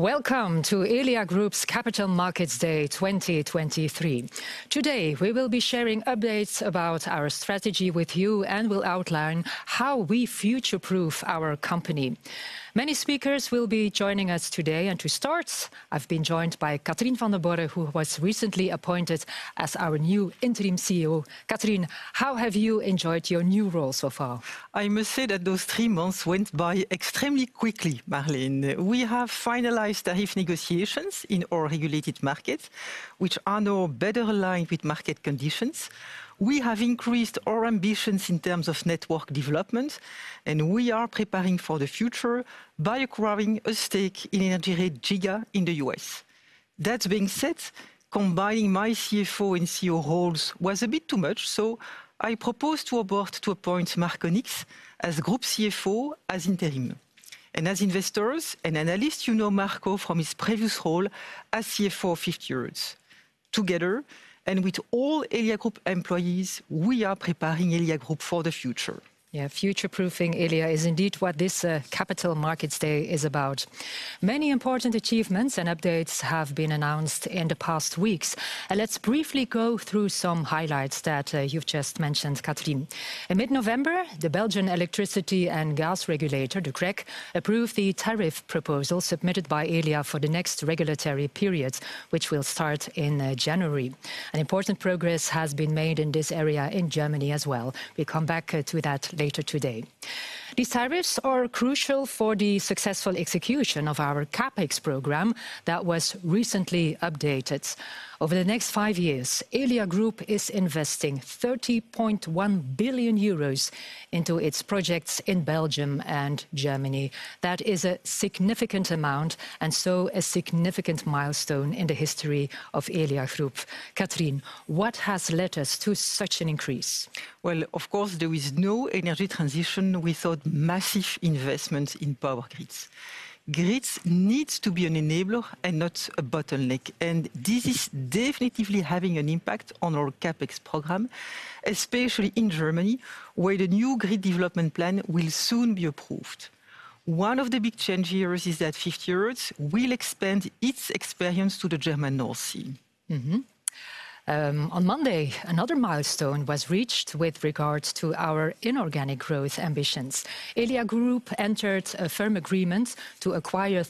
Welcome to Elia Group's Capital Markets Day 2023. Today, we will be sharing updates about our strategy with you, and we'll outline how we future-proof our company. Many speakers will be joining us today, and to start, I've been joined by Catherine Vandenborre, who was recently appointed as our new interim CEO. Catherine, how have you enjoyed your new role so far? I must say that those three months went by extremely quickly, Marleen. We have finalized tariff negotiations in our regulated market, which are now better aligned with market conditions. We have increased our ambitions in terms of network development, and we are preparing for the future by acquiring a stake in energyRe Giga in the U.S. That being said, combining my CFO and CEO roles was a bit too much, so I proposed to our board to appoint Marco Nix as group CFO as interim. And as investors and analysts, you know Marco from his previous role as CFO of 50Hertz. Together, and with all Elia Group employees, we are preparing Elia Group for the future. Yeah, future-proofing Elia is indeed what this Capital Markets Day is about. Many important achievements and updates have been announced in the past weeks, and let's briefly go through some highlights that you've just mentioned, Catherine. In mid-November, the Belgian Electricity and Gas Regulator, the CREG, approved the tariff proposal submitted by Elia for the next regulatory period, which will start in January. Important progress has been made in this area in Germany as well. We'll come back to that later today. These tariffs are crucial for the successful execution of our CapEx program that was recently updated. Over the next five years, Elia Group is investing 30.1 billion euros into its projects in Belgium and Germany. That is a significant amount, and so a significant milestone in the history of Elia Group. Catherine, what has led us to such an increase? Well, of course, there is no energy transition without massive investments in power grids. Grids need to be an enabler and not a bottleneck, and this is definitely having an impact on our CapEx program, especially in Germany, where the new Grid Development Plan will soon be approved. One of the big changes is that 50Hertz will expand its experience to the German North Sea. Mm-hmm. On Monday, another milestone was reached with regards to our inorganic growth ambitions. Elia Group entered a firm agreement to acquire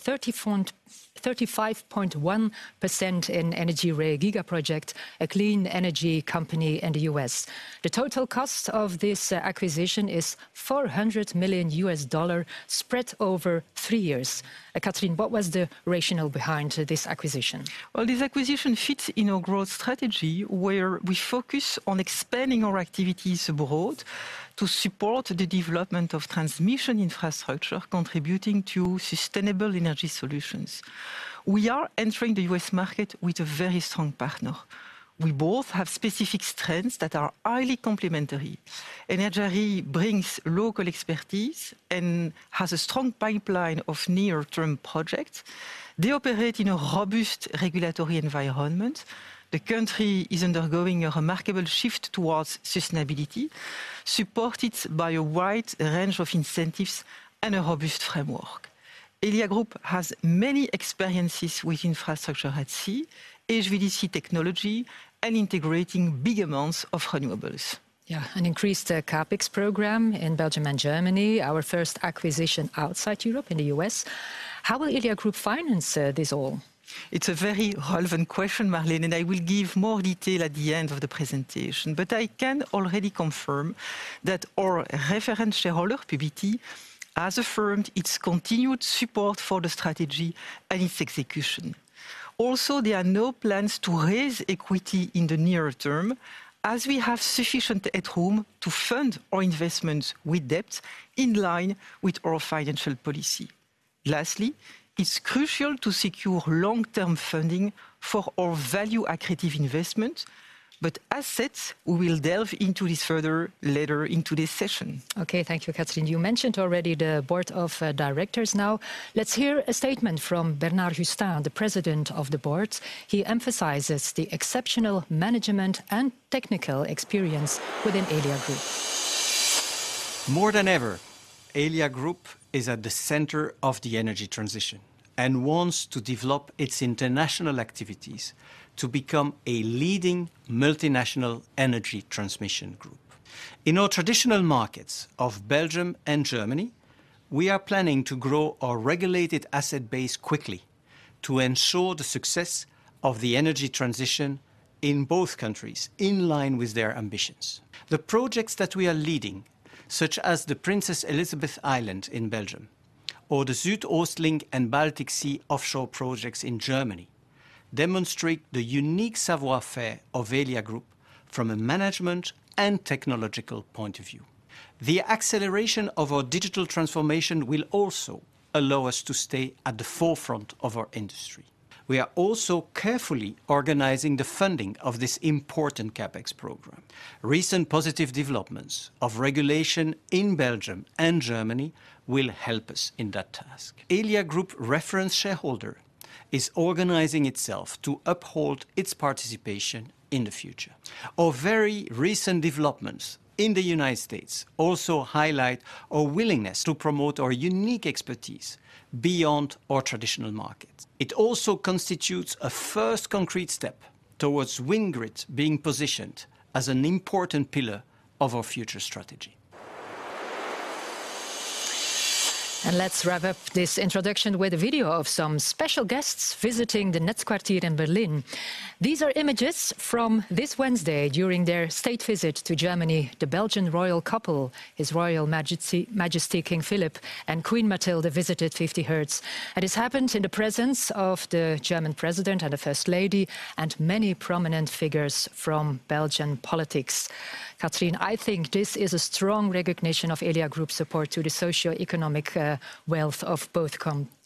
35.1% in energyRe Giga project, a clean energy company in the U.S. The total cost of this acquisition is $400 million, spread over 3 years. Catherine, what was the rationale behind this acquisition? Well, this acquisition fits in our growth strategy, where we focus on expanding our activities abroad to support the development of transmission infrastructure, contributing to sustainable energy solutions. We are entering the US market with a very strong partner. We both have specific strengths that are highly complementary. energyRe brings local expertise and has a strong pipeline of near-term projects. They operate in a robust regulatory environment. The country is undergoing a remarkable shift towards sustainability, supported by a wide range of incentives and a robust framework. Elia Group has many experiences with infrastructure at sea, HVDC technology, and integrating big amounts of renewables. Yeah, an increased CapEx program in Belgium and Germany, our first acquisition outside Europe in the US. How will Elia Group finance this all? It's a very relevant question, Marleen, and I will give more detail at the end of the presentation, but I can already confirm that our reference shareholder, Publi-T, has affirmed its continued support for the strategy and its execution. Also, there are no plans to raise equity in the near term, as we have sufficient at home to fund our investments with debt, in line with our financial policy. Lastly, it's crucial to secure long-term funding for our value accretive investment. As said, we will delve into this further later into this session. Okay. Thank you, Catherine. You mentioned already the board of directors. Now, let's hear a statement from Bernard Gustin, the President of the board. He emphasizes the exceptional management and technical experience within Elia Group. More than ever, Elia Group is at the center of the energy transition and wants to develop its international activities to become a leading multinational energy transmission group. In our traditional markets of Belgium and Germany, we are planning to grow our regulated asset base quickly to ensure the success of the energy transition in both countries, in line with their ambitions. The projects that we are leading, such as the Princess Elisabeth Island in Belgium or the SüdOstLink and Baltic Sea offshore projects in Germany, demonstrate the unique savoir-faire of Elia Group from a management and technological point of view. The acceleration of our digital transformation will also allow us to stay at the forefront of our industry. We are also carefully organizing the funding of this important CapEx program. Recent positive developments of regulation in Belgium and Germany will help us in that task. Elia Group reference shareholder is organizing itself to uphold its participation in the future. Our very recent developments in the United States also highlight our willingness to promote our unique expertise beyond our traditional markets. It also constitutes a first concrete step towards WindGrid being positioned as an important pillar of our future strategy. ... And let's wrap up this introduction with a video of some special guests visiting the Netzquartier in Berlin. These are images from this Wednesday during their state visit to Germany, the Belgian royal couple. His Royal Majesty, King Philippe, and Queen Mathilde visited 50Hertz, and this happened in the presence of the German president and the First Lady, and many prominent figures from Belgian politics. Catherine, I think this is a strong recognition of Elia Group's support to the socioeconomic wealth of both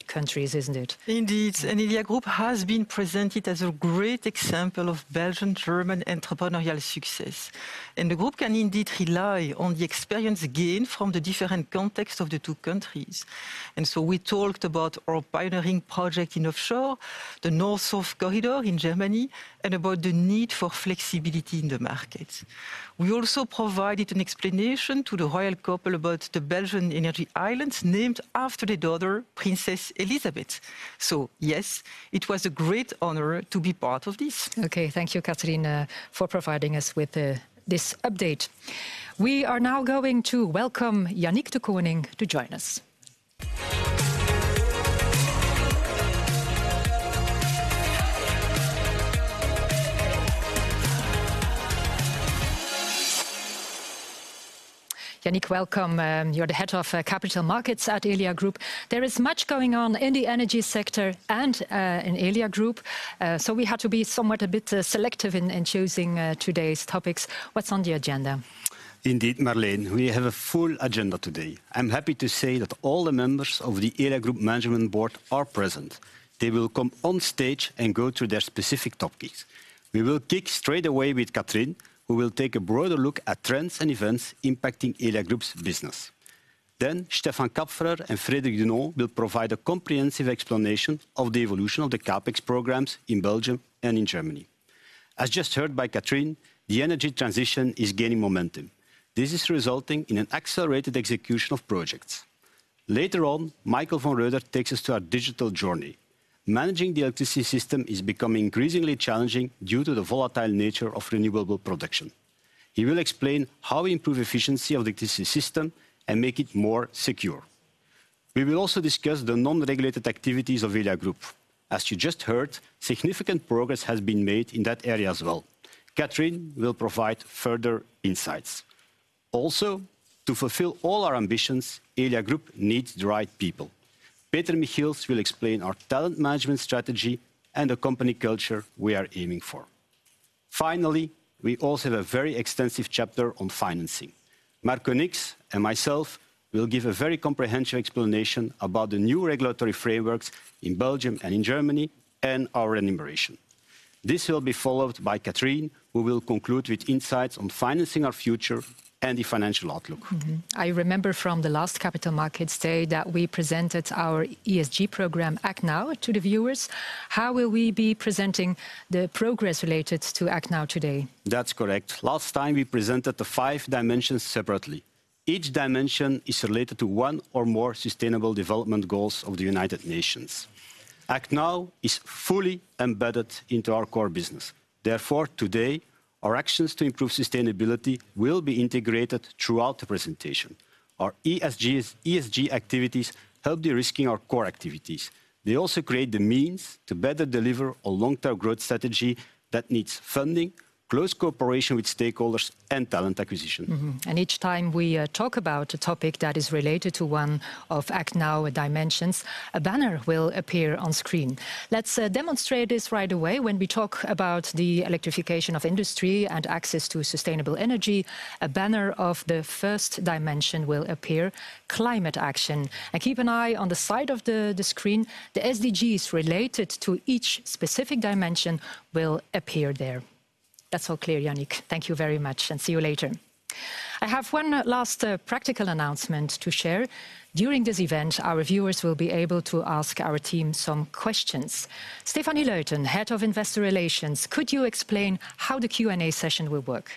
countries, isn't it? Indeed, and Elia Group has been presented as a great example of Belgian, German entrepreneurial success. The group can indeed rely on the experience gained from the different context of the two countries. So we talked about our pioneering project in offshore, the North South Corridor in Germany, and about the need for flexibility in the market. We also provided an explanation to the royal couple about the Belgian energy islands, named after their daughter, Princess Elisabeth. So yes, it was a great honor to be part of this. Okay, thank you, Catherine, for providing us with this update. We are now going to welcome Yannick Dekoninck to join us. Yannick, welcome. You're the head of Capital Markets at Elia Group. There is much going on in the energy sector and in Elia Group, so we had to be somewhat a bit selective in choosing today's topics. What's on the agenda? Indeed, Marleen, we have a full agenda today. I'm happy to say that all the members of the Elia Group Management Board are present. They will come on stage and go through their specific topics. We will kick straight away with Catherine, who will take a broader look at trends and events impacting Elia Group's business. Then Stefan Kapferer and Frédéric Dunon will provide a comprehensive explanation of the evolution of the CapEx programs in Belgium and in Germany. As just heard by Catherine, the energy transition is gaining momentum. This is resulting in an accelerated execution of projects. Later on, Michael von Roeder takes us to our digital journey. Managing the electricity system is becoming increasingly challenging due to the volatile nature of renewable production. He will explain how we improve efficiency of the existing system and make it more secure. We will also discuss the non-regulated activities of Elia Group. As you just heard, significant progress has been made in that area as well. Catherine will provide further insights. Also, to fulfill all our ambitions, Elia Group needs the right people. Peter Michiels will explain our talent management strategy and the company culture we are aiming for. Finally, we also have a very extensive chapter on financing. Marco Nix and myself will give a very comprehensive explanation about the new regulatory frameworks in Belgium and in Germany, and our remuneration. This will be followed by Catherine, who will conclude with insights on financing our future and the financial outlook. Mm-hmm. I remember from the last Capital Markets Day, that we presented our ESG program, Act Now, to the viewers. How will we be presenting the progress related to Act Now today? That's correct. Last time, we presented the five dimensions separately. Each dimension is related to one or more sustainable development goals of the United Nations. Act Now is fully embedded into our core business. Therefore, today, our actions to improve sustainability will be integrated throughout the presentation. Our ESG activities help de-risking our core activities. They also create the means to better deliver a long-term growth strategy that needs funding, close cooperation with stakeholders, and talent acquisition. Mm-hmm. And each time we talk about a topic that is related to one of Act Now dimensions, a banner will appear on screen. Let's demonstrate this right away. When we talk about the electrification of industry and access to sustainable energy, a banner of the first dimension will appear, climate action. And keep an eye on the side of the screen, the SDGs related to each specific dimension will appear there. That's all clear, Yannick. Thank you very much, and see you later. I have one last practical announcement to share. During this event, our viewers will be able to ask our team some questions. Stéphanie Luyten, Head of Investor Relations, could you explain how the Q&A session will work?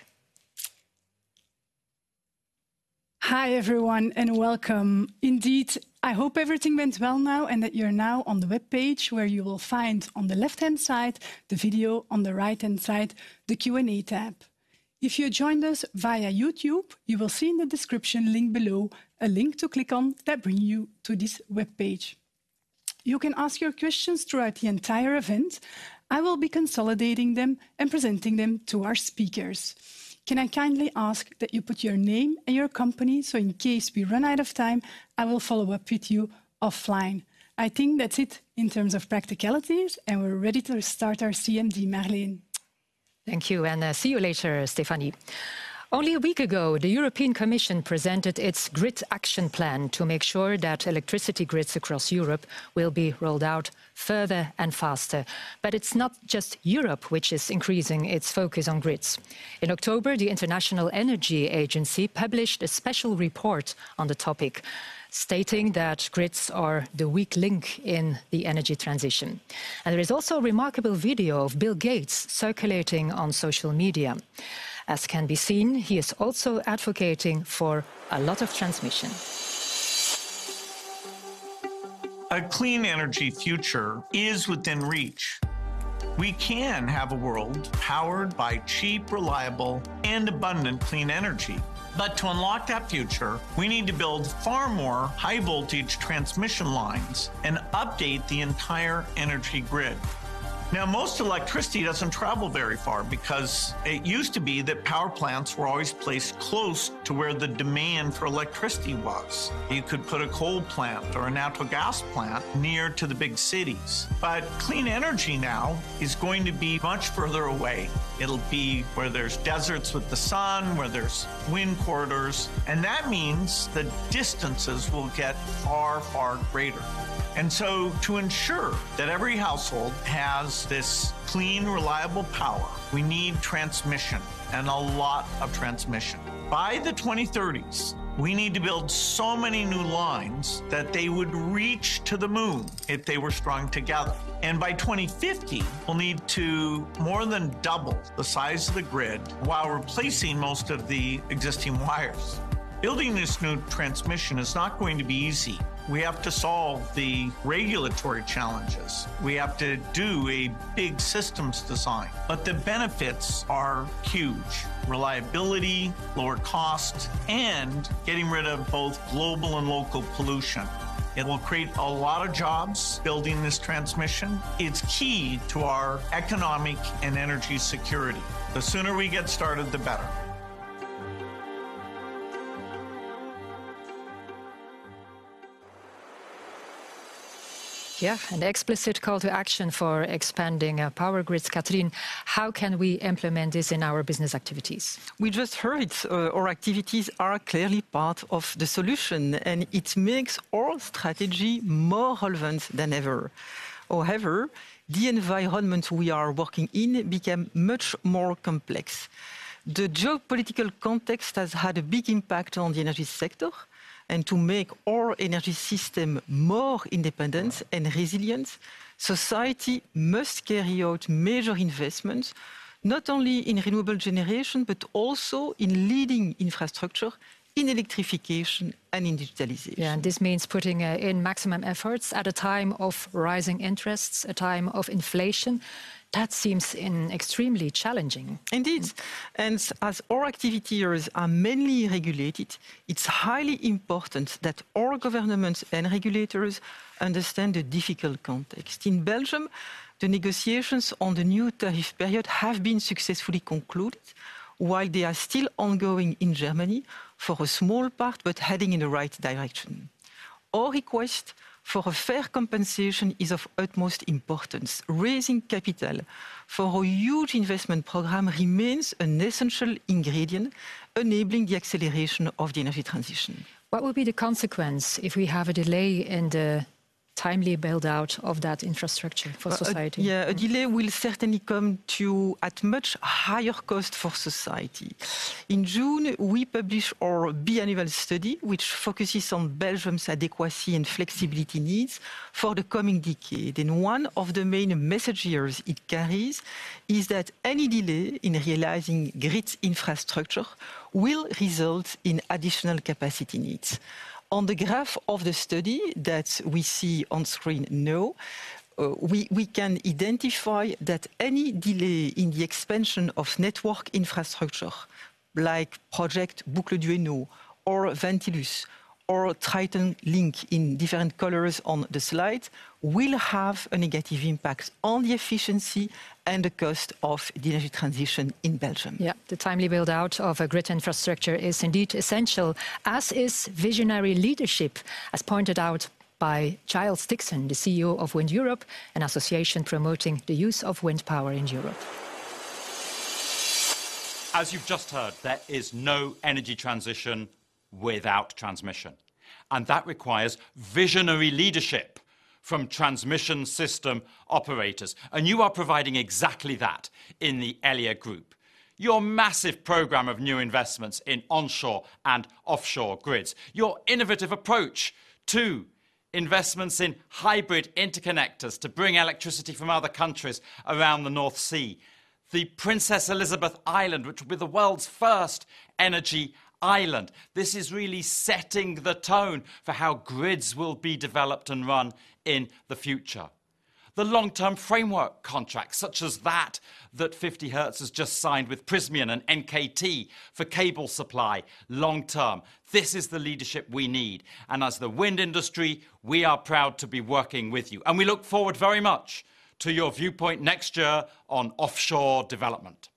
Hi, everyone, and welcome. Indeed, I hope everything went well now, and that you're now on the webpage, where you will find, on the left-hand side, the video, on the right-hand side, the Q&A tab. If you joined us via YouTube, you will see in the description link below a link to click on that bring you to this webpage. You can ask your questions throughout the entire event. I will be consolidating them and presenting them to our speakers. Can I kindly ask that you put your name and your company, so in case we run out of time, I will follow up with you offline. I think that's it in terms of practicalities, and we're ready to start our CMD, Marleen. Thank you, and see you later, Stephanie. Only a week ago, the European Commission presented its Grid Action Plan to make sure that electricity grids across Europe will be rolled out further and faster. But it's not just Europe which is increasing its focus on grids. In October, the International Energy Agency published a special report on the topic, stating that grids are the weak link in the energy transition. And there is also a remarkable video of Bill Gates circulating on social media. As can be seen, he is also advocating for a lot of transmission.... A clean energy future is within reach. We can have a world powered by cheap, reliable, and abundant clean energy. But to unlock that future, we need to build far more high-voltage transmission lines and update the entire energy grid. Now, most electricity doesn't travel very far, because it used to be that power plants were always placed close to where the demand for electricity was. You could put a coal plant or a natural gas plant near to the big cities, but clean energy now is going to be much further away. It'll be where there's deserts with the sun, where there's wind corridors, and that means the distances will get far, far greater. And so to ensure that every household has this clean, reliable power, we need transmission, and a lot of transmission. By the 2030s, we need to build so many new lines that they would reach to the moon if they were strung together. By 2050, we'll need to more than double the size of the grid while replacing most of the existing wires. Building this new transmission is not going to be easy. We have to solve the regulatory challenges. We have to do a big systems design, but the benefits are huge: reliability, lower cost, and getting rid of both global and local pollution. It will create a lot of jobs building this transmission. It's key to our economic and energy security. The sooner we get started, the better. Yeah, an explicit call to action for expanding our power grids. Catherine, how can we implement this in our business activities? We just heard, our activities are clearly part of the solution, and it makes our strategy more relevant than ever. However, the environment we are working in became much more complex. The geopolitical context has had a big impact on the energy sector, and to make our energy system more independent and resilient, society must carry out major investments, not only in renewable generation, but also in leading infrastructure, in electrification and in digitalization. Yeah, and this means putting in maximum efforts at a time of rising interests, a time of inflation. That seems extremely challenging. Indeed, and as our activities are mainly regulated, it's highly important that all governments and regulators understand the difficult context. In Belgium, the negotiations on the new tariff period have been successfully concluded, while they are still ongoing in Germany for a small part, but heading in the right direction. Our request for a fair compensation is of utmost importance. Raising capital for a huge investment program remains an essential ingredient, enabling the acceleration of the energy transition. What will be the consequence if we have a delay in the timely build-out of that infrastructure for society? Yeah, a delay will certainly come to at much higher cost for society. In June, we published our biannual study, which focuses on Belgium's adequacy and flexibility needs for the coming decade, and one of the main messages it carries is that any delay in realizing grid infrastructure will result in additional capacity needs. On the graph of the study that we see on screen now, we can identify that any delay in the expansion of network infrastructure, like project Boucle du Hainaut or Ventilus or TritonLink in different colors on the slide, will have a negative impact on the efficiency and the cost of the energy transition in Belgium. Yeah, the timely build-out of a grid infrastructure is indeed essential, as is visionary leadership, as pointed out by Giles Dickson, the CEO of WindEurope, an association promoting the use of wind power in Europe. As you've just heard, there is no energy transition without transmission, and that requires visionary leadership from transmission system operators, and you are providing exactly that in the Elia Group. Your massive program of new investments in onshore and offshore grids, your innovative approach to investments in hybrid interconnectors to bring electricity from other countries around the North Sea, the Princess Elisabeth Island, which will be the world's first energy island, this is really setting the tone for how grids will be developed and run in the future. The long-term framework contracts, such as that, that 50Hertz has just signed with Prysmian and NKT for cable supply long term, this is the leadership we need, and as the wind industry, we are proud to be working with you, and we look forward very much to your viewpoint next year on offshore development.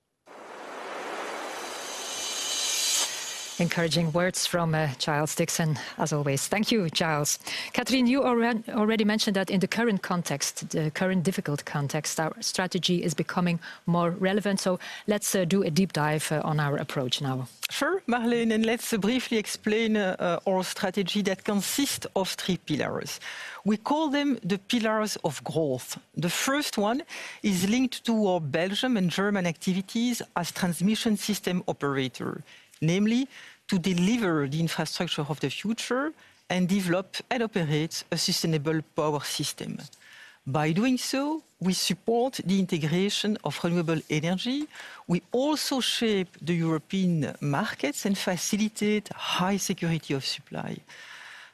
Encouraging words from Giles Dickson, as always. Thank you, Giles. Catherine, you already mentioned that in the current context, the current difficult context, our strategy is becoming more relevant, so let's do a deep dive on our approach now. Sure, Marleen, and let's briefly explain our strategy that consists of three pillars. We call them the pillars of growth. The first one is linked to our Belgium and German activities as transmission system operator, namely to deliver the infrastructure of the future and develop and operate a sustainable power system. By doing so, we support the integration of renewable energy. We also shape the European markets and facilitate high security of supply.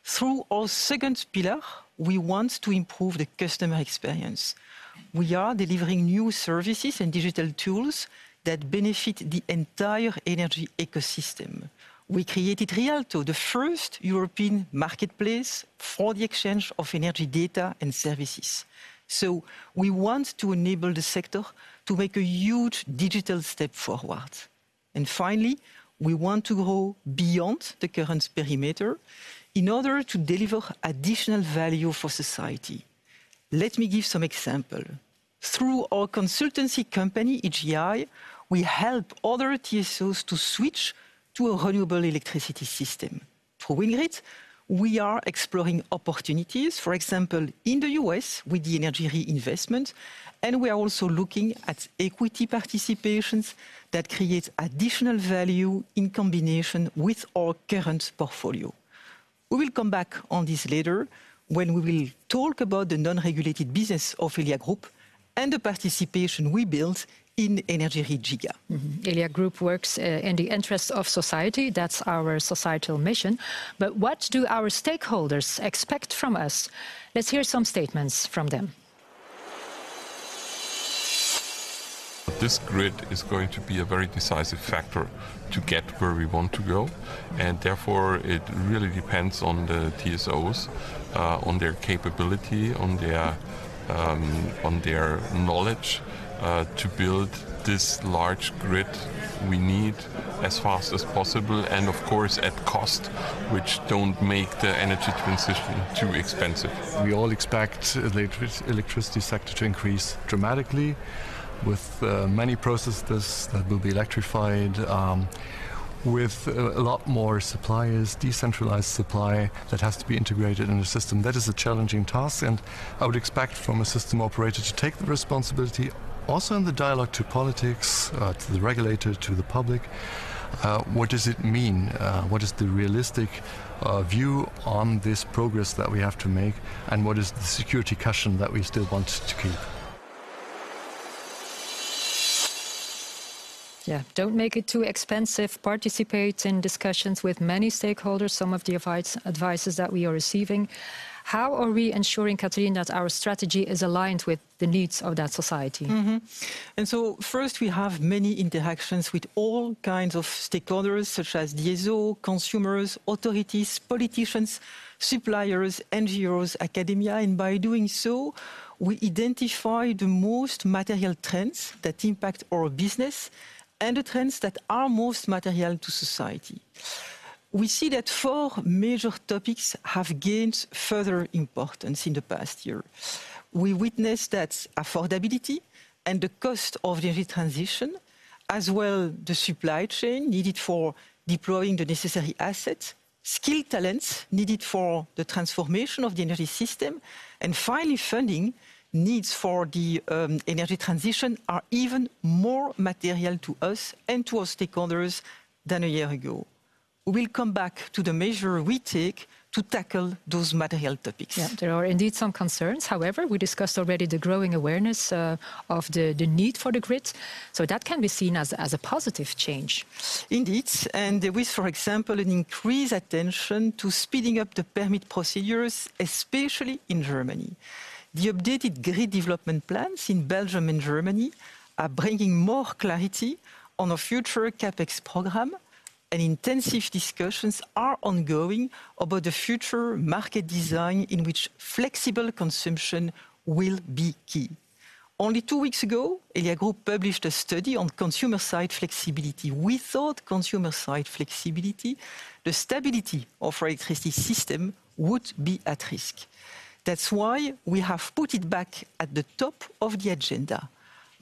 Through our second pillar, we want to improve the customer experience. We are delivering new services and digital tools that benefit the entire energy ecosystem. We created re.alto, the first European marketplace for the exchange of energy data and services. So we want to enable the sector to make a huge digital step forward. And finally, we want to go beyond the current perimeter in order to deliver additional value for society. Let me give some examples. Through our consultancy company, EGI, we help other TSOs to switch to a renewable electricity system. Through WindGrid, we are exploring opportunities, for example, in the US with the energyRe investment, and we are also looking at equity participations that create additional value in combination with our current portfolio. We will come back on this later when we will talk about the non-regulated business of Elia Group and the participation we built in energyRe Giga. Mm-hmm. Elia Group works in the interest of society. That's our societal mission. But what do our stakeholders expect from us? Let's hear some statements from them. This grid is going to be a very decisive factor to get where we want to go, and therefore, it really depends on the TSOs, on their capability, on their knowledge, to build this large grid we need as fast as possible, and of course, at cost, which don't make the energy transition too expensive. We all expect the electricity sector to increase dramatically with many processes that will be electrified with a lot more suppliers, decentralized supply, that has to be integrated in the system. That is a challenging task, and I would expect from a system operator to take the responsibility, also in the dialogue to politics, to the regulator, to the public. What does it mean? What is the realistic view on this progress that we have to make, and what is the security cushion that we still want to keep? Yeah, don't make it too expensive. Participate in discussions with many stakeholders, some of the advice that we are receiving. How are we ensuring, Catherine, that our strategy is aligned with the needs of that society? Mm-hmm. First, we have many interactions with all kinds of stakeholders, such as DSO, consumers, authorities, politicians, suppliers, NGOs, academia, and by doing so, we identify the most material trends that impact our business and the trends that are most material to society. We see that four major topics have gained further importance in the past year. We witnessed that affordability and the cost of the energy transition, as well, the supply chain needed for deploying the necessary assets, skilled talents needed for the transformation of the energy system, and finally, funding needs for the energy transition are even more material to us and to our stakeholders than a year ago. We'll come back to the measure we take to tackle those material topics. Yeah, there are indeed some concerns. However, we discussed already the growing awareness of the need for the grid, so that can be seen as a positive change. Indeed, and there is, for example, an increased attention to speeding up the permit procedures, especially in Germany. The updated grid development plans in Belgium and Germany are bringing more clarity on a future CapEx program, and intensive discussions are ongoing about the future market design in which flexible consumption will be key. Only two weeks ago, Elia Group published a study on consumer-side flexibility. Without consumer-side flexibility, the stability of our electricity system would be at risk. That's why we have put it back at the top of the agenda.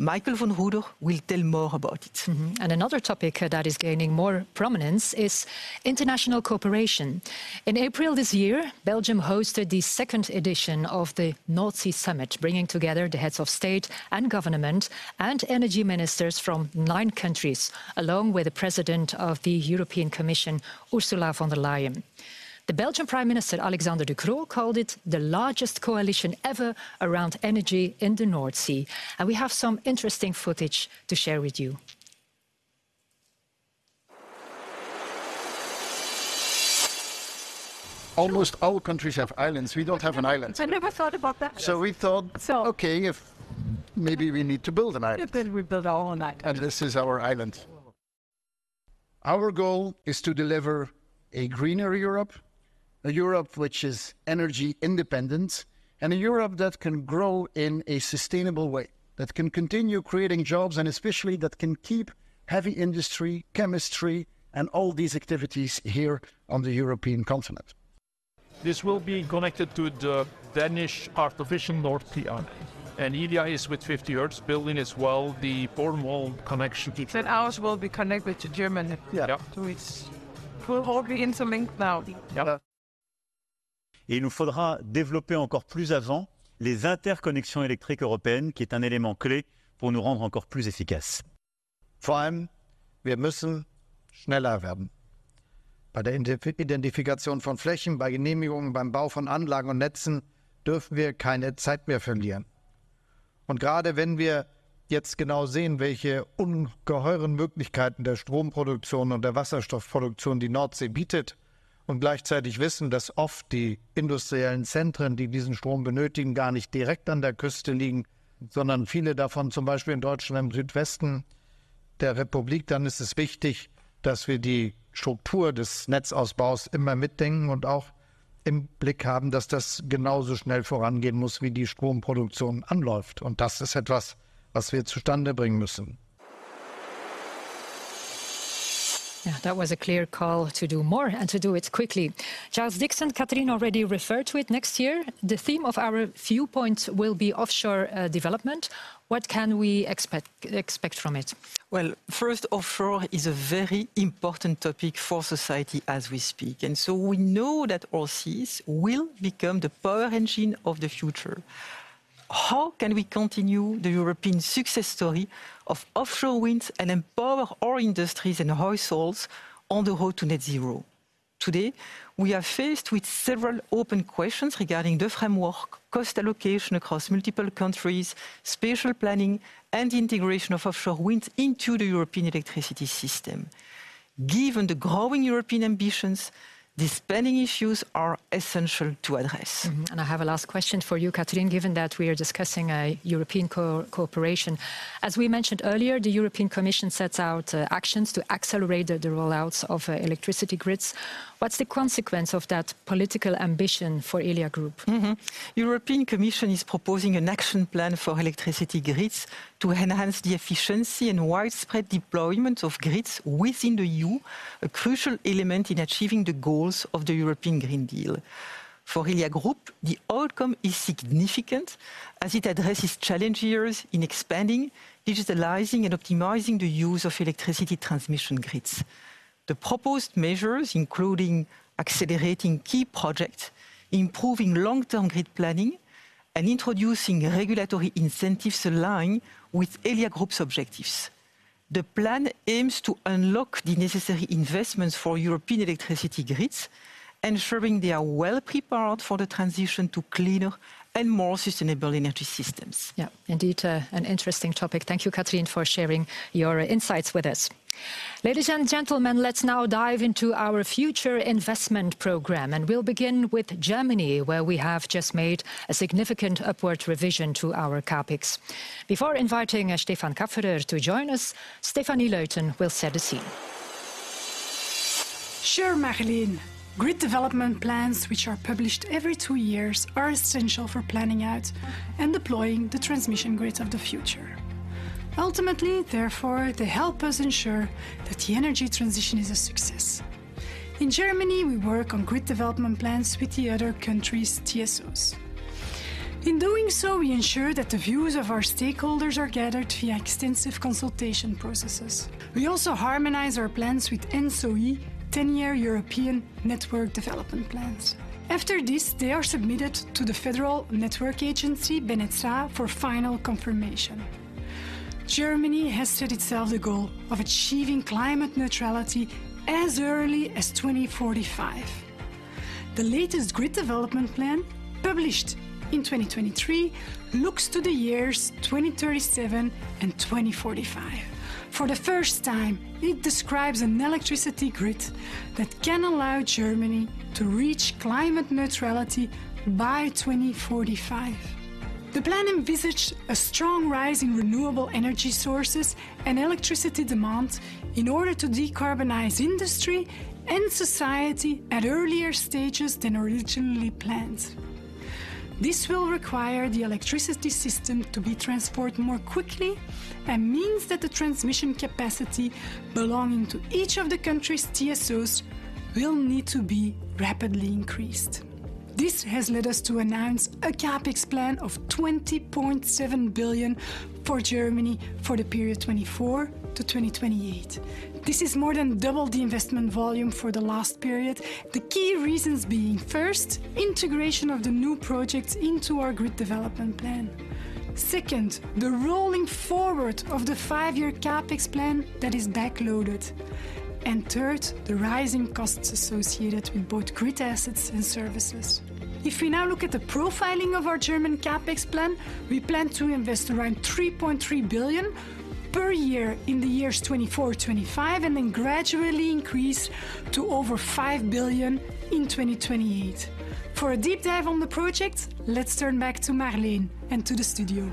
Michael von Roeder will tell more about it. Mm-hmm, and another topic that is gaining more prominence is international cooperation. In April this year, Belgium hosted the second edition of the North Sea Summit, bringing together the heads of state and government and energy ministers from nine countries, along with the President of the European Commission, Ursula von der Leyen. The Belgian Prime Minister, Alexander De Croo, called it the largest coalition ever around energy in the North Sea, and we have some interesting footage to share with you. Almost all countries have islands. We don't have an island. I never thought about that. We thought- So-... okay, if maybe we need to build an island. Then we build our own island. This is our island. Our goal is to deliver a greener Europe, a Europe which is energy independent, and a Europe that can grow in a sustainable way, that can continue creating jobs, and especially that can keep heavy industry, chemistry, and all these activities here on the European continent. This will be connected to the Danish artificial North Sea Island, and Elia is, with 50Hertz, building as well, the Bornholm connection. Ours will be connected to Germany. Yeah. Yeah. So it's we're all interlinked now. Yeah....... And gerade wenn wir jetzt genau sehen, welche ungeheuren Möglichkeiten der Stromproduktion und der Wasserstoffproduktion die Nordsee bietet und gleichzeitig wissen, dass oft die industriellen Zentren, die diesen Strom benötigen, gar nicht direkt an der Küste liegen, sondern viele davon zum Beispiel in Deutschland im Südwesten der Republik, dann ist es wichtig, dass wir die Struktur des Netzausbaus immer mitdenken und auch im Blick haben, dass das genauso schnell vorangehen muss, wie die Stromproduktion anläuft. Und das ist etwas, was wir zustande bringen müssen. Yeah, that was a clear call to do more and to do it quickly. Charles Dixon, Catherine already referred to it, next year the theme of our viewpoints will be offshore development. What can we expect from it? Well, first, offshore is a very important topic for society as we speak, and so we know that our seas will become the power engine of the future. How can we continue the European success story of offshore winds and empower our industries and households on the road to net zero? Today, we are faced with several open questions regarding the framework, cost allocation across multiple countries, spatial planning, and integration of offshore winds into the European electricity system. Given the growing European ambitions, these pending issues are essential to address. Mm-hmm. And I have a last question for you, Catherine. Given that we are discussing a European cooperation, as we mentioned earlier, the European Commission sets out actions to accelerate the roll-outs of electricity grids. What's the consequence of that political ambition for Elia Group? European Commission is proposing an action plan for electricity grids to enhance the efficiency and widespread deployment of grids within the EU, a crucial element in achieving the goals of the European Green Deal. For Elia Group, the outcome is significant, as it addresses challenges in expanding, digitalizing, and optimizing the use of electricity transmission grids. The proposed measures, including accelerating key projects, improving long-term grid planning, and introducing regulatory incentives aligned with Elia Group's objectives. The plan aims to unlock the necessary investments for European electricity grids, ensuring they are well-prepared for the transition to cleaner and more sustainable energy systems. Yeah, indeed, an interesting topic. Thank you, Catherine, for sharing your insights with us. Ladies and gentlemen, let's now dive into our future investment program, and we'll begin with Germany, where we have just made a significant upward revision to our CapEx. Before inviting Stefan Kapferer to join us, Stéphanie Luyten will set the scene. Sure, Marleen. Grid development plans, which are published every two years, are essential for planning out and deploying the transmission grids of the future. Ultimately, therefore, they help us ensure that the energy transition is a success. In Germany, we work on grid development plans with the other countries' TSOs. In doing so, we ensure that the views of our stakeholders are gathered via extensive consultation processes. We also harmonize our plans with ENTSO-E 10-year European network development plans. After this, they are submitted to the Federal Network Agency, BNetzA, for final confirmation. Germany has set itself the goal of achieving climate neutrality as early as 2045. The latest grid development plan, published in 2023, looks to the years 2037 and 2045. For the first time, it describes an electricity grid that can allow Germany to reach climate neutrality by 2045. The plan envisions a strong rise in renewable energy sources and electricity demand in order to decarbonize industry and society at earlier stages than originally planned. This will require the electricity system to be transformed more quickly and means that the transmission capacity belonging to each of the country's TSOs will need to be rapidly increased. This has led us to announce a CapEx plan of 20.7 billion for Germany for the period 2024 to 2028. This is more than double the investment volume for the last period. The key reasons being, first, integration of the new projects into our Grid Development Plan. Second, the rolling forward of the five-year CapEx plan that is backloaded. And third, the rising costs associated with both grid assets and services. If we now look at the profiling of our German CapEx plan, we plan to invest around 3.3 billion per year in the years 2024/2025, and then gradually increase to over 5 billion in 2028. For a deep dive on the project, let's turn back to Marleen and to the studio.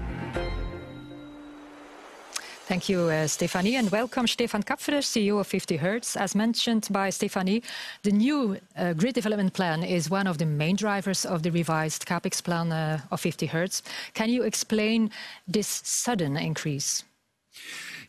Thank you, Stephanie, and welcome Stefan Kapferer, CEO of 50Hertz. As mentioned by Stephanie, the new grid development plan is one of the main drivers of the revised CapEx plan of 50Hertz. Can you explain this sudden increase?...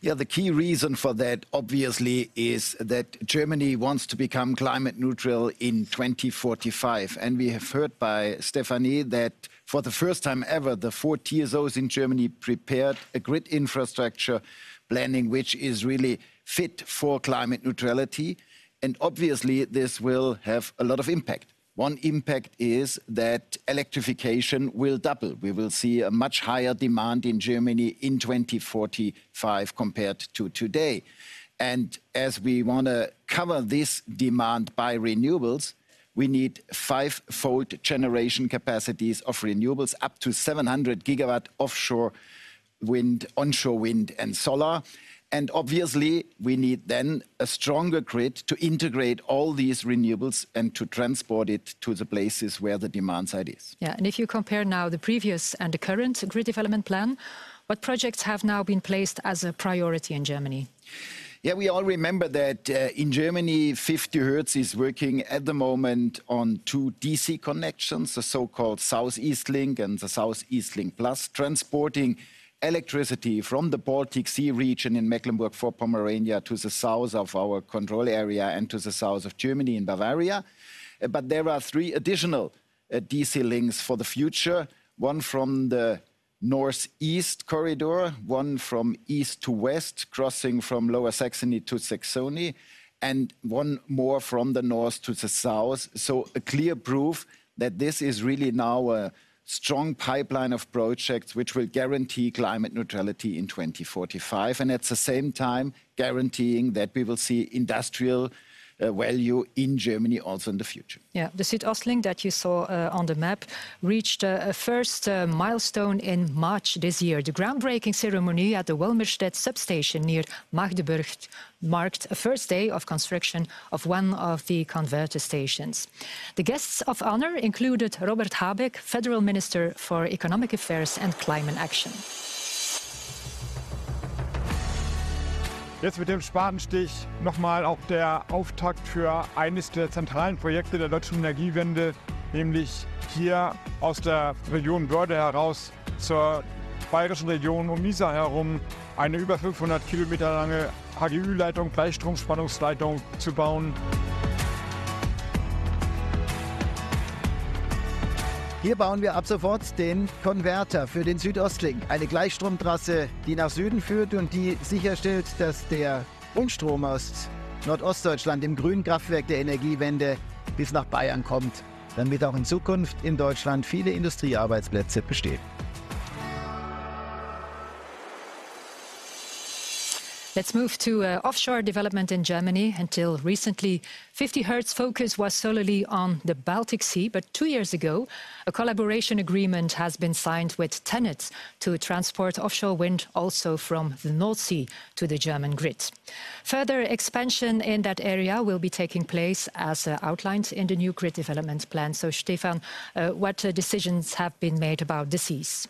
Yeah, the key reason for that, obviously, is that Germany wants to become climate neutral in 2045, and we have heard by Stephanie that for the first time ever, the four TSOs in Germany prepared a grid infrastructure planning, which is really fit for climate neutrality, and obviously, this will have a lot of impact. One impact is that electrification will double. We will see a much higher demand in Germany in 2045 compared to today. And as we wanna cover this demand by renewables, we need five-fold generation capacities of renewables up to 700 gigawatt offshore wind, onshore wind, and solar. And obviously, we need then a stronger grid to integrate all these renewables and to transport it to the places where the demand side is. Yeah, and if you compare now the previous and the current Grid Development Plan, what projects have now been placed as a priority in Germany? Yeah, we all remember that, in Germany, 50Hertz is working at the moment on two DC connections, the so-called SüdOstLink and the SüdOstLink Plus, transporting electricity from the Baltic Sea region in Mecklenburg-Vorpommern to the south of our control area and to the south of Germany in Bavaria. But there are three additional, DC links for the future: one from the northeast corridor, one from east to west, crossing from Lower Saxony to Saxony, and one more from the north to the south. So a clear proof that this is really now a strong pipeline of projects which will guarantee climate neutrality in 2045, and at the same time, guaranteeing that we will see industrial value in Germany also in the future. Yeah, the SüdOstLink that you saw on the map reached a first milestone in March this year. The groundbreaking ceremony at the Wolmirstedt substation near Magdeburg marked a first day of construction of one of the converter stations. The guests of honor included Robert Habeck, Federal Minister for Economic Affairs and Climate Action. Let's move to offshore development in Germany. Until recently, 50Hertz's focus was solely on the Baltic Sea, but two years ago, a collaboration agreement has been signed with TenneT to transport offshore wind also from the North Sea to the German grid. Further expansion in that area will be taking place as outlined in the new Grid Development Plan. So, Stefan, what decisions have been made about this, please?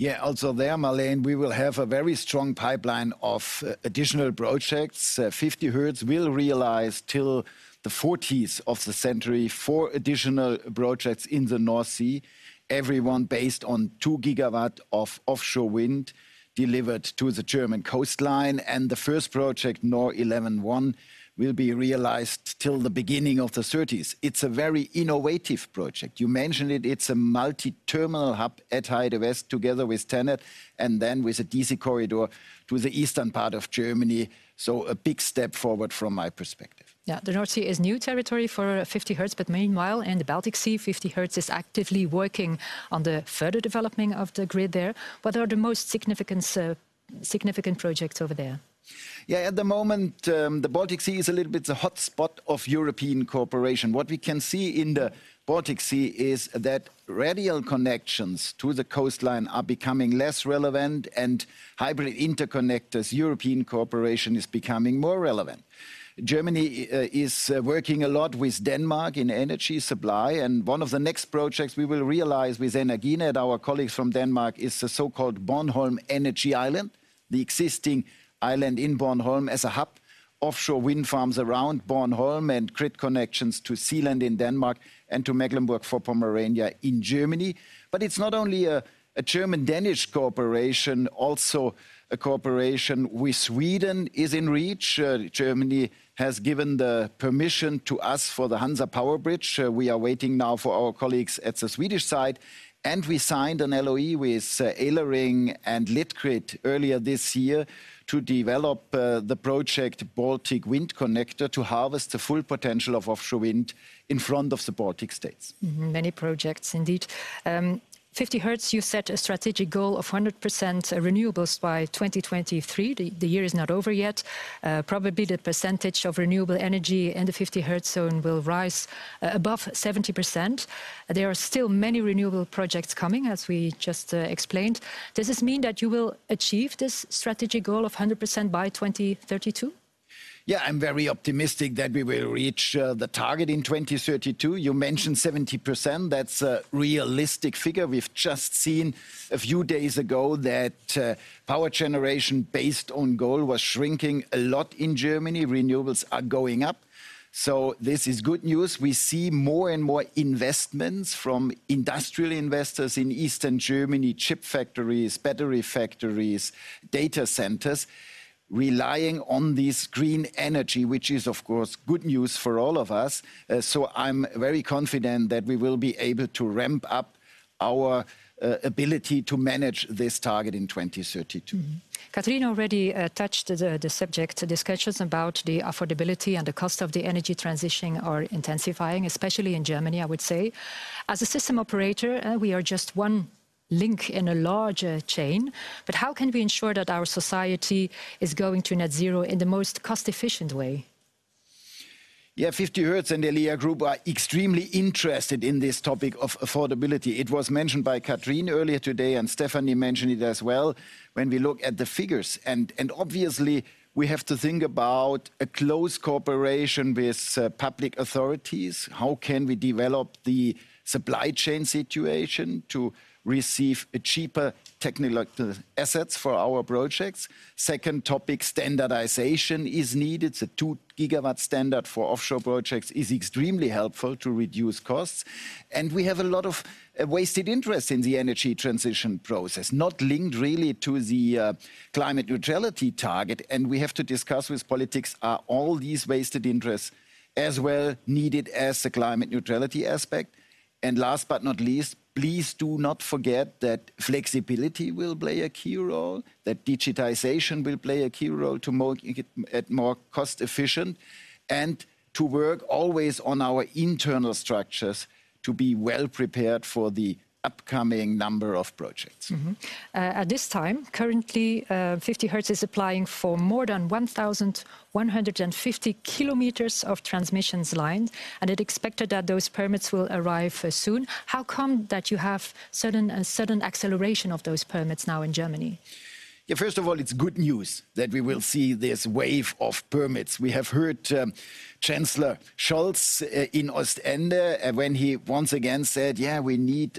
Yeah, also there, Marleen, we will have a very strong pipeline of additional projects. 50Hertz will realize till the 2040s of the century, 4 additional projects in the North Sea, every one based on 2 gigawatt of offshore wind delivered to the German coastline, and the first project, NOR-11-1, will be realized till the beginning of the 2030s. It's a very innovative project. You mentioned it, it's a multi-terminal hub at Heide West together with TenneT, and then with a DC corridor to the eastern part of Germany, so a big step forward from my perspective. Yeah, the North Sea is new territory for 50Hertz, but meanwhile, in the Baltic Sea, 50Hertz is actively working on the further developing of the grid there. What are the most significant projects over there? Yeah, at the moment, the Baltic Sea is a little bit the hotspot of European cooperation. What we can see in the Baltic Sea is that radial connections to the coastline are becoming less relevant, and hybrid interconnectors, European cooperation, is becoming more relevant. Germany is working a lot with Denmark in energy supply, and one of the next projects we will realize with Energinet, our colleagues from Denmark, is the so-called Bornholm Energy Island, the existing island in Bornholm as a hub, offshore wind farms around Bornholm, and grid connections to Zealand in Denmark and to Mecklenburg-Vorpommern in Germany. But it's not only a German-Danish cooperation, also a cooperation with Sweden is in reach. Germany has given the permission to us for the Hansa PowerBridge. We are waiting now for our colleagues at the Swedish side, and we signed an LOI with Elering and Litgrid earlier this year to develop the project, Baltic WindConnector, to harvest the full potential of offshore wind in front of the Baltic States. Mm-hmm. Many projects indeed. 50Hertz, you set a strategic goal of 100% renewables by 2023. The year is not over yet. Probably the percentage of renewable energy in the 50Hertz zone will rise above 70%. There are still many renewable projects coming, as we just explained. Does this mean that you will achieve this strategic goal of 100% by 2032?... Yeah, I'm very optimistic that we will reach the target in 2032. You mentioned 70%, that's a realistic figure. We've just seen a few days ago that power generation based on coal was shrinking a lot in Germany. Renewables are going up, so this is good news. We see more and more investments from industrial investors in Eastern Germany, chip factories, battery factories, data centers, relying on this green energy, which is, of course, good news for all of us. So I'm very confident that we will be able to ramp up our ability to manage this target in 2032. Mm-hmm. Katrin already touched the subject. The discussions about the affordability and the cost of the energy transitioning are intensifying, especially in Germany, I would say. As a system operator, we are just one link in a larger chain, but how can we ensure that our society is going to net zero in the most cost-efficient way? Yeah, 50Hertz and Elia Group are extremely interested in this topic of affordability. It was mentioned by Katrin earlier today, and Stephanie mentioned it as well. When we look at the figures, and obviously, we have to think about a close cooperation with public authorities. How can we develop the supply chain situation to receive cheaper technological assets for our projects? Second topic, standardization is needed. The 2-gigawatt standard for offshore projects is extremely helpful to reduce costs, and we have a lot of vested interest in the energy transition process, not linked really to the climate neutrality target. And we have to discuss with politics, are all these vested interests as well needed as the climate neutrality aspect? Last but not least, please do not forget that flexibility will play a key role, that digitization will play a key role to make it at more cost-efficient, and to work always on our internal structures to be well prepared for the upcoming number of projects. Mm-hmm. At this time, currently, 50Hertz is applying for more than 1,150 kilometers of transmission lines, and it expected that those permits will arrive soon. How come that you have a sudden acceleration of those permits now in Germany? Yeah, first of all, it's good news that we will see this wave of permits. We have heard Chancellor Scholz in Ostend when he once again said, "Yeah, we need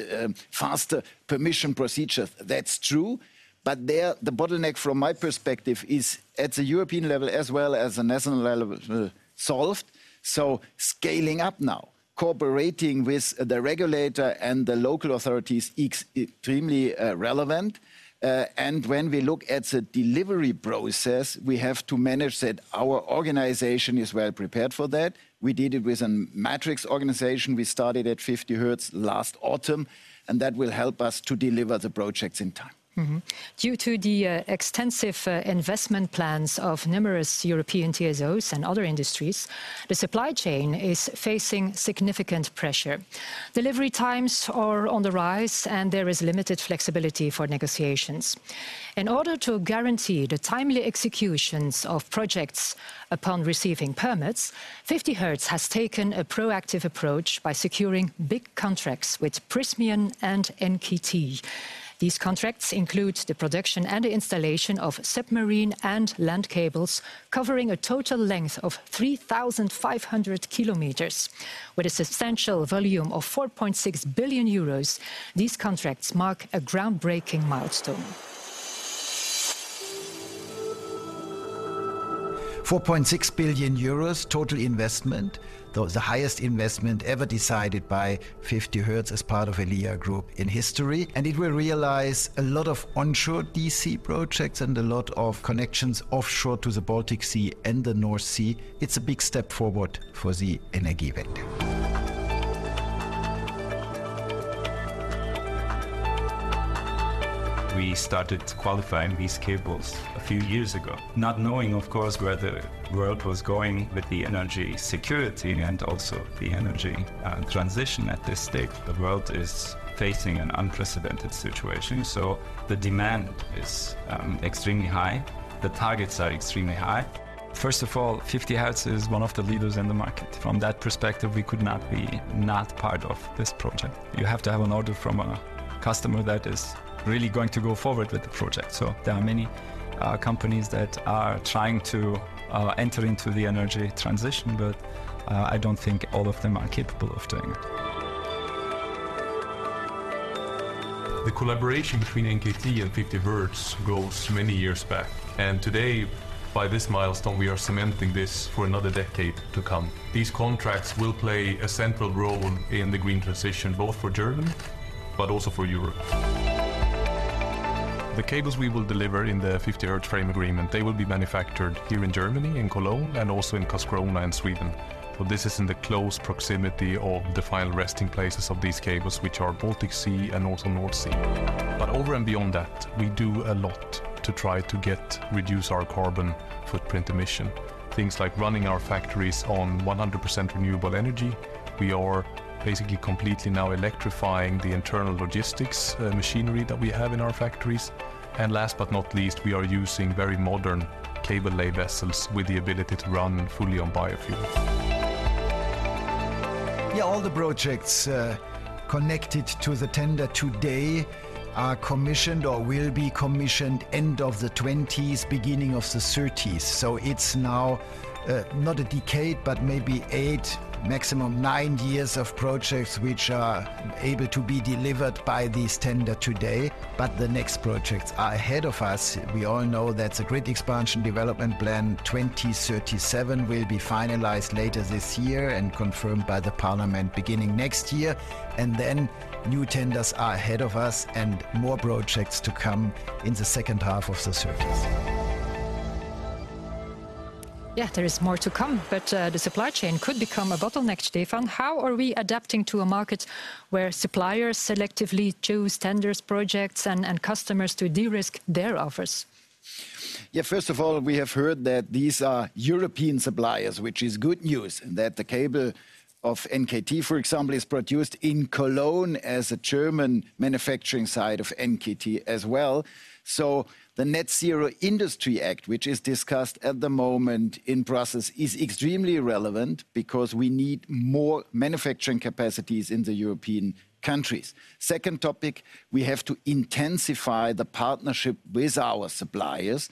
faster permission procedure." That's true, but there, the bottleneck from my perspective is at the European level, as well as the national level, solved. So scaling up now, cooperating with the regulator and the local authorities, extremely relevant. And when we look at the delivery process, we have to manage that our organization is well prepared for that. We did it with a matrix organization. We started at 50Hertz last autumn, and that will help us to deliver the projects in time. Mm-hmm. Due to the extensive investment plans of numerous European TSOs and other industries, the supply chain is facing significant pressure. Delivery times are on the rise, and there is limited flexibility for negotiations. In order to guarantee the timely executions of projects upon receiving permits, 50Hertz has taken a proactive approach by securing big contracts with Prysmian and NKT. These contracts include the production and the installation of submarine and land cables, covering a total length of 3,500 kilometers. With a substantial volume of 4.6 billion euros, these contracts mark a groundbreaking milestone. 4.6 billion euros total investment. Though it's the highest investment ever decided by 50Hertz as part of Elia Group in history, and it will realize a lot of onshore DC projects and a lot of connections offshore to the Baltic Sea and the North Sea. It's a big step forward for the Energiewende. We started qualifying these cables a few years ago, not knowing, of course, where the world was going with the energy security and also the energy transition at this stage. The world is facing an unprecedented situation, so the demand is extremely high. The targets are extremely high. First of all, 50Hertz is one of the leaders in the market. From that perspective, we could not be not part of this project. You have to have an order from a customer that is really going to go forward with the project. So there are many companies that are trying to enter into the energy transition, but I don't think all of them are capable of doing it. The collaboration between NKT and 50Hertz goes many years back, and today, by this milestone, we are cementing this for another decade to come. These contracts will play a central role in the green transition, both for Germany but also for Europe. The cables we will deliver in the 50Hertz frame agreement, they will be manufactured here in Germany, in Cologne, and also in Karlskrona, in Sweden. So this is in the close proximity of the final resting places of these cables, which are Baltic Sea and also North Sea. But over and beyond that, we do a lot to try to Reduce our carbon footprint emission. Things like running our factories on 100% renewable energy. We are basically completely now electrifying the internal logistics, machinery that we have in our factories. Last but not least, we are using very modern cable lay vessels with the ability to run fully on biofuel.... Yeah, all the projects connected to the tender today are commissioned or will be commissioned end of the twenties, beginning of the thirties. So it's now not a decade, but maybe eight, maximum nine years of projects which are able to be delivered by this tender today. But the next projects are ahead of us. We all know that the Grid Development Plan 2037 will be finalized later this year, and confirmed by the parliament beginning next year. And then new tenders are ahead of us, and more projects to come in the second half of the thirties. Yeah, there is more to come, but the supply chain could become a bottleneck, Stefan. How are we adapting to a market where suppliers selectively choose tenders, projects, and, and customers to de-risk their offers? Yeah, first of all, we have heard that these are European suppliers, which is good news, and that the cable of NKT, for example, is produced in Cologne as a German manufacturing site of NKT as well. So the Net-Zero Industry Act, which is discussed at the moment in Brussels, is extremely relevant because we need more manufacturing capacities in the European countries. Second topic, we have to intensify the partnership with our suppliers.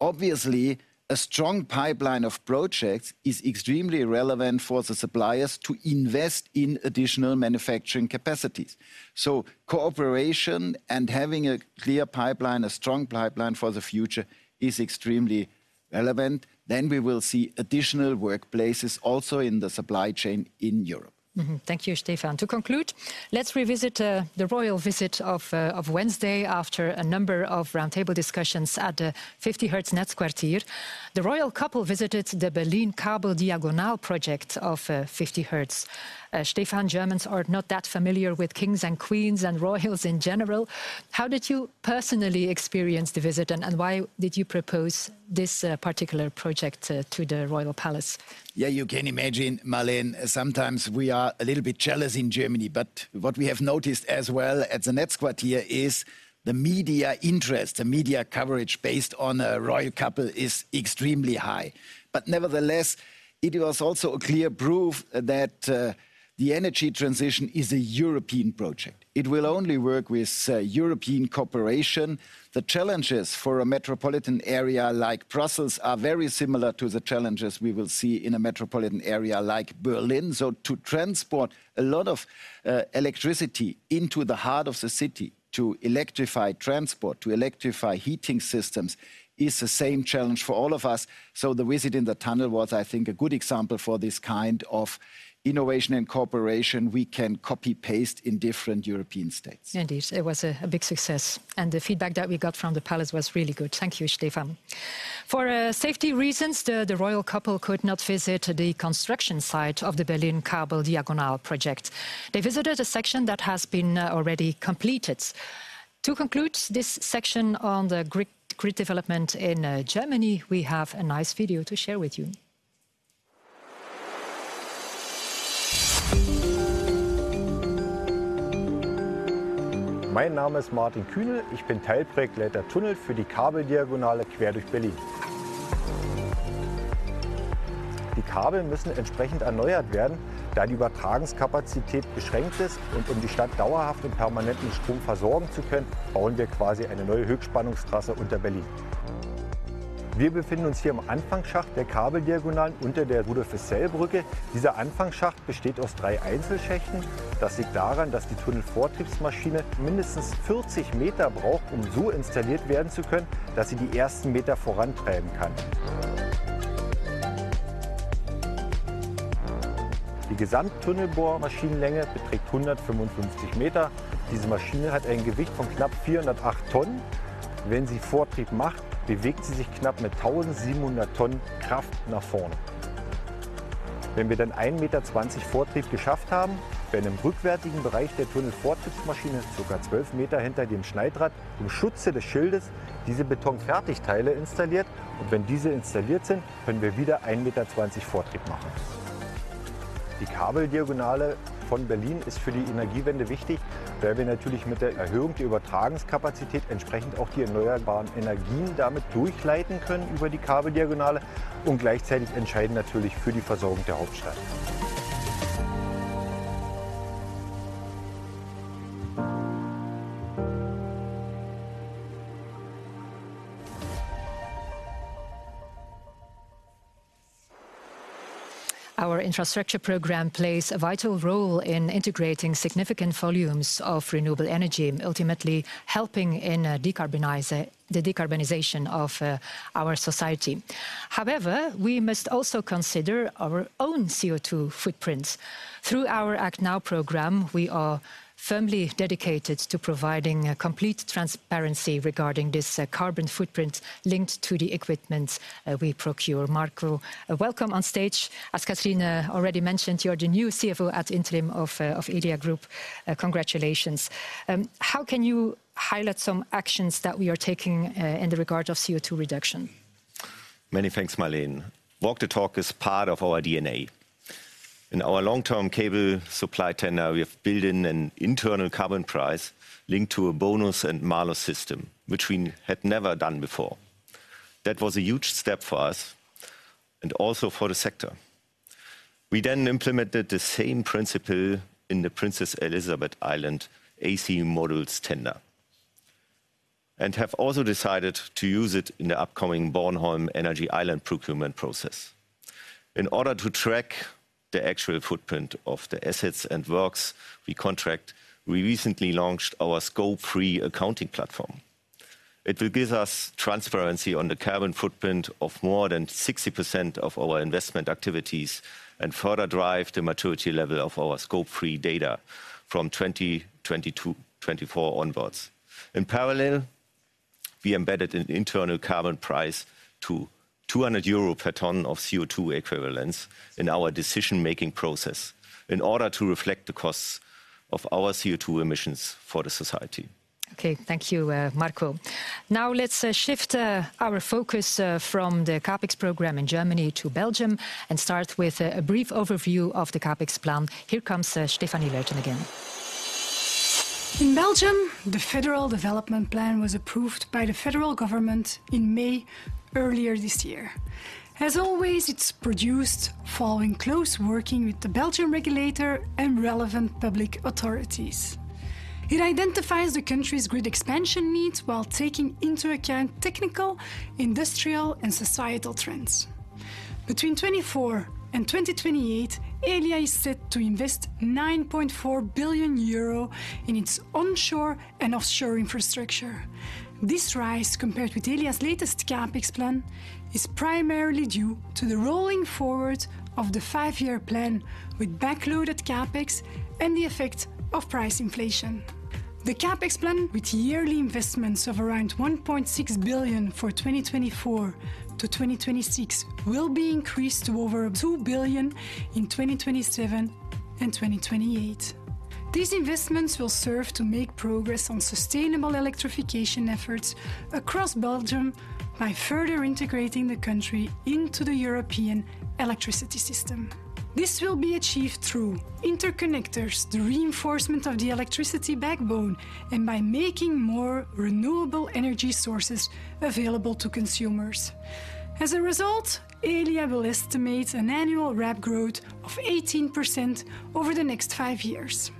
Obviously, a strong pipeline of projects is extremely relevant for the suppliers to invest in additional manufacturing capacities. So cooperation and having a clear pipeline, a strong pipeline for the future, is extremely relevant. Then we will see additional workplaces also in the supply chain in Europe. Mm-hmm. Thank you, Stefan. To conclude, let's revisit the royal visit of Wednesday after a number of roundtable discussions at the 50Hertz Netzquartier. The royal couple visited the Berlin Kabeldiagonale project of 50Hertz. Stefan, Germans are not that familiar with kings and queens, and royals in general. How did you personally experience the visit, and why did you propose this particular project to the royal palace? Yeah, you can imagine, Marleen, sometimes we are a little bit jealous in Germany. But what we have noticed as well at the Netzquartier is the media interest, the media coverage based on a royal couple is extremely high. But nevertheless, it was also a clear proof that, the energy transition is a European project. It will only work with, European cooperation. The challenges for a metropolitan area like Brussels are very similar to the challenges we will see in a metropolitan area like Berlin. So to transport a lot of, electricity into the heart of the city, to electrify transport, to electrify heating systems, is the same challenge for all of us. So the visit in the tunnel was, I think, a good example for this kind of innovation and cooperation we can copy-paste in different European states. Indeed, it was a big success, and the feedback that we got from the palace was really good. Thank you, Stefan. For safety reasons, the royal couple could not visit the construction site of the Berlin Kabeldiagonale project. They visited a section that has been already completed. To conclude this section on the grid development in Germany, we have a nice video to share with you. My name is Martin Kühnel. I am part of the tunnel project for the Our infrastructure program plays a vital role in integrating significant volumes of renewable energy, and ultimately helping in the decarbonization of our society. However, we must also consider our own CO2 footprints. Through our Act Now program, we are firmly dedicated to providing complete transparency regarding this carbon footprint linked to the equipment we procure. Marco, welcome on stage. As Catherine already mentioned, you are the new CFO at interim of Elia Group. Congratulations. How can you highlight some actions that we are taking in the regard of CO2 reduction? Many thanks, Marleen. Walk the talk is part of our DNA. In our long-term cable supply tender, we have built in an internal carbon price linked to a bonus and malus system, which we had never done before. That was a huge step for us, and also for the sector. We then implemented the same principle in the Princess Elisabeth Island AC modules tender, and have also decided to use it in the upcoming Bornholm Energy Island procurement process. In order to track the actual footprint of the assets and works we contract, we recently launched our Scope 3 accounting platform. It will give us transparency on the carbon footprint of more than 60% of our investment activities and further drive the maturity level of our Scope 3 data from 2022-2024 onwards. In parallel, we embedded an internal carbon price to 200 euro per ton of CO2 equivalents in our decision-making process in order to reflect the costs of our CO2 emissions for the society. Okay, thank you, Marco. Now let's shift our focus from the CapEx program in Germany to Belgium, and start with a brief overview of the CapEx plan. Here comes Stéphanie Luyten again. In Belgium, the Federal Development Plan was approved by the federal government in May earlier this year. As always, it's produced following close working with the Belgian regulator and relevant public authorities. It identifies the country's grid expansion needs while taking into account technical, industrial, and societal trends. Between 2024 and 2028, Elia is set to invest 9.4 billion euro in its onshore and offshore infrastructure. This rise, compared with Elia's latest CapEx plan, is primarily due to the rolling forward of the five-year plan with backloaded CapEx and the effect of price inflation. The CapEx plan, with yearly investments of around 1.6 billion for 2024 to 2026, will be increased to over 2 billion in 2027 and 2028. These investments will serve to make progress on sustainable electrification efforts across Belgium by further integrating the country into the European electricity system. This will be achieved through interconnectors, the reinforcement of the electricity backbone, and by making more renewable energy sources available to consumers. As a result, Elia will estimate an annual rev growth of 18% over the next five years.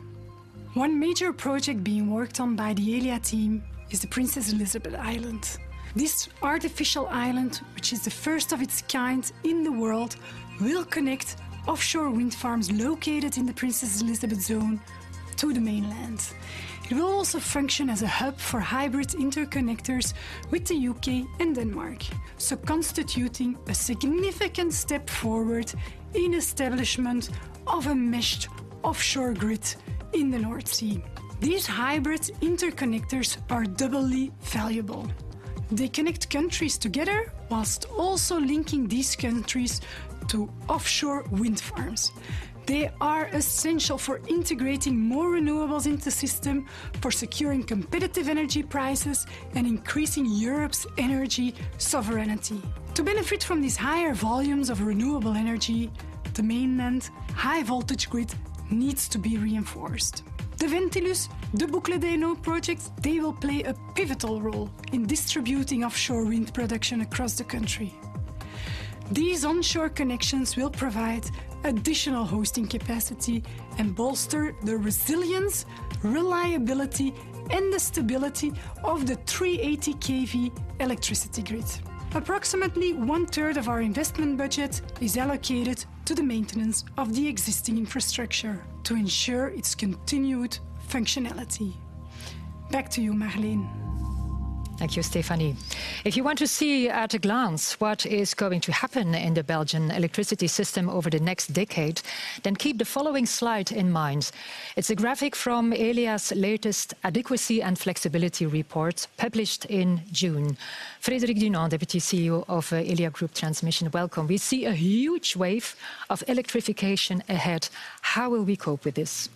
One major project being worked on by the Elia team is the Princess Elisabeth Island. This artificial island, which is the first of its kind in the world, will connect offshore wind farms located in the Princess Elisabeth Zone to the mainland. It will also function as a hub for hybrid interconnectors with the UK and Denmark, so constituting a significant step forward in establishment of a meshed offshore grid in the North Sea. These hybrid interconnectors are doubly valuable. They connect countries together whilst also linking these countries to offshore wind farms. They are essential for integrating more renewables into system, for securing competitive energy prices, and increasing Europe's energy sovereignty. To benefit from these higher volumes of renewable energy, the mainland high voltage grid needs to be reinforced. The Ventilus, the Boucle du Nord projects, they will play a pivotal role in distributing offshore wind production across the country. These onshore connections will provide additional hosting capacity and bolster the resilience, reliability, and the stability of the 380 kV electricity grid. Approximately one third of our investment budget is allocated to the maintenance of the existing infrastructure to ensure its continued functionality. Back to you, Marleen. Thank you, Stephanie. If you want to see at a glance what is going to happen in the Belgian electricity system over the next decade, then keep the following slide in mind. It's a graphic from Elia's latest Adequacy and Flexibility report, published in June. Frédéric Dunon, Deputy CEO of Elia Group Transmission, welcome. We see a huge wave of electrification ahead. How will we cope with this?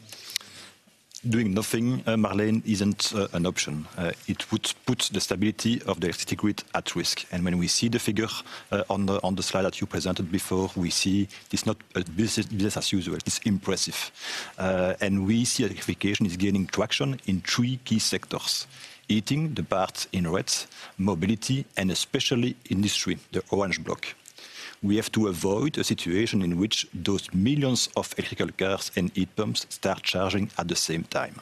Doing nothing, Marleen, isn't an option. It would put the stability of the electricity grid at risk. And when we see the figure on the slide that you presented before, we see it's not a business as usual. It's impressive. And we see electrification is gaining traction in three key sectors: heating, the part in red, mobility, and especially industry, the orange block. We have to avoid a situation in which those millions of electric cars and heat pumps start charging at the same time.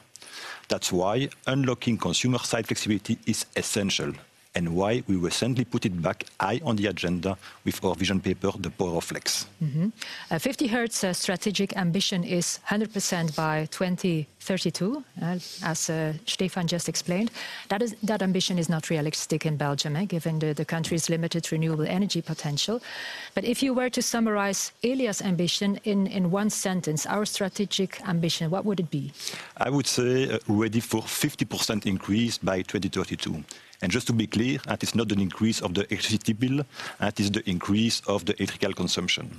That's why unlocking consumer-side flexibility is essential, and why we recently put it back high on the agenda with our vision paper, The Power of Flex. Mm-hmm. 50Hertz strategic ambition is 100% by 2032, as Stefan just explained. That is... That ambition is not realistic in Belgium, given the country's limited renewable energy potential. But if you were to summarize Elia's ambition in one sentence, our strategic ambition, what would it be? I would say ready for 50% increase by 2032. Just to be clear, that is not an increase of the electricity bill, that is the increase of the electrical consumption.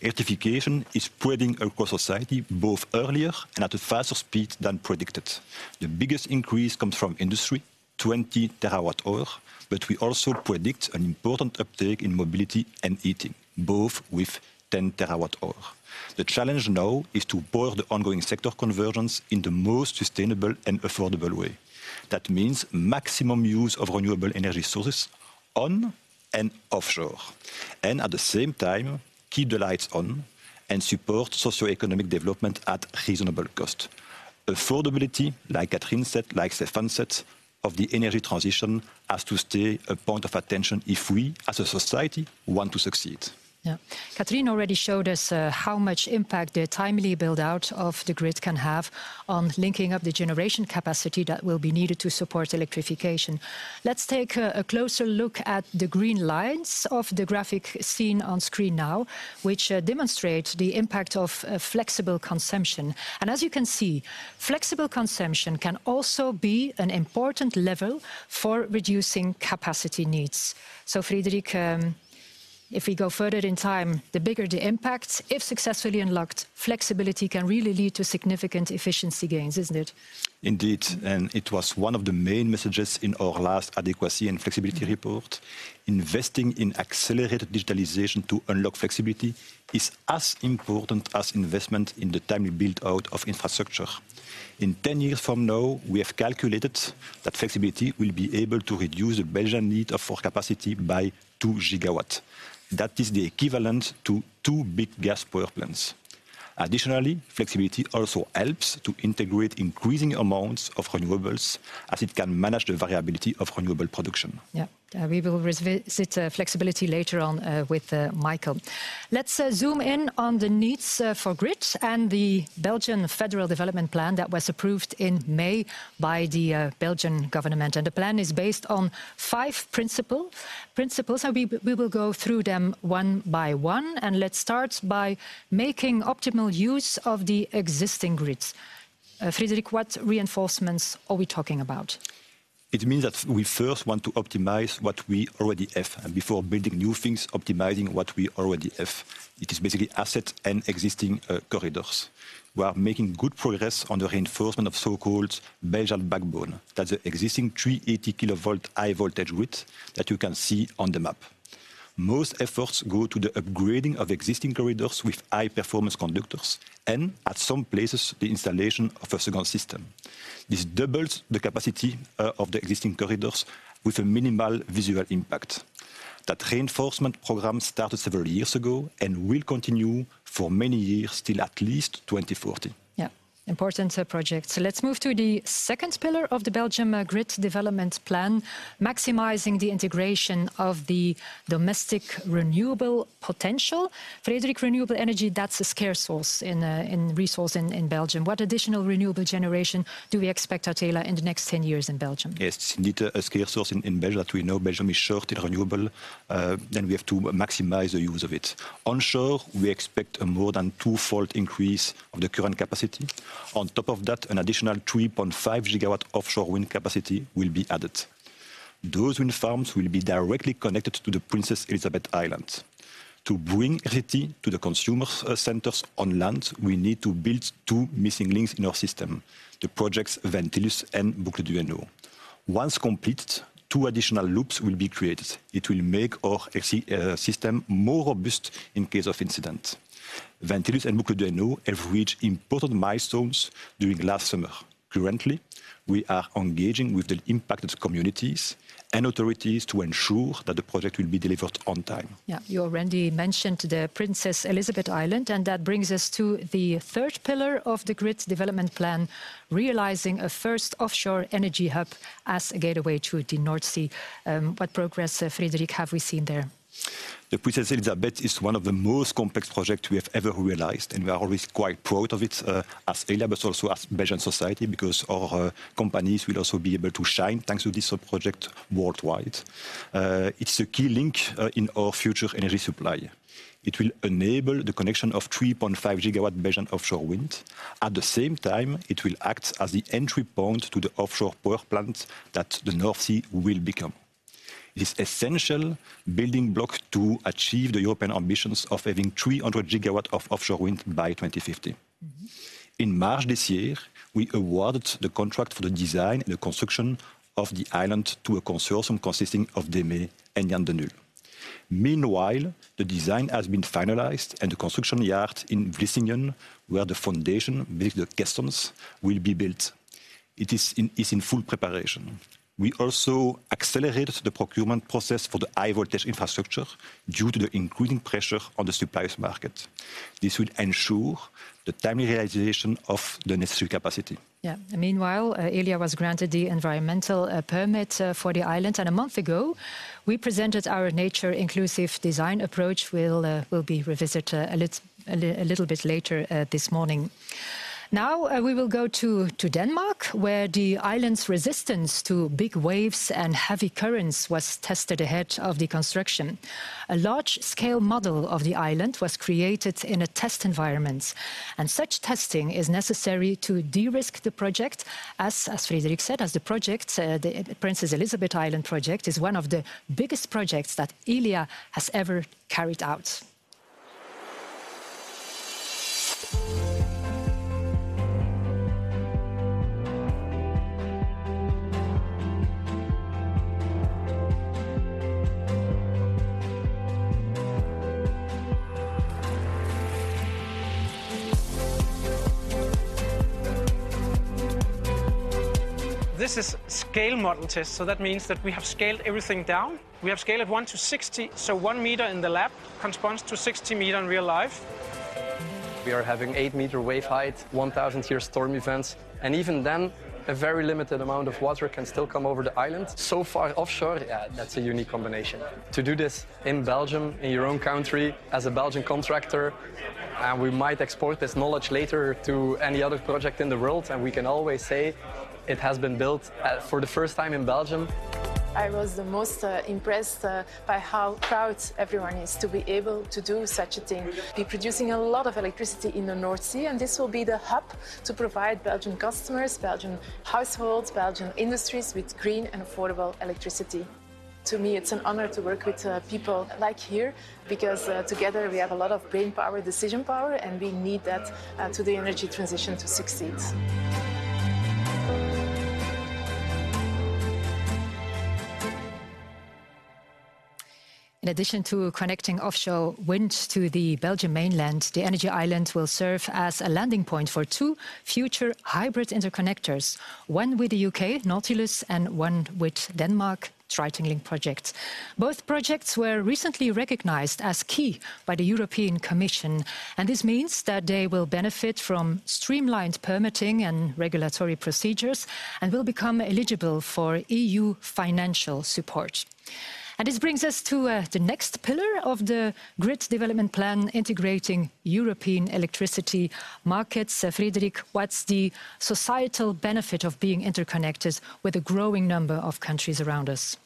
Electrification is spreading across society, both earlier and at a faster speed than predicted. The biggest increase comes from industry, 20 TWh, but we also predict an important uptake in mobility and heating, both with 10 TWh. The challenge now is to power the ongoing sector convergence in the most sustainable and affordable way, that means maximum use of renewable energy sources on and offshore. At the same time, keep the lights on and support socioeconomic development at reasonable cost. Affordability, like Catherine said, like Stefan said, of the energy transition has to stay a point of attention if we, as a society, want to succeed. Yeah. Catherine already showed us how much impact the timely build-out of the grid can have on linking up the generation capacity that will be needed to support electrification. Let's take a closer look at the green lines of the graphic seen on screen now, which demonstrates the impact of flexible consumption. And as you can see, flexible consumption can also be an important level for reducing capacity needs. So, Frédéric, if we go further in time, the bigger the impact. If successfully unlocked, flexibility can really lead to significant efficiency gains, isn't it? Indeed, and it was one of the main messages in our last adequacy and flexibility report. Investing in accelerated digitalization to unlock flexibility is as important as investment in the timely build-out of infrastructure. In 10 years from now, we have calculated that flexibility will be able to reduce the Belgian need for capacity by 2 gigawatts. That is the equivalent to two big gas power plants. Additionally, flexibility also helps to integrate increasing amounts of renewables, as it can manage the variability of renewable production. Yeah. We will revisit flexibility later on with Michael. Let's zoom in on the needs for grid and the Belgian Federal Development Plan that was approved in May by the Belgian government. The plan is based on five principles, and we will go through them one by one, and let's start by making optimal use of the existing grid. Frédéric, what reinforcements are we talking about? It means that we first want to optimize what we already have, and before building new things, optimizing what we already have. It is basically asset and existing corridors. We are making good progress on the reinforcement of so-called Belgian Backbone. That's the existing 380-kilovolt high-voltage grid that you can see on the map. Most efforts go to the upgrading of existing corridors with high-performance conductors, and at some places, the installation of a second system. This doubles the capacity of the existing corridors with a minimal visual impact. That reinforcement programme started several years ago and will continue for many years, till at least 2040. Yeah, important project. So let's move to the second pillar of the Belgium Grid Development Plan: maximizing the integration of the domestic renewable potential. Frédéric, renewable energy, that's a scarce resource in Belgium. What additional renewable generation do we expect to tailor in the next 10 years in Belgium? Yes, indeed, a scarce source in Belgium. We know Belgium is short in renewable, then we have to maximize the use of it. Onshore, we expect a more than twofold increase of the current capacity. On top of that, an additional 3.5 GW offshore wind capacity will be added. Those wind farms will be directly connected to the Princess Elisabeth Island. To bring energy to the consumer centers on land, we need to build two missing links in our system: the projects Ventilus and Boucle du Hainaut. Once complete, two additional loops will be created. It will make our system more robust in case of incident. Ventilus and Boucle du Hainaut have reached important milestones during last summer. Currently, we are engaging with the impacted communities and authorities to ensure that the project will be delivered on time. Yeah. You already mentioned the Princess Elisabeth Island, and that brings us to the third pillar of the Grid Development Plan: realizing a first offshore energy hub as a gateway to the North Sea. What progress, Frédéric, have we seen there? The Princess Elisabeth Island is one of the most complex project we have ever realised, and we are always quite proud of it, as Elia, but also as Belgian society, because our companies will also be able to shine thanks to this project worldwide. It's a key link in our future energy supply. It will enable the connection of 3.5 GW Belgian offshore wind. At the same time, it will act as the entry point to the offshore power plant that the North Sea will become. This essential building block to achieve the European ambitions of having 300 GW of offshore wind by 2050. In March this year, we awarded the contract for the design and the construction of the island to a consortium consisting of DEME and Jan De Nul. Meanwhile, the design has been finalized and the construction yard in Vlissingen, where the foundation makes the caissons, will be built. It is in full preparation. We also accelerated the procurement process for the high-voltage infrastructure due to the increasing pressure on the suppliers' market. This will ensure the timely realization of the necessary capacity. Yeah. Meanwhile, Elia was granted the environmental permit for the island. And a month ago, we presented our Nature-Inclusive Design approach. We will revisit a little bit later this morning. Now, we will go to Denmark, where the island's resistance to big waves and heavy currents was tested ahead of the construction. A large-scale model of the island was created in a test environment, and such testing is necessary to de-risk the project, as Frédéric said, as the project, the Princess Elisabeth Island project, is one of the biggest projects that Elia has ever carried out. ... This is a scale model test, so that means that we have scaled everything down. We have scaled 1 to 60, so 1 meter in the lab corresponds to 60 meters in real life. We are having 8-meter wave height, 1,000-year storm events, and even then, a very limited amount of water can still come over the island. So far offshore, yeah, that's a unique combination. To do this in Belgium, in your own country, as a Belgian contractor, we might export this knowledge later to any other project in the world, and we can always say it has been built for the first time in Belgium. I was the most impressed by how proud everyone is to be able to do such a thing. We're producing a lot of electricity in the North Sea, and this will be the hub to provide Belgian customers, Belgian households, Belgian industries with green and affordable electricity. To me, it's an honor to work with people like here, because together we have a lot of brainpower, decision power, and we need that to the energy transition to succeed. In addition to connecting offshore wind to the Belgian mainland, the energy island will serve as a landing point for two future hybrid interconnectors: one with the U.K., Nautilus, and one with Denmark, Triton Link project. Both projects were recently recognized as key by the European Commission, and this means that they will benefit from streamlined permitting and regulatory procedures, and will become eligible for EU financial support. And this brings us to, the next pillar of the Grid Development Plan, integrating European electricity markets. Frédéric, what's the societal benefit of being interconnected with a growing number of countries around us?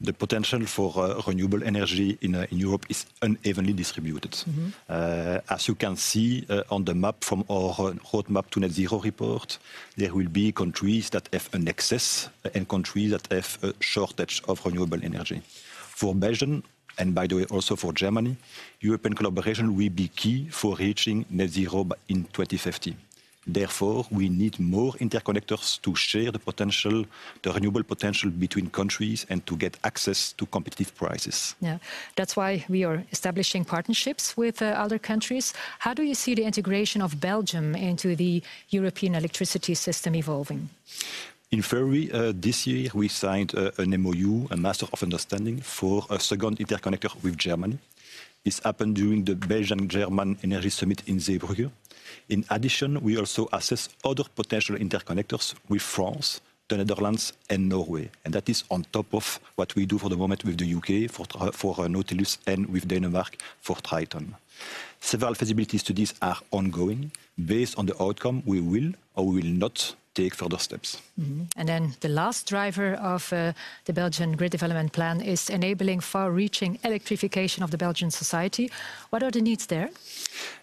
The potential for renewable energy in Europe is unevenly distributed. Mm-hmm. As you can see, on the map from our Roadmap to Net Zero report, there will be countries that have an excess and countries that have a shortage of renewable energy. For Belgium, and by the way, also for Germany, European collaboration will be key for reaching net zero by 2050. Therefore, we need more interconnectors to share the potential, the renewable potential between countries, and to get access to competitive prices. Yeah. That's why we are establishing partnerships with other countries. How do you see the integration of Belgium into the European electricity system evolving? In February this year, we signed an MOU, a Master of Understanding, for a second interconnector with Germany. This happened during the Belgian-German Energy Summit in Zeebrugge. In addition, we also assess other potential interconnectors with France, the Netherlands, and Norway, and that is on top of what we do for the moment with the U.K. for Nautilus, and with Denmark for Triton. Several feasibilities to this are ongoing. Based on the outcome, we will or will not take further steps. Mm-hmm. And then the last driver of the Belgian Grid Development Plan is enabling far-reaching electrification of the Belgian society. What are the needs there?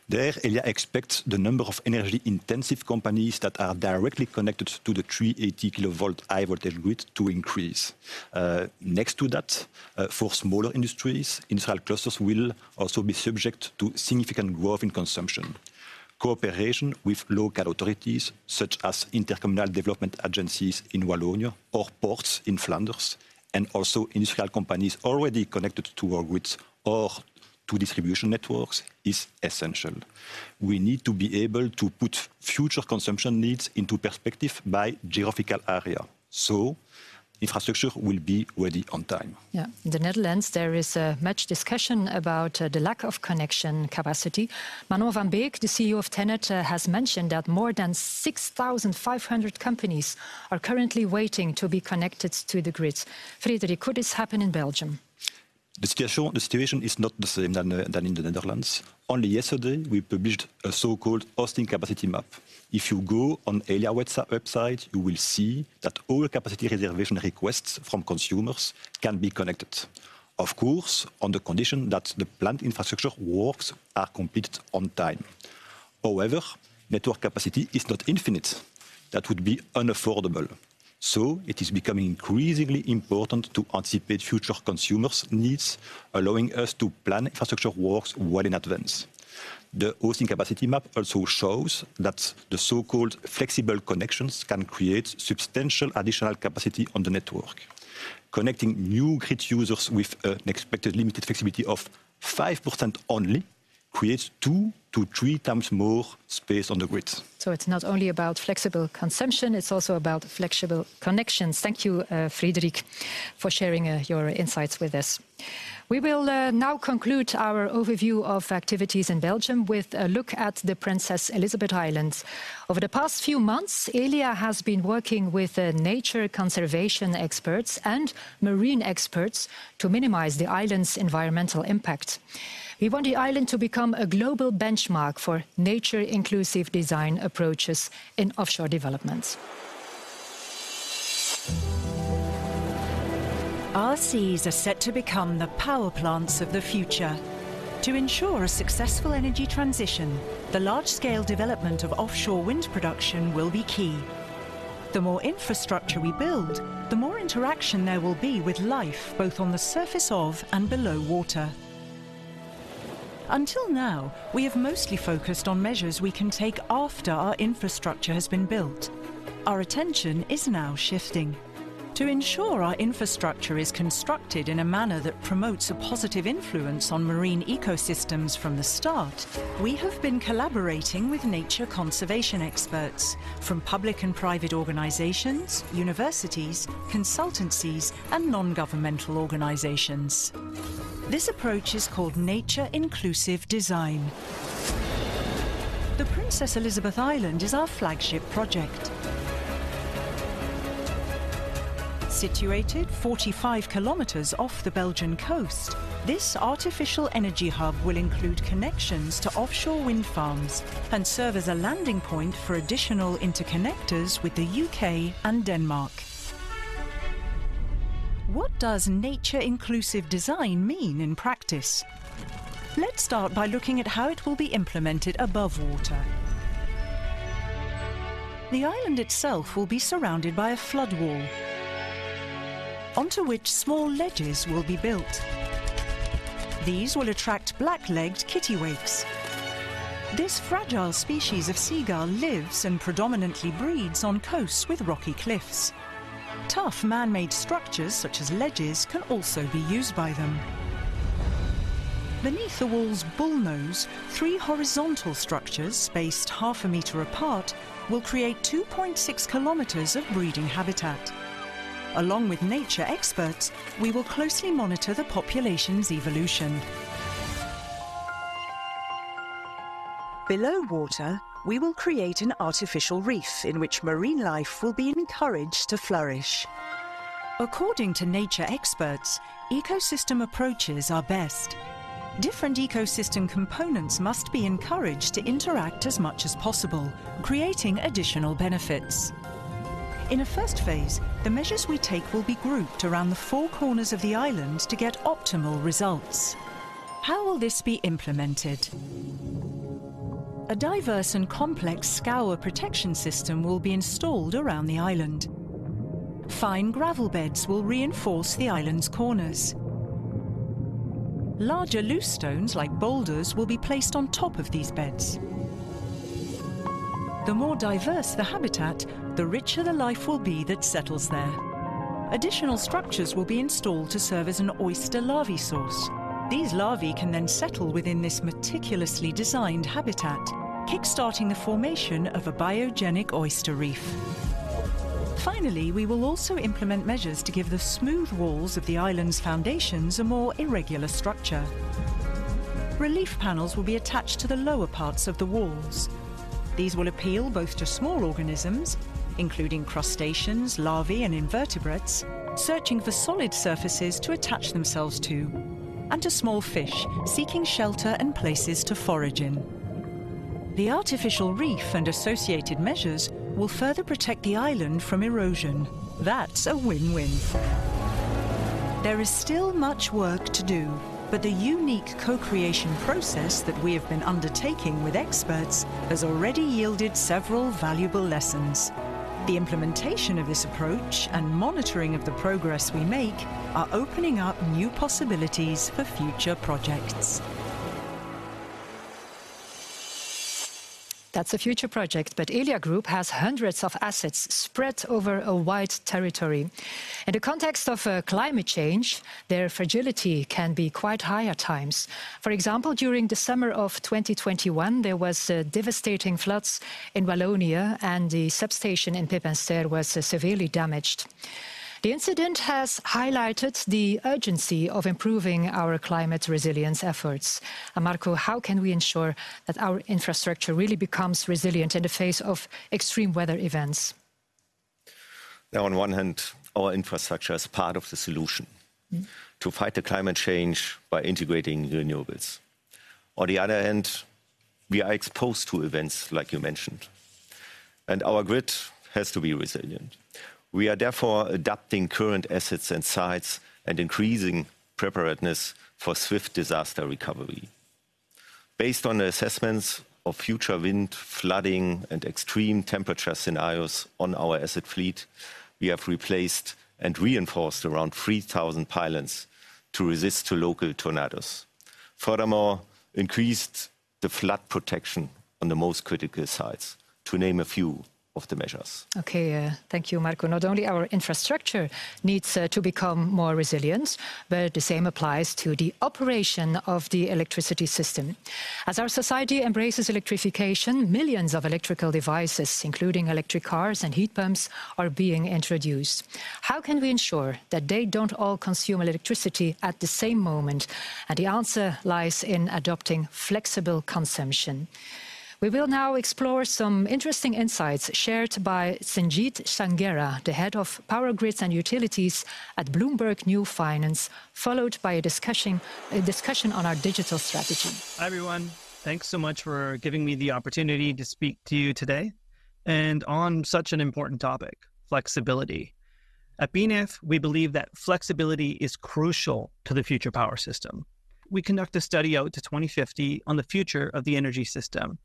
There, Elia expects the number of energy-intensive companies that are directly connected to the 380 kV high-voltage grid to increase. Next to that, for smaller industries, industrial clusters will also be subject to significant growth in consumption. Cooperation with local authorities, such as intercommunal development agencies in Wallonia, or ports in Flanders, and also industrial companies already connected to our grids or to distribution networks, is essential. We need to be able to put future consumption needs into perspective by geographical area, so infrastructure will be ready on time. Yeah. In the Netherlands, there is much discussion about the lack of connection capacity. Manon van Beek, the CEO of TenneT, has mentioned that more than 6,500 companies are currently waiting to be connected to the grid. Frédéric, could this happen in Belgium? The situation is not the same than in the Netherlands. Only yesterday, we published a so-called hosting capacity map. If you go on Elia website, you will see that all capacity reservation requests from consumers can be connected, of course, on the condition that the planned infrastructure works are completed on time. However, network capacity is not infinite. That would be unaffordable. So it is becoming increasingly important to anticipate future consumers' needs, allowing us to plan infrastructure works well in advance. The hosting capacity map also shows that the so-called flexible connections can create substantial additional capacity on the network. Connecting new grid users with an expected limited flexibility of 5% only creates two to three times more space on the grid. So it's not only about flexible consumption, it's also about flexible connections. Thank you, Frédéric, for sharing your insights with us. We will now conclude our overview of activities in Belgium with a look at the Princess Elisabeth Island. Over the past few months, Elia has been working with nature conservation experts and marine experts to minimize the island's environmental impact. We want the island to become a global benchmark for nature-inclusive design approaches in offshore developments. Our seas are set to become the power plants of the future. To ensure a successful energy transition, the large-scale development of offshore wind production will be key. The more infrastructure we build, the more interaction there will be with life, both on the surface of and below water. Until now, we have mostly focused on measures we can take after our infrastructure has been built. Our attention is now shifting. ...To ensure our infrastructure is constructed in a manner that promotes a positive influence on marine ecosystems from the start, we have been collaborating with nature conservation experts from public and private organizations, universities, consultancies, and non-governmental organizations. This approach is called nature-inclusive design. The Princess Elisabeth Island is our flagship project. Situated 45 kilometers off the Belgian coast, this artificial energy hub will include connections to offshore wind farms and serve as a landing point for additional interconnectors with the UK and Denmark. What does nature-inclusive design mean in practice? Let's start by looking at how it will be implemented above water. The island itself will be surrounded by a flood wall, onto which small ledges will be built. These will attract black-legged kittiwakes. This fragile species of seagull lives and predominantly breeds on coasts with rocky cliffs. Tough man-made structures, such as ledges, can also be used by them. Beneath the wall's bullnose, three horizontal structures spaced 0.5 m apart will create 2.6 km of breeding habitat. Along with nature experts, we will closely monitor the population's evolution. Below water, we will create an artificial reef in which marine life will be encouraged to flourish. According to nature experts, ecosystem approaches are best. Different ecosystem components must be encouraged to interact as much as possible, creating additional benefits. In a first phase, the measures we take will be grouped around the four corners of the island to get optimal results. How will this be implemented? A diverse and complex scour protection system will be installed around the island. Fine gravel beds will reinforce the island's corners. Larger loose stones, like boulders, will be placed on top of these beds. The more diverse the habitat, the richer the life will be that settles there. Additional structures will be installed to serve as an oyster larvae source. These larvae can then settle within this meticulously designed habitat, kick-starting the formation of a biogenic oyster reef. Finally, we will also implement measures to give the smooth walls of the island's foundations a more irregular structure. Relief panels will be attached to the lower parts of the walls. These will appeal both to small organisms, including crustaceans, larvae, and invertebrates, searching for solid surfaces to attach themselves to, and to small fish seeking shelter and places to forage in. The artificial reef and associated measures will further protect the island from erosion. That's a win-win! There is still much work to do, but the unique co-creation process that we have been undertaking with experts has already yielded several valuable lessons. The implementation of this approach and monitoring of the progress we make are opening up new possibilities for future projects. That's a future project, but Elia Group has hundreds of assets spread over a wide territory. In the context of climate change, their fragility can be quite high at times. For example, during the summer of 2021, there was devastating floods in Wallonia, and the substation in Pepinster was severely damaged. The incident has highlighted the urgency of improving our climate resilience efforts. Marco, how can we ensure that our infrastructure really becomes resilient in the face of extreme weather events? On one hand, our infrastructure is part of the solution- Mm-hmm. To fight the climate change by integrating renewables. On the other hand, we are exposed to events like you mentioned, and our grid has to be resilient. We are therefore adapting current assets and sites and increasing preparedness for swift disaster recovery. Based on the assessments of future wind, flooding, and extreme temperature scenarios on our asset fleet, we have replaced and reinforced around 3,000 pylons to resist to local tornadoes. Furthermore, increased the flood protection on the most critical sites, to name a few of the measures. Okay, thank you, Marco. Not only our infrastructure needs to become more resilient, but the same applies to the operation of the electricity system. As our society embraces electrification, millions of electrical devices, including electric cars and heat pumps, are being introduced. How can we ensure that they don't all consume electricity at the same moment? And the answer lies in adopting flexible consumption. We will now explore some interesting insights shared by Sanjit Sanghera, Head of Power Grids and Utilities at BloombergNEF, followed by a discussion on our digital strategy. Hi, everyone. Thanks so much for giving me the opportunity to speak to you today, and on such an important topic: flexibility. At BloombergNEF, we believe that flexibility is crucial to the future power system. We conduct a study out to 2050 on the future of the energy system.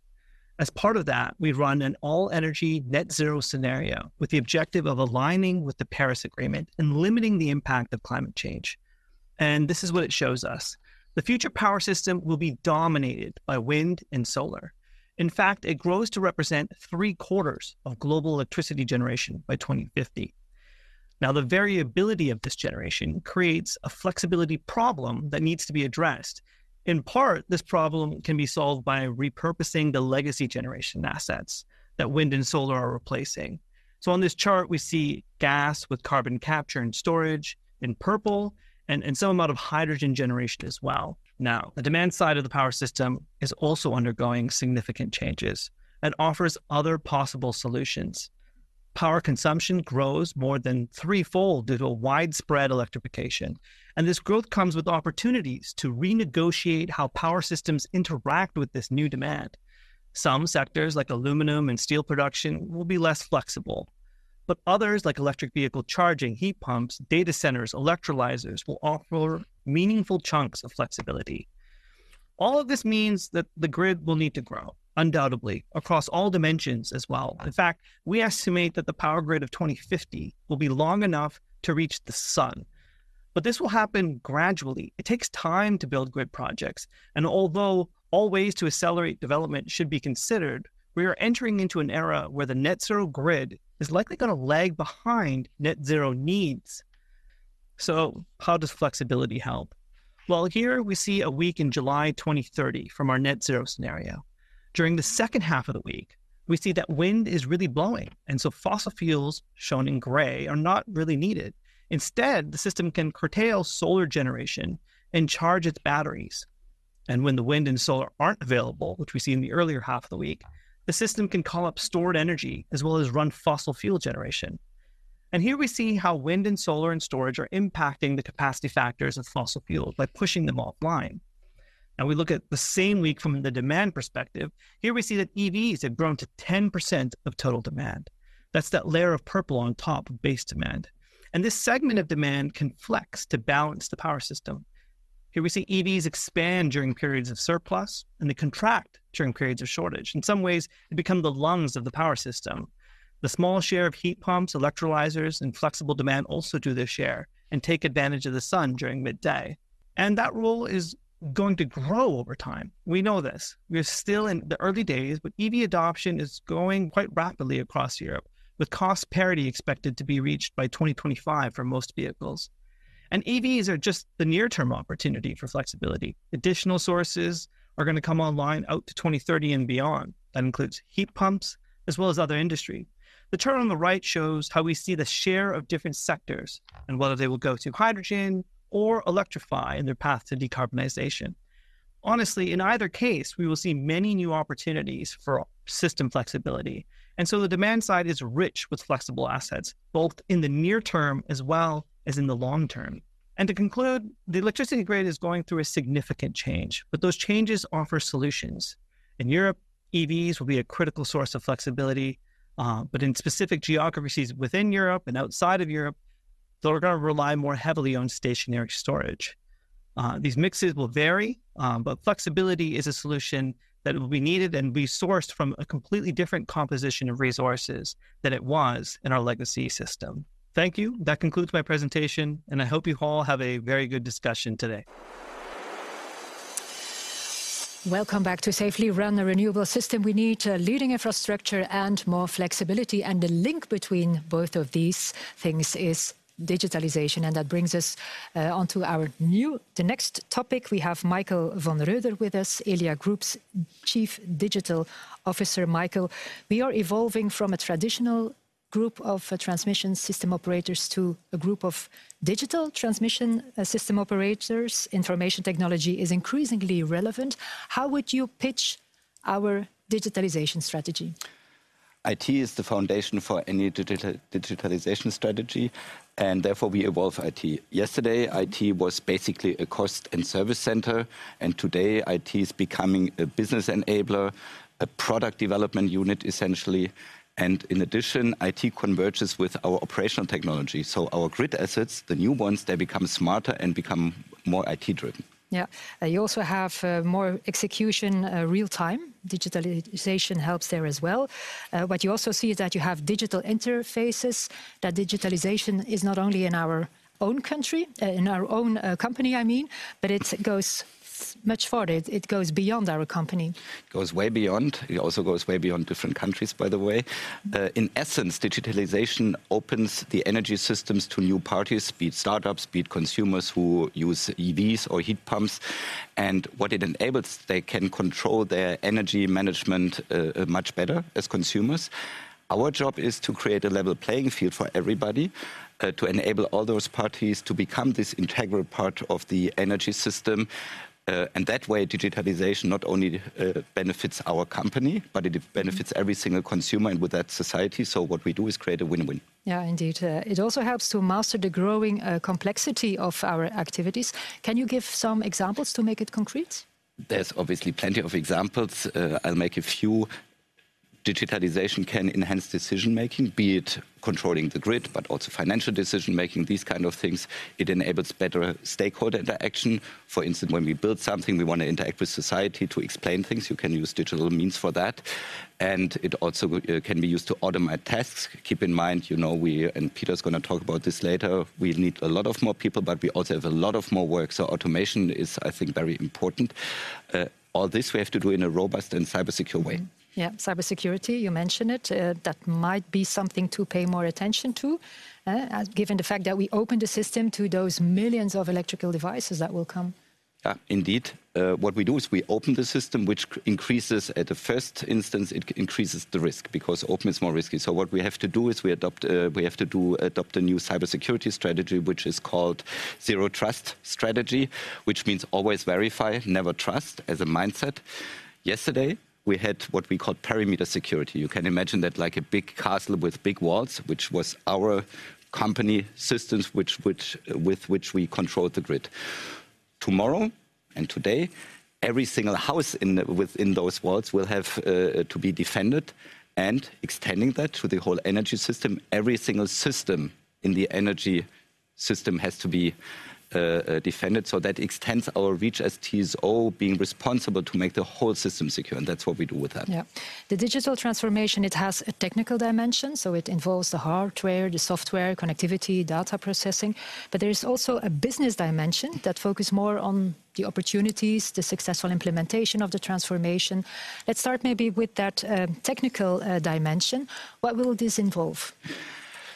As part of that, we run an all-energy net zero scenario, with the objective of aligning with the Paris Agreement and limiting the impact of climate change... This is what it shows us. The future power system will be dominated by wind and solar. In fact, it grows to represent three-quarters of global electricity generation by 2050. Now, the variability of this generation creates a flexibility problem that needs to be addressed. In part, this problem can be solved by repurposing the legacy generation assets that wind and solar are replacing. So on this chart, we see gas with carbon capture and storage in purple and some amount of hydrogen generation as well. Now, the demand side of the power system is also undergoing significant changes and offers other possible solutions. Power consumption grows more than threefold due to a widespread electrification, and this growth comes with opportunities to renegotiate how power systems interact with this new demand. Some sectors, like aluminum and steel production, will be less flexible, but others, like electric vehicle charging, heat pumps, data centers, electrolyzers, will offer meaningful chunks of flexibility. All of this means that the grid will need to grow, undoubtedly, across all dimensions as well. In fact, we estimate that the power grid of 2050 will be long enough to reach the sun. But this will happen gradually. It takes time to build grid projects, and although all ways to accelerate development should be considered, we are entering into an era where the net zero grid is likely going to lag behind net zero needs. So how does flexibility help? Well, here we see a week in July 2030 from our net zero scenario. During the second half of the week, we see that wind is really blowing, and so fossil fuels, shown in gray, are not really needed. Instead, the system can curtail solar generation and charge its batteries. And when the wind and solar aren't available, which we see in the earlier half of the week, the system can call up stored energy as well as run fossil fuel generation. And here we see how wind and solar and storage are impacting the capacity factors of fossil fuels by pushing them offline. Now, we look at the same week from the demand perspective. Here we see that EVs have grown to 10% of total demand. That's that layer of purple on top of base demand, and this segment of demand can flex to balance the power system. Here we see EVs expand during periods of surplus, and they contract during periods of shortage. In some ways, they become the lungs of the power system. The small share of heat pumps, electrolyzers, and flexible demand also do their share and take advantage of the sun during midday, and that role is going to grow over time. We know this. We are still in the early days, but EV adoption is growing quite rapidly across Europe, with cost parity expected to be reached by 2025 for most vehicles. And EVs are just the near-term opportunity for flexibility. Additional sources are going to come online out to 2030 and beyond. That includes heat pumps as well as other industry. The chart on the right shows how we see the share of different sectors and whether they will go to hydrogen or electrify in their path to decarbonization. Honestly, in either case, we will see many new opportunities for system flexibility, and so the demand side is rich with flexible assets, both in the near term as well as in the long term. And to conclude, the electricity grid is going through a significant change, but those changes offer solutions. In Europe, EVs will be a critical source of flexibility, but in specific geographies within Europe and outside of Europe, they're going to rely more heavily on stationary storage. These mixes will vary, but flexibility is a solution that will be needed and be sourced from a completely different composition of resources than it was in our legacy system. Thank you. That concludes my presentation, and I hope you all have a very good discussion today. Welcome back. To safely run a renewable system, we need a leading infrastructure and more flexibility, and the link between both of these things is digitalization, and that brings us on to our new... the next topic. We have Michael von Roeder with us, Elia Group's Chief Digital Officer. Michael, we are evolving from a traditional group of transmission system operators to a group of digital transmission system operators. Information technology is increasingly relevant. How would you pitch our digitalization strategy? IT is the foundation for any digitalization strategy, and therefore, we evolve IT. Yesterday, IT was basically a cost and service center, and today, IT is becoming a business enabler, a product development unit, essentially. And in addition, IT converges with our operational technology. So our grid assets, the new ones, they become smarter and become more IT-driven. Yeah. You also have more execution real time. Digitalization helps there as well. What you also see is that you have digital interfaces, that digitalization is not only in our own country, in our own company, I mean, but it goes much further. It goes beyond our company. It goes way beyond. It also goes way beyond different countries, by the way. In essence, digitalization opens the energy systems to new parties, be it startups, be it consumers who use EVs or heat pumps. And what it enables, they can control their energy management much better as consumers. Our job is to create a level playing field for everybody, to enable all those parties to become this integral part of the energy system. And that way, digitalization not only benefits our company, but it benefits every single consumer, and with that, society. So what we do is create a win-win. Yeah, indeed. It also helps to master the growing complexity of our activities. Can you give some examples to make it concrete? There's obviously plenty of examples. I'll make a few.... Digitalization can enhance decision making, be it controlling the grid, but also financial decision making, these kind of things. It enables better stakeholder interaction. For instance, when we build something, we want to interact with society to explain things. You can use digital means for that, and it also can be used to automate tasks. Keep in mind, you know, we, and Peter's gonna talk about this later, we need a lot of more people, but we also have a lot of more work, so automation is, I think, very important. All this we have to do in a robust and cybersecure way. Mm-hmm. Yeah, cybersecurity, you mention it. That might be something to pay more attention to, given the fact that we opened the system to those millions of electrical devices that will come. Yeah, indeed. What we do is we open the system, which increases. At the first instance, it increases the risk, because open is more risky. So what we have to do is we adopt a, we have to do, adopt a new cybersecurity strategy, which is called zero trust strategy, which means always verify, never trust, as a mindset. Yesterday, we had what we called perimeter security. You can imagine that like a big castle with big walls, which was our company systems, which, which, with which we controlled the grid. Tomorrow and today, every single house within those walls will have to be defended, and extending that to the whole energy system, every single system in the energy system has to be defended, so that extends our reach as TSO being responsible to make the whole system secure, and that's what we do with that. Yeah. The digital transformation, it has a technical dimension, so it involves the hardware, the software, connectivity, data processing, but there is also a business dimension that focus more on the opportunities, the successful implementation of the transformation. Let's start maybe with that, technical, dimension. What will this involve?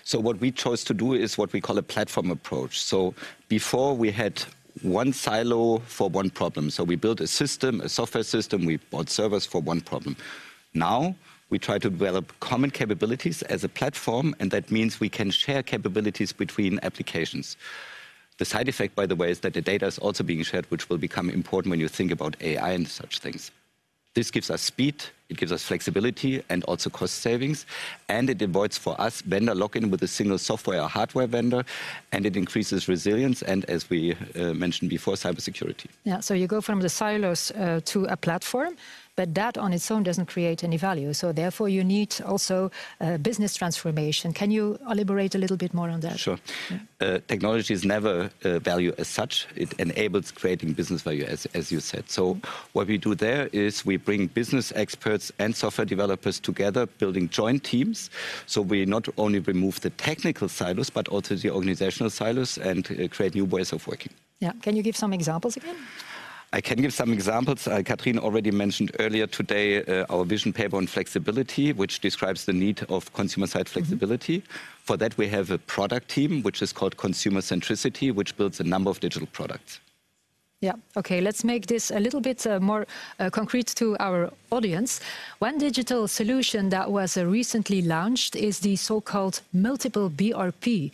So what we chose to do is what we call a platform approach. So before, we had one silo for one problem. So we built a system, a software system, we bought servers for one problem. Now, we try to develop common capabilities as a platform, and that means we can share capabilities between applications. The side effect, by the way, is that the data is also being shared, which will become important when you think about AI and such things. This gives us speed, it gives us flexibility, and also cost savings, and it avoids, for us, vendor lock-in with a single software or hardware vendor, and it increases resilience, and as we mentioned before, cybersecurity. Yeah, so you go from the silos to a platform, but that on its own doesn't create any value, so therefore, you need also a business transformation. Can you elaborate a little bit more on that? Sure. Yeah. Technology is never value as such. It enables creating business value, as you said. So what we do there is we bring business experts and software developers together, building joint teams, so we not only remove the technical silos, but also the organizational silos, and create new ways of working. Yeah. Can you give some examples again? I can give some examples. Katrin already mentioned earlier today, our vision paper on flexibility, which describes the need of consumer-side flexibility. Mm-hmm. For that, we have a product team, which is called consumer centricity, which builds a number of digital products. Yeah. Okay, let's make this a little bit more concrete to our audience. One digital solution that was recently launched is the so-called multiple BRP.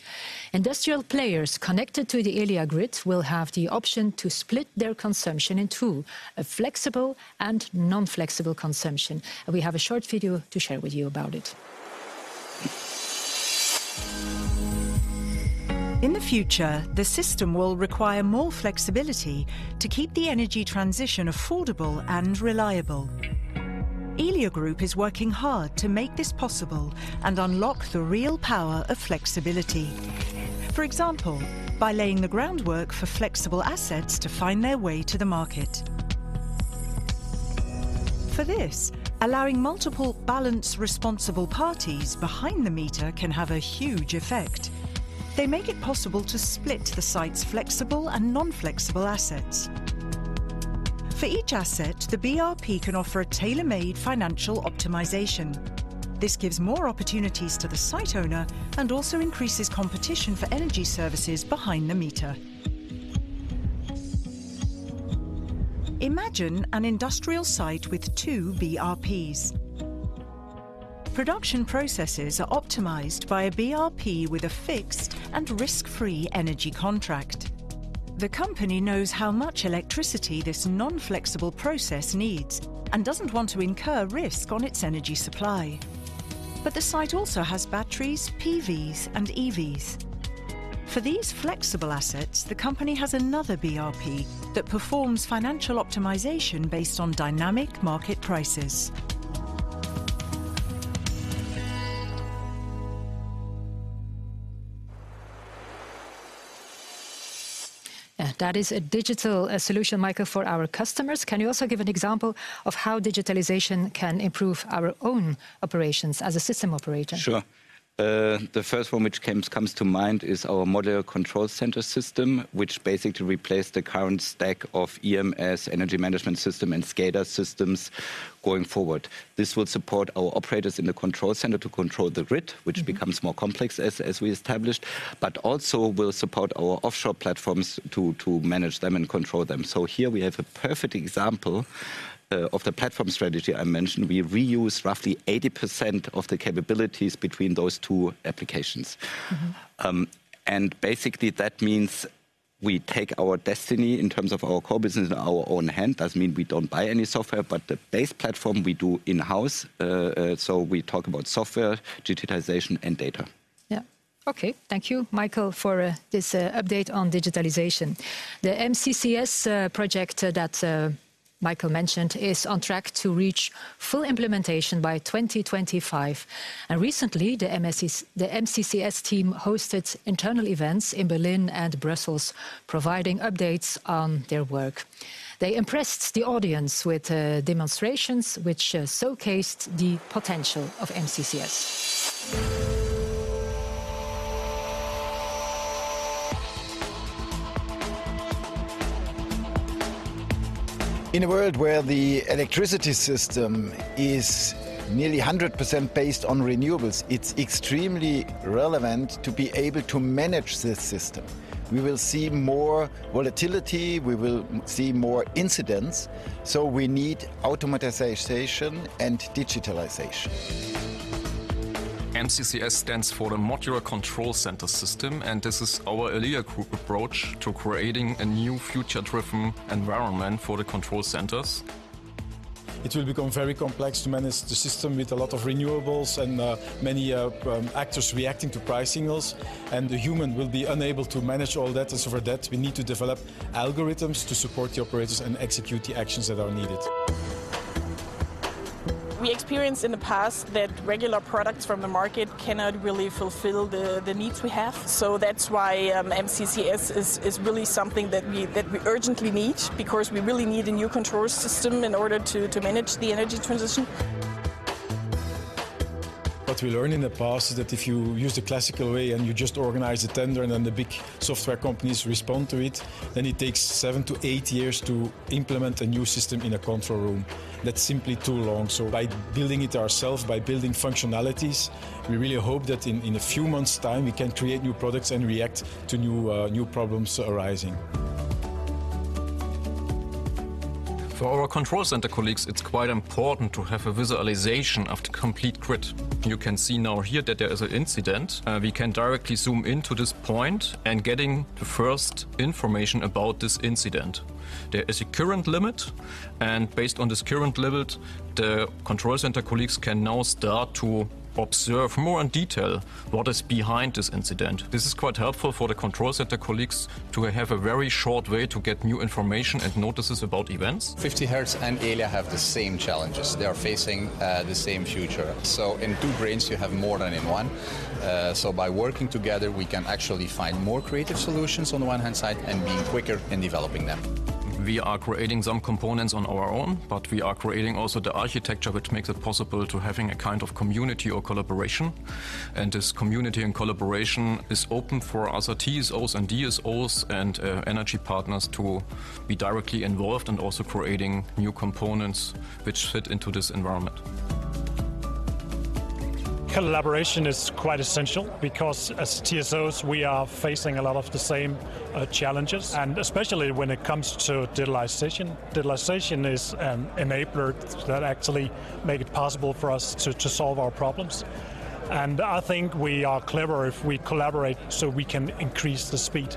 Industrial players connected to the Elia grid will have the option to split their consumption in two: a flexible and non-flexible consumption. And we have a short video to share with you about it. In the future, the system will require more flexibility to keep the energy transition affordable and reliable. Elia Group is working hard to make this possible and unlock the real power of flexibility. For example, by laying the groundwork for flexible assets to find their way to the market. For this, allowing multiple balance responsible parties behind the meter can have a huge effect. They make it possible to split the site's flexible and non-flexible assets. For each asset, the BRP can offer a tailor-made financial optimization. This gives more opportunities to the site owner and also increases competition for energy services behind the meter. Imagine an industrial site with two BRPs. Production processes are optimized by a BRP with a fixed and risk-free energy contract. The company knows how much electricity this non-flexible process needs and doesn't want to incur risk on its energy supply. But the site also has batteries, PVs, and EVs. For these flexible assets, the company has another BRP that performs financial optimization based on dynamic market prices. Yeah, that is a digital solution, Michael, for our customers. Can you also give an example of how digitalization can improve our own operations as a system operator? Sure. The first one which comes to mind is our modular control center system, which basically replaces the current stack of EMS, energy management system, and SCADA systems going forward. This will support our operators in the control center to control the grid- Mm-hmm... which becomes more complex, as we established, but also will support our offshore platforms to manage them and control them. So here we have a perfect example of the platform strategy I mentioned. We reuse roughly 80% of the capabilities between those two applications. Mm-hmm. Basically, that means we take our destiny, in terms of our core business, in our own hand. Doesn't mean we don't buy any software, but the base platform we do in-house. So we talk about software, digitalization, and data. Yeah. Okay, thank you, Michael, for this update on digitalization. The MCCS project that Michael mentioned is on track to reach full implementation by 2025. And recently, the MCCS team hosted internal events in Berlin and Brussels, providing updates on their work. They impressed the audience with demonstrations which showcased the potential of MCCS. In a world where the electricity system is nearly 100% based on renewables, it's extremely relevant to be able to manage this system. We will see more volatility, we will see more incidents, so we need automation and digitalization. MCCS stands for the Modular Control Center System, and this is our Elia Group approach to creating a new future-driven environment for the control centers. It will become very complex to manage the system with a lot of renewables and many actors reacting to price signals, and the human will be unable to manage all that. And so for that, we need to develop algorithms to support the operators and execute the actions that are needed. We experienced in the past that regular products from the market cannot really fulfill the needs we have. So that's why MCCS is really something that we urgently need, because we really need a new control system in order to manage the energy transition. What we learned in the past is that if you use the classical way and you just organize a tender, and then the big software companies respond to it, then it takes 7-8 years to implement a new system in a control room. That's simply too long. So by building it ourselves, by building functionalities, we really hope that in, in a few months' time, we can create new products and react to new, new problems arising. For our control center colleagues, it's quite important to have a visualization of the complete grid. You can see now here that there is an incident. We can directly zoom into this point and getting the first information about this incident. There is a current limit, and based on this current limit, the control center colleagues can now start to observe more in detail what is behind this incident. This is quite helpful for the control center colleagues to have a very short way to get new information and notices about events. 50Hertz and Elia have the same challenges. They are facing the same future. So in two brains, you have more than in one. So by working together, we can actually find more creative solutions on the one hand side, and be quicker in developing them. We are creating some components on our own, but we are creating also the architecture, which makes it possible to having a kind of community or collaboration. This community and collaboration is open for other TSOs and DSOs and, energy partners to be directly involved, and also creating new components which fit into this environment. Collaboration is quite essential because as TSOs, we are facing a lot of the same challenges, and especially when it comes to digitalization. Digitalization is an enabler that actually make it possible for us to solve our problems. And I think we are clever if we collaborate, so we can increase the speed.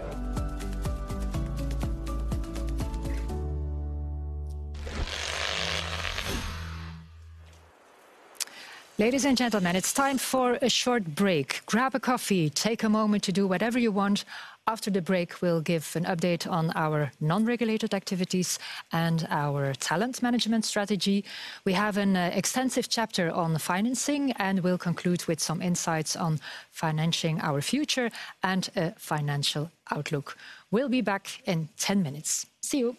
Ladies and gentlemen, it's time for a short break. Grab a coffee, take a moment to do whatever you want. After the break, we'll give an update on our non-regulated activities and our talent management strategy. We have an extensive chapter on financing, and we'll conclude with some insights on financing our future and a financial outlook. We'll be back in 10 minutes. See you! ...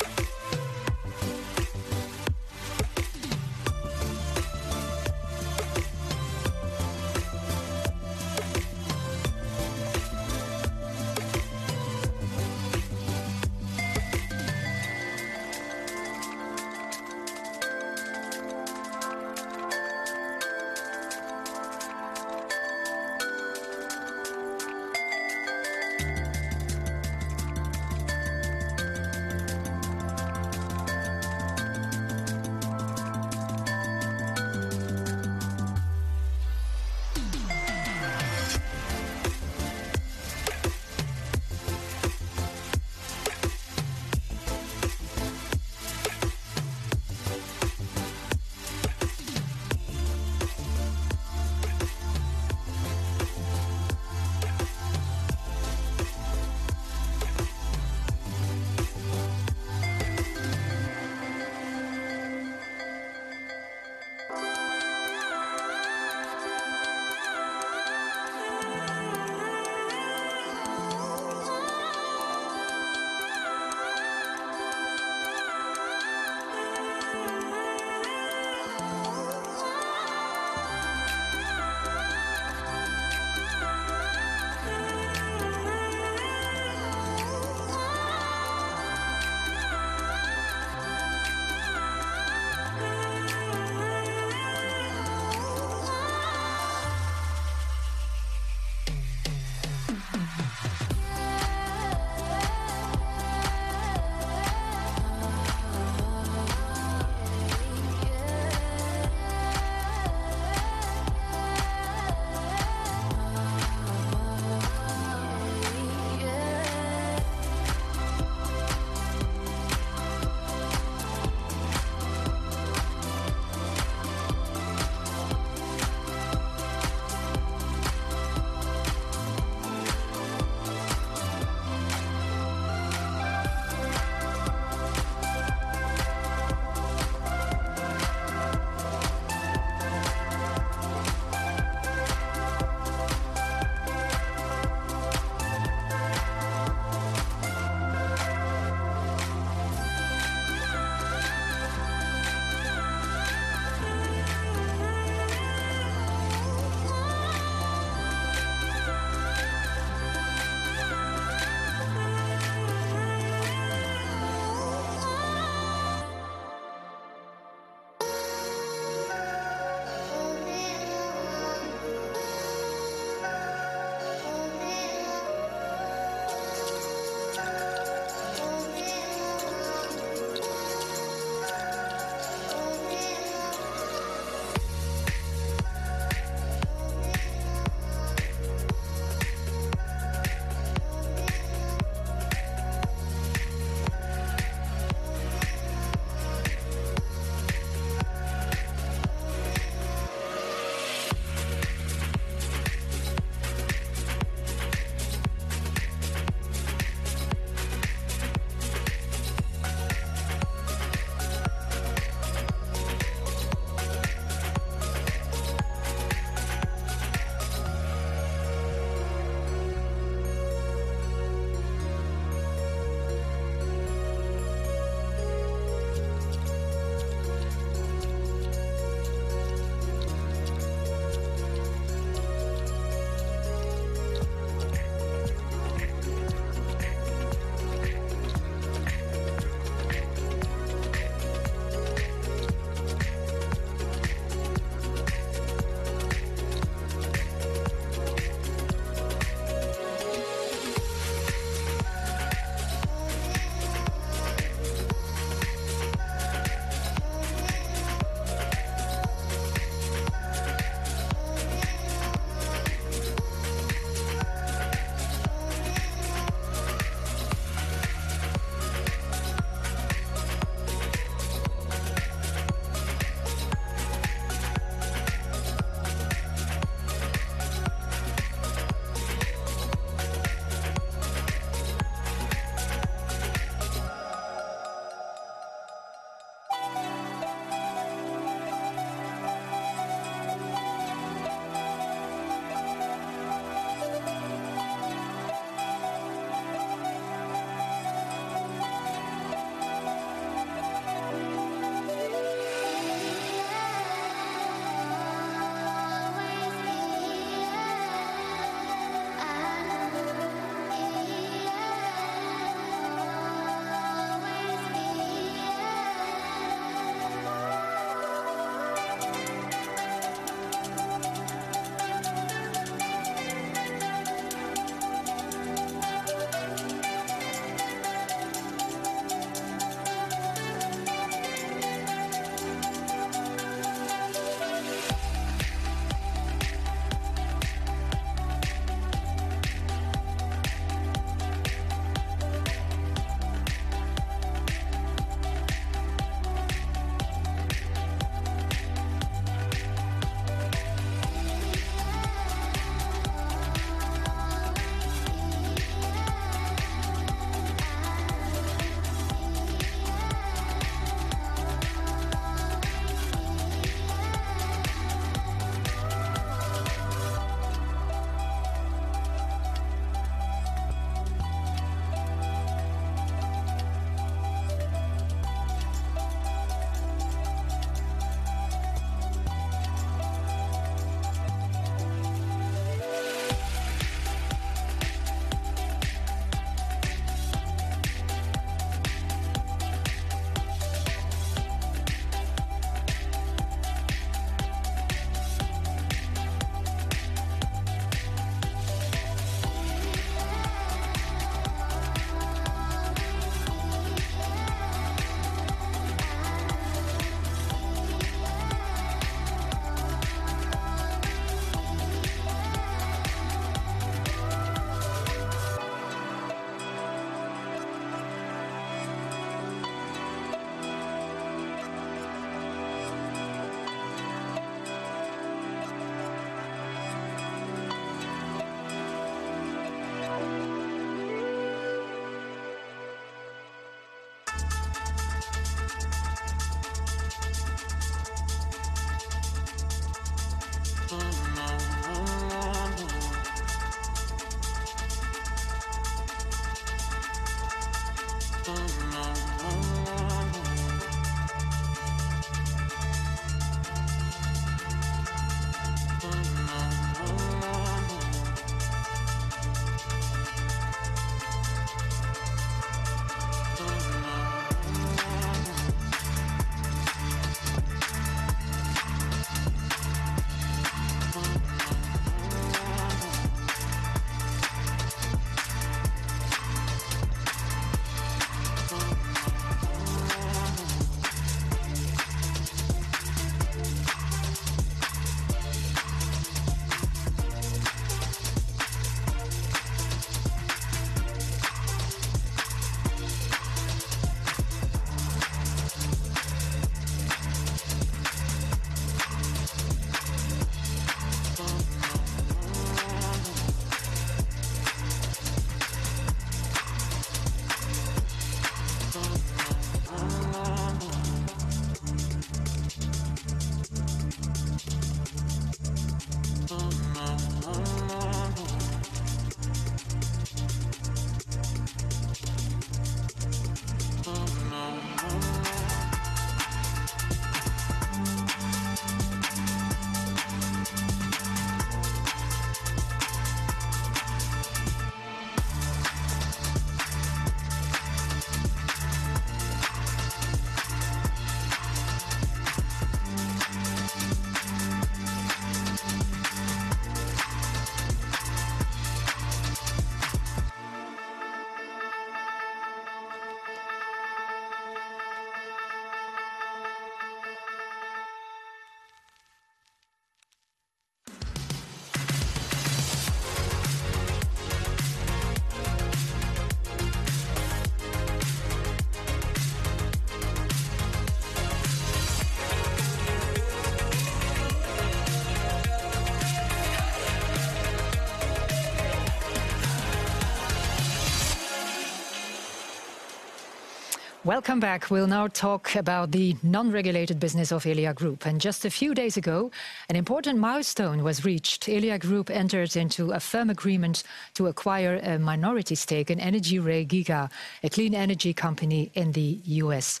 Welcome back. We'll now talk about the non-regulated business of Elia Group. Just a few days ago, an important milestone was reached. Elia Group entered into a firm agreement to acquire a minority stake in energyRe Giga, a clean energy company in the U.S.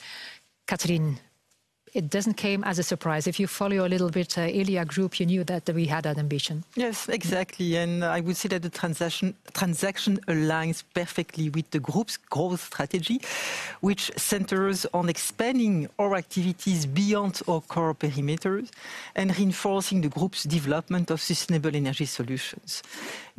Catherine, it doesn't came as a surprise. If you follow a little bit, Elia Group, you knew that we had that ambition. Yes, exactly, and I would say that the transaction aligns perfectly with the group's growth strategy, which centers on expanding our activities beyond our core perimeters and reinforcing the group's development of sustainable energy solutions.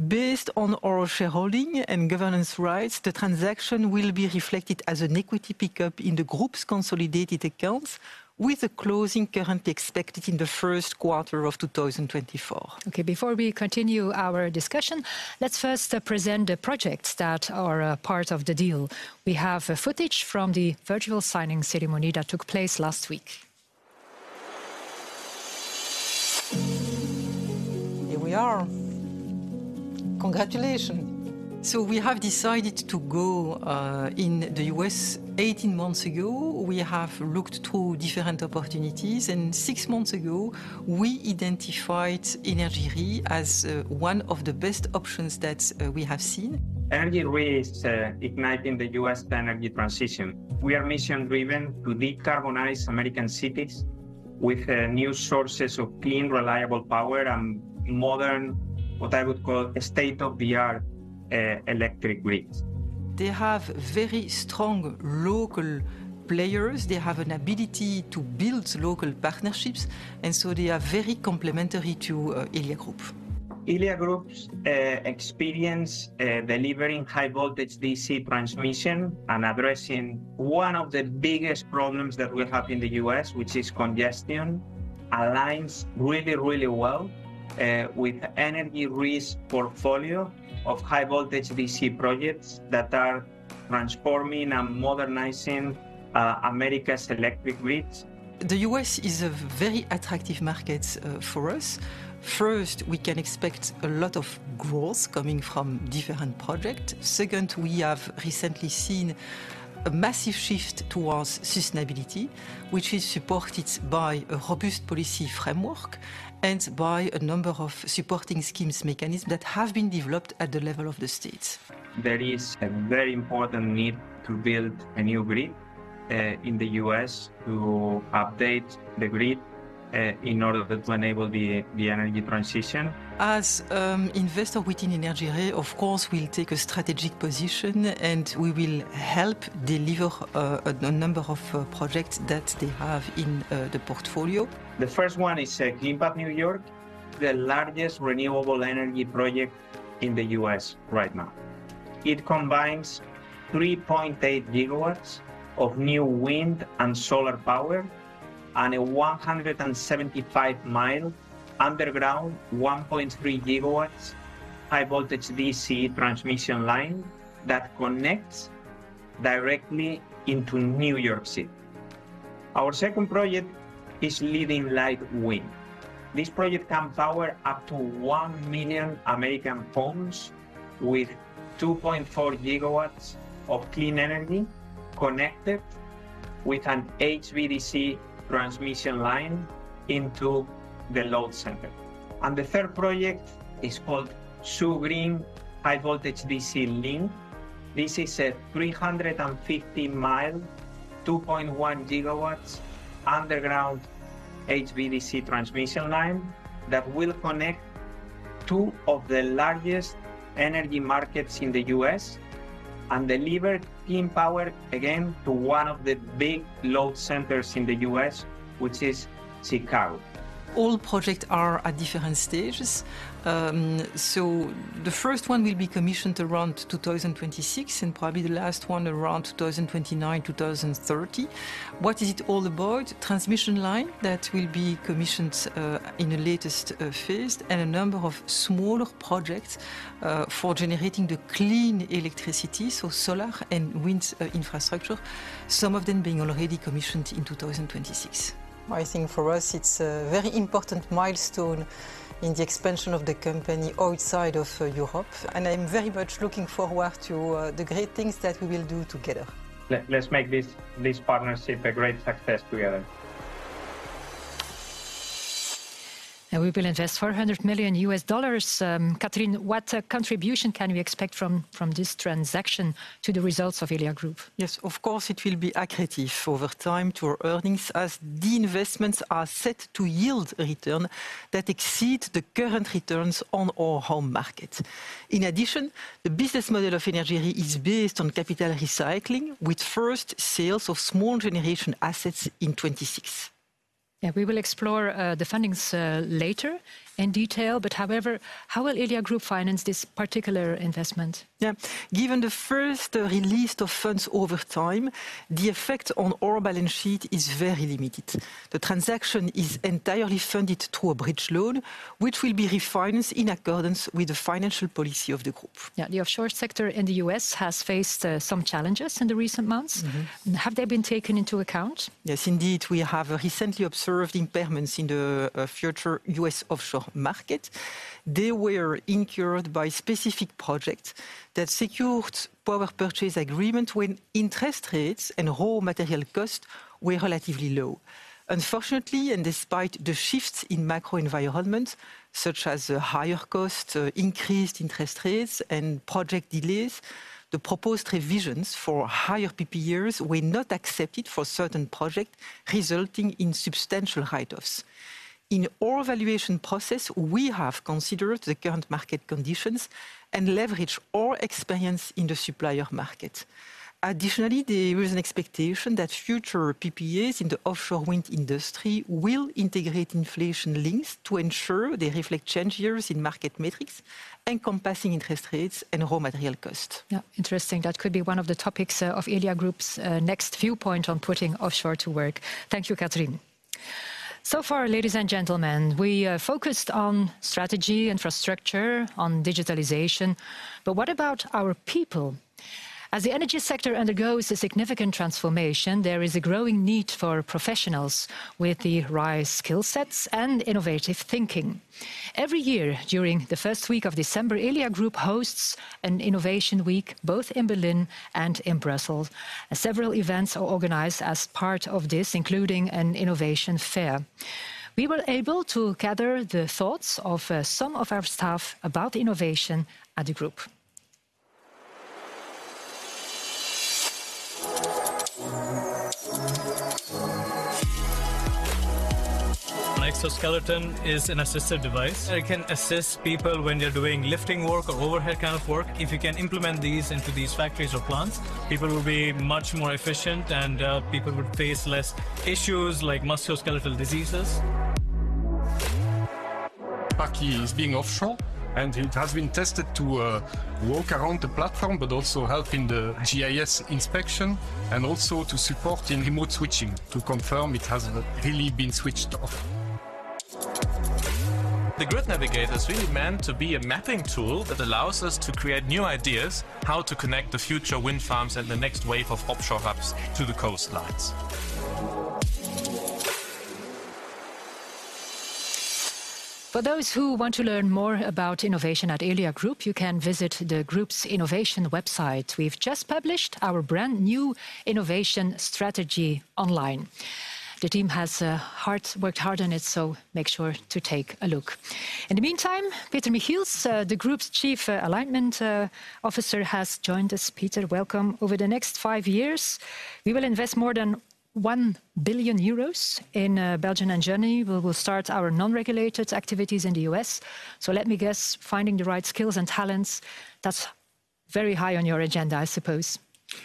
Based on our shareholding and governance rights, the transaction will be reflected as an equity pickup in the group's consolidated accounts, with the closing currently expected in the first quarter of 2024. Okay, before we continue our discussion, let's first present the projects that are part of the deal. We have footage from the virtual signing ceremony that took place last week. Here we are. Congratulations. We have decided to go in the US 18 months ago. We have looked to different opportunities, and 6 months ago, we identified energyRe as one of the best options that we have seen. energyRe is igniting the U.S. energy transition. We are mission-driven to decarbonize American cities with new sources of clean, reliable power and modern, what I would call, state-of-the-art electric grids. They have very strong local players. They have an ability to build local partnerships, and so they are very complementary to, Elia Group. Elia Group's experience delivering high voltage DC transmission and addressing one of the biggest problems that we have in the U.S., which is congestion, aligns really, really well with energyRe's portfolio of high voltage DC projects that are transforming and modernizing America's electric grids. The U.S. is a very attractive market, for us. First, we can expect a lot of growth coming from different project. Second, we have recently seen a massive shift towards sustainability, which is supported by a robust policy framework and by a number of supporting schemes mechanism that have been developed at the level of the states. There is a very important need to build a new grid, in the U.S., to update the grid, in order to enable the energy transition. As investor within energyRe, of course, we'll take a strategic position, and we will help deliver a number of projects that they have in the portfolio. The first one is Clean Path New York, the largest renewable energy project in the U.S. right now. It combines 3.8 gigawatts of new wind and solar power, and a 175-mile underground, 1.3 gigawatts high-voltage DC transmission line that connects directly into New York City. Our second project is Leading Light Wind. This project can power up to 1 million American homes with 2.4 gigawatts of clean energy, connected with an HVDC transmission line into the load center. The third project is called SOO Green HVDC Link. This is a 350-mile, 2.1 gigawatts underground HVDC transmission line that will connect two of the largest energy markets in the U.S., and deliver clean power, again, to one of the big load centers in the U.S., which is Chicago. All project are at different stages. So the first one will be commissioned around 2026, and probably the last one around 2029, 2030. What is it all about? Transmission line that will be commissioned in the latest phase, and a number of smaller projects for generating the clean electricity, so solar and wind infrastructure, some of them being already commissioned in 2026. I think for us it's a very important milestone in the expansion of the company outside of Europe, and I'm very much looking forward to the great things that we will do together. Let's make this, this partnership a great success together. We will invest $400 million, Catherine, what contribution can we expect from this transaction to the results of Elia Group? Yes, of course it will be accretive over time to our earnings, as the investments are set to yield a return that exceeds the current returns on our home market. In addition, the business model of energyRe is based on capital recycling, with first sales of small generation assets in 2026. Yeah, we will explore the fundings later in detail, but however, how will Elia Group finance this particular investment? Yeah. Given the first release of funds over time, the effect on our balance sheet is very limited. The transaction is entirely funded through a bridge loan, which will be refinanced in accordance with the financial policy of the group. Yeah, the offshore sector in the U.S. has faced some challenges in the recent months. Mm-hmm. Have they been taken into account? Yes, indeed. We have recently observed impairments in the future U.S. offshore market. They were incurred by specific projects that secured Power Purchase Agreement when interest rates and raw material costs were relatively low. Unfortunately, and despite the shifts in macro environment, such as the higher costs, increased interest rates, and project delays, the proposed revisions for higher PPA years were not accepted for certain projects, resulting in substantial write-offs. In our evaluation process, we have considered the current market conditions and leveraged our experience in the supplier market. Additionally, there is an expectation that future PPAs in the offshore wind industry will integrate inflation links to ensure they reflect changes in market metrics, encompassing interest rates and raw material cost. Yeah, interesting. That could be one of the topics of Elia Group's next viewpoint on putting offshore to work. Thank you, Catherine. So far, ladies and gentlemen, we focused on strategy, infrastructure, on digitalization, but what about our people? As the energy sector undergoes a significant transformation, there is a growing need for professionals with the right skill sets and innovative thinking. Every year during the first week of December, Elia Group hosts an innovation week, both in Berlin and in Brussels. Several events are organized as part of this, including an innovation fair. We were able to gather the thoughts of some of our staff about innovation at the group. An exoskeleton is an assistive device. It can assist people when they're doing lifting work or overhead kind of work. If you can implement these into these factories or plants, people will be much more efficient, and people would face less issues like musculoskeletal diseases. Paky is being offshore, and it has been tested to walk around the platform, but also helping the GIS inspection, and also to support in remote switching, to confirm it has really been switched off. The Grid Navigator is really meant to be a mapping tool that allows us to create new ideas, how to connect the future wind farms and the next wave of offshore hubs to the coastlines. For those who want to learn more about innovation at Elia Group, you can visit the group's innovation website. We've just published our brand-new innovation strategy online. The team has worked hard on it, so make sure to take a look. In the meantime, Peter Michiels, the group's Chief Alignment Officer, has joined us. Peter, welcome. Over the next five years, we will invest more than 1 billion euros in Belgian engineering. We will start our non-regulated activities in the US. So let me guess, finding the right skills and talents, that's very high on your agenda, I suppose?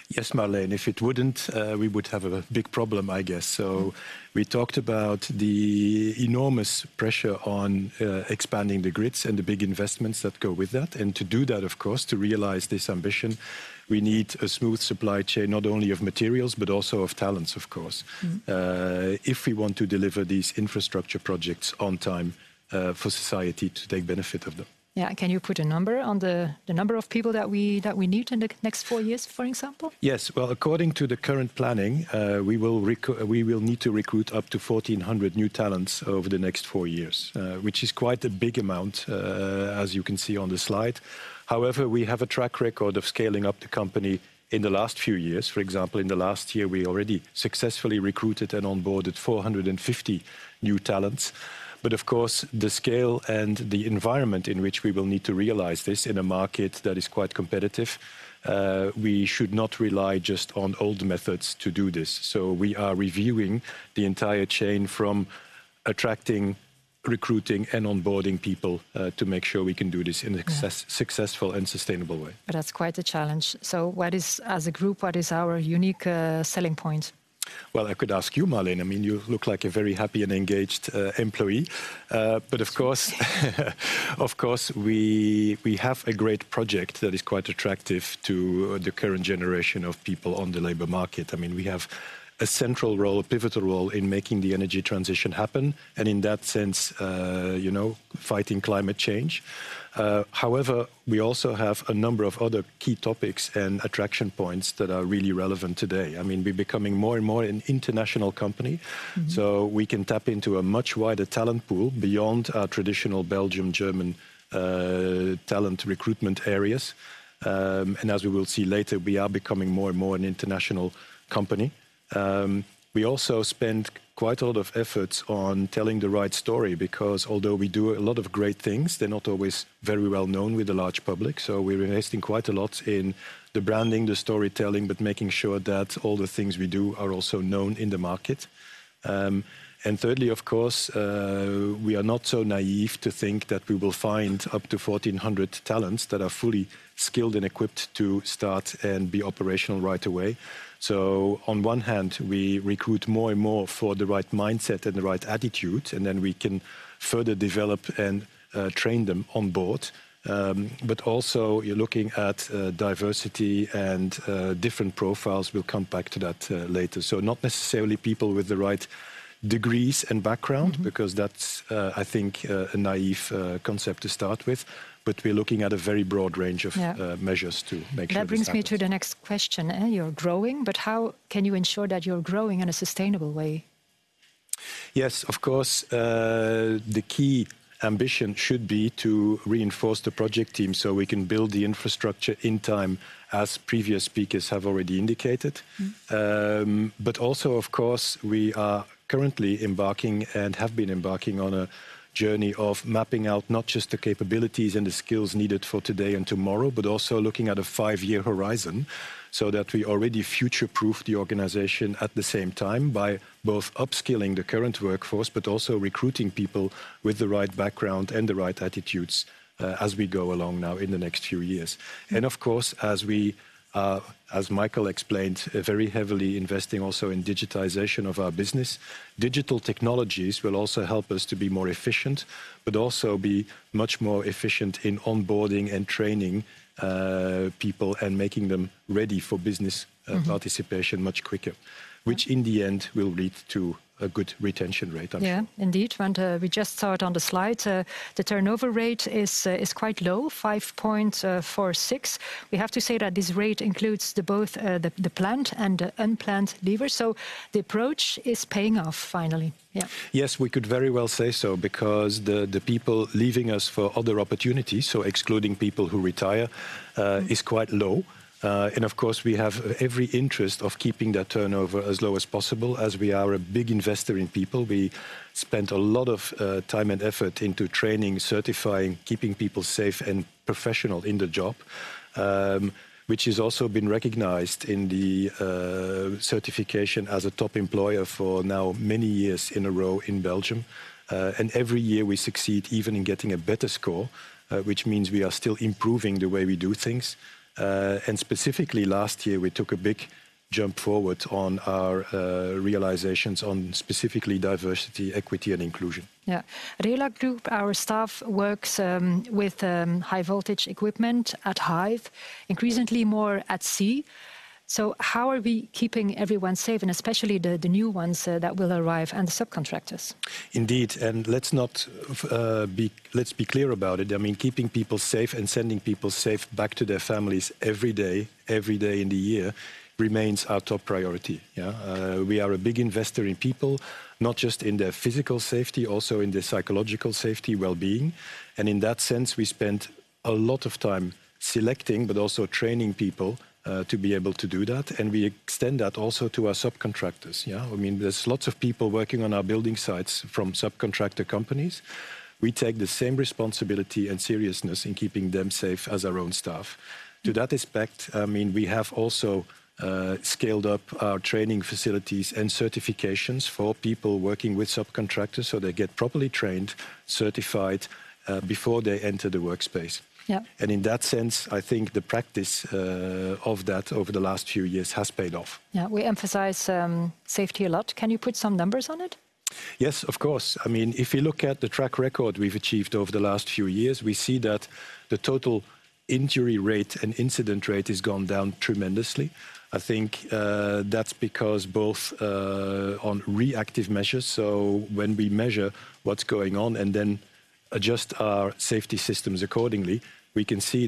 Yes, Marleen, if it wouldn't, we would have a, a big problem, I guess. So we talked about the enormous pressure on, expanding the grids and the big investments that go with that. And to do that, of course, to realize this ambition, we need a smooth supply chain, not only of materials, but also of talents, of course- Mm-hmm... if we want to deliver these infrastructure projects on time, for society to take benefit of them. Yeah, can you put a number on the number of people that we need in the next four years, for example? Yes. Well, according to the current planning, we will need to recruit up to 1,400 new talents over the next four years, which is quite a big amount, as you can see on the slide. However, we have a track record of scaling up the company in the last few years. For example, in the last year, we already successfully recruited and onboarded 450 new talents. But of course, the scale and the environment in which we will need to realize this in a market that is quite competitive, we should not rely just on old methods to do this. So we are reviewing the entire chain from recruiting and onboarding people, to make sure we can do this in access- Yeah... successful and sustainable way. That's quite a challenge. What is, as a group, what is our unique selling point? Well, I could ask you, Marleen. I mean, you look like a very happy and engaged employee. But of course, we have a great project that is quite attractive to the current generation of people on the labor market. I mean, we have a central role, a pivotal role, in making the energy transition happen, and in that sense, you know, fighting climate change. However, we also have a number of other key topics and attraction points that are really relevant today. I mean, we're becoming more and more an international company. Mm. So we can tap into a much wider talent pool beyond our traditional Belgium, German, talent recruitment areas. As we will see later, we are becoming more and more an international company. We also spend quite a lot of efforts on telling the right story, because although we do a lot of great things, they're not always very well known with the large public. So we're investing quite a lot in the branding, the storytelling, but making sure that all the things we do are also known in the market. Thirdly, of course, we are not so naive to think that we will find up to 1,400 talents that are fully skilled and equipped to start and be operational right away. So on one hand, we recruit more and more for the right mindset and the right attitude, and then we can further develop and train them on board. But also you're looking at diversity and different profiles. We'll come back to that later. So not necessarily people with the right degrees and background- Mm... because that's, I think, a naive concept to start with, but we're looking at a very broad range of- Yeah... measures to make sure this happens. That brings me to the next question, eh? You're growing, but how can you ensure that you're growing in a sustainable way? Yes, of course. The key ambition should be to reinforce the project team so we can build the infrastructure in time, as previous speakers have already indicated. Mm. But also, of course, we are currently embarking and have been embarking on a journey of mapping out not just the capabilities and the skills needed for today and tomorrow, but also looking at a five-year horizon, so that we already future-proof the organization at the same time by both upskilling the current workforce, but also recruiting people with the right background and the right attitudes, as we go along now in the next few years. And of course, as we, as Michael explained, very heavily investing also in digitization of our business. Digital technologies will also help us to be more efficient, but also be much more efficient in onboarding and training, people, and making them ready for business- Mm... participation much quicker, which in the end will lead to a good retention rate, I'm sure. Yeah, indeed, we just saw it on the slide. The turnover rate is quite low, 5.46. We have to say that this rate includes both the planned and the unplanned leavers, so the approach is paying off finally. Yeah. Yes, we could very well say so, because the people leaving us for other opportunities, so excluding people who retire, is quite low. And of course, we have every interest of keeping that turnover as low as possible, as we are a big investor in people. We spent a lot of time and effort into training, certifying, keeping people safe and professional in the job. Which has also been recognized in the certification as a top employer for now many years in a row in Belgium. And every year we succeed even in getting a better score, which means we are still improving the way we do things. And specifically last year, we took a big jump forward on our realizations on specifically diversity, equity, and inclusion. Yeah. Elia Group, our staff works with high-voltage equipment at height, increasingly more at sea. So how are we keeping everyone safe, and especially the new ones that will arrive, and the subcontractors? Indeed, and let's not be. Let's be clear about it. I mean, keeping people safe and sending people safe back to their families every day, every day in the year, remains our top priority. Yeah. We are a big investor in people, not just in their physical safety, also in their psychological safety, wellbeing. And in that sense, we spent a lot of time selecting, but also training people, to be able to do that, and we extend that also to our subcontractors. Yeah, I mean, there's lots of people working on our building sites from subcontractor companies. We take the same responsibility and seriousness in keeping them safe as our own staff. Mm. To that aspect, I mean, we have also scaled up our training facilities and certifications for people working with subcontractors, so they get properly trained, certified before they enter the workspace. Yeah. In that sense, I think the practice of that over the last few years has paid off. Yeah. We emphasize safety a lot. Can you put some numbers on it? Yes, of course. I mean, if you look at the track record we've achieved over the last few years, we see that the total injury rate and incident rate has gone down tremendously. I think, that's because both, on reactive measures, so when we measure what's going on and then adjust our safety systems accordingly, we can see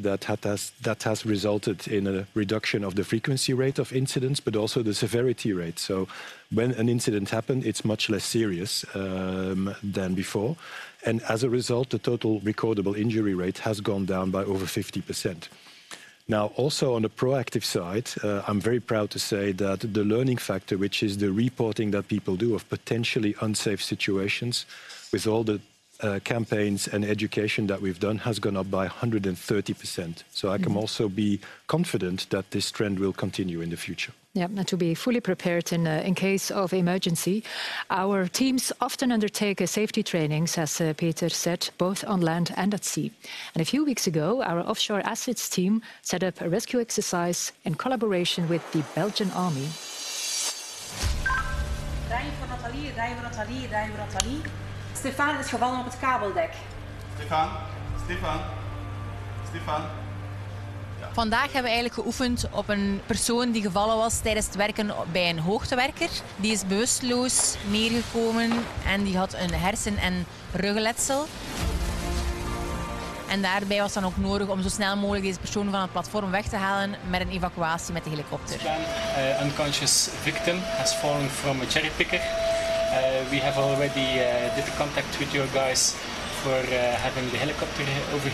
that has resulted in a reduction of the frequency rate of incidents, but also the severity rate. So when an incident happened, it's much less serious, than before, and as a result, the total recordable injury rate has gone down by over 50%. Now, also, on the proactive side, I'm very proud to say that the learning factor, which is the reporting that people do of potentially unsafe situations, with all the campaigns and education that we've done has gone up by 130%. I can also be confident that this trend will continue in the future. Yeah, and to be fully prepared in case of emergency, our teams often undertake a safety trainings, as Peter said, both on land and at sea. A few weeks ago, our offshore assets team set up a rescue exercise in collaboration with the Belgian army. ... unconscious victim has fallen from a cherry picker. We have already did the contact with you guys for having the helicopter over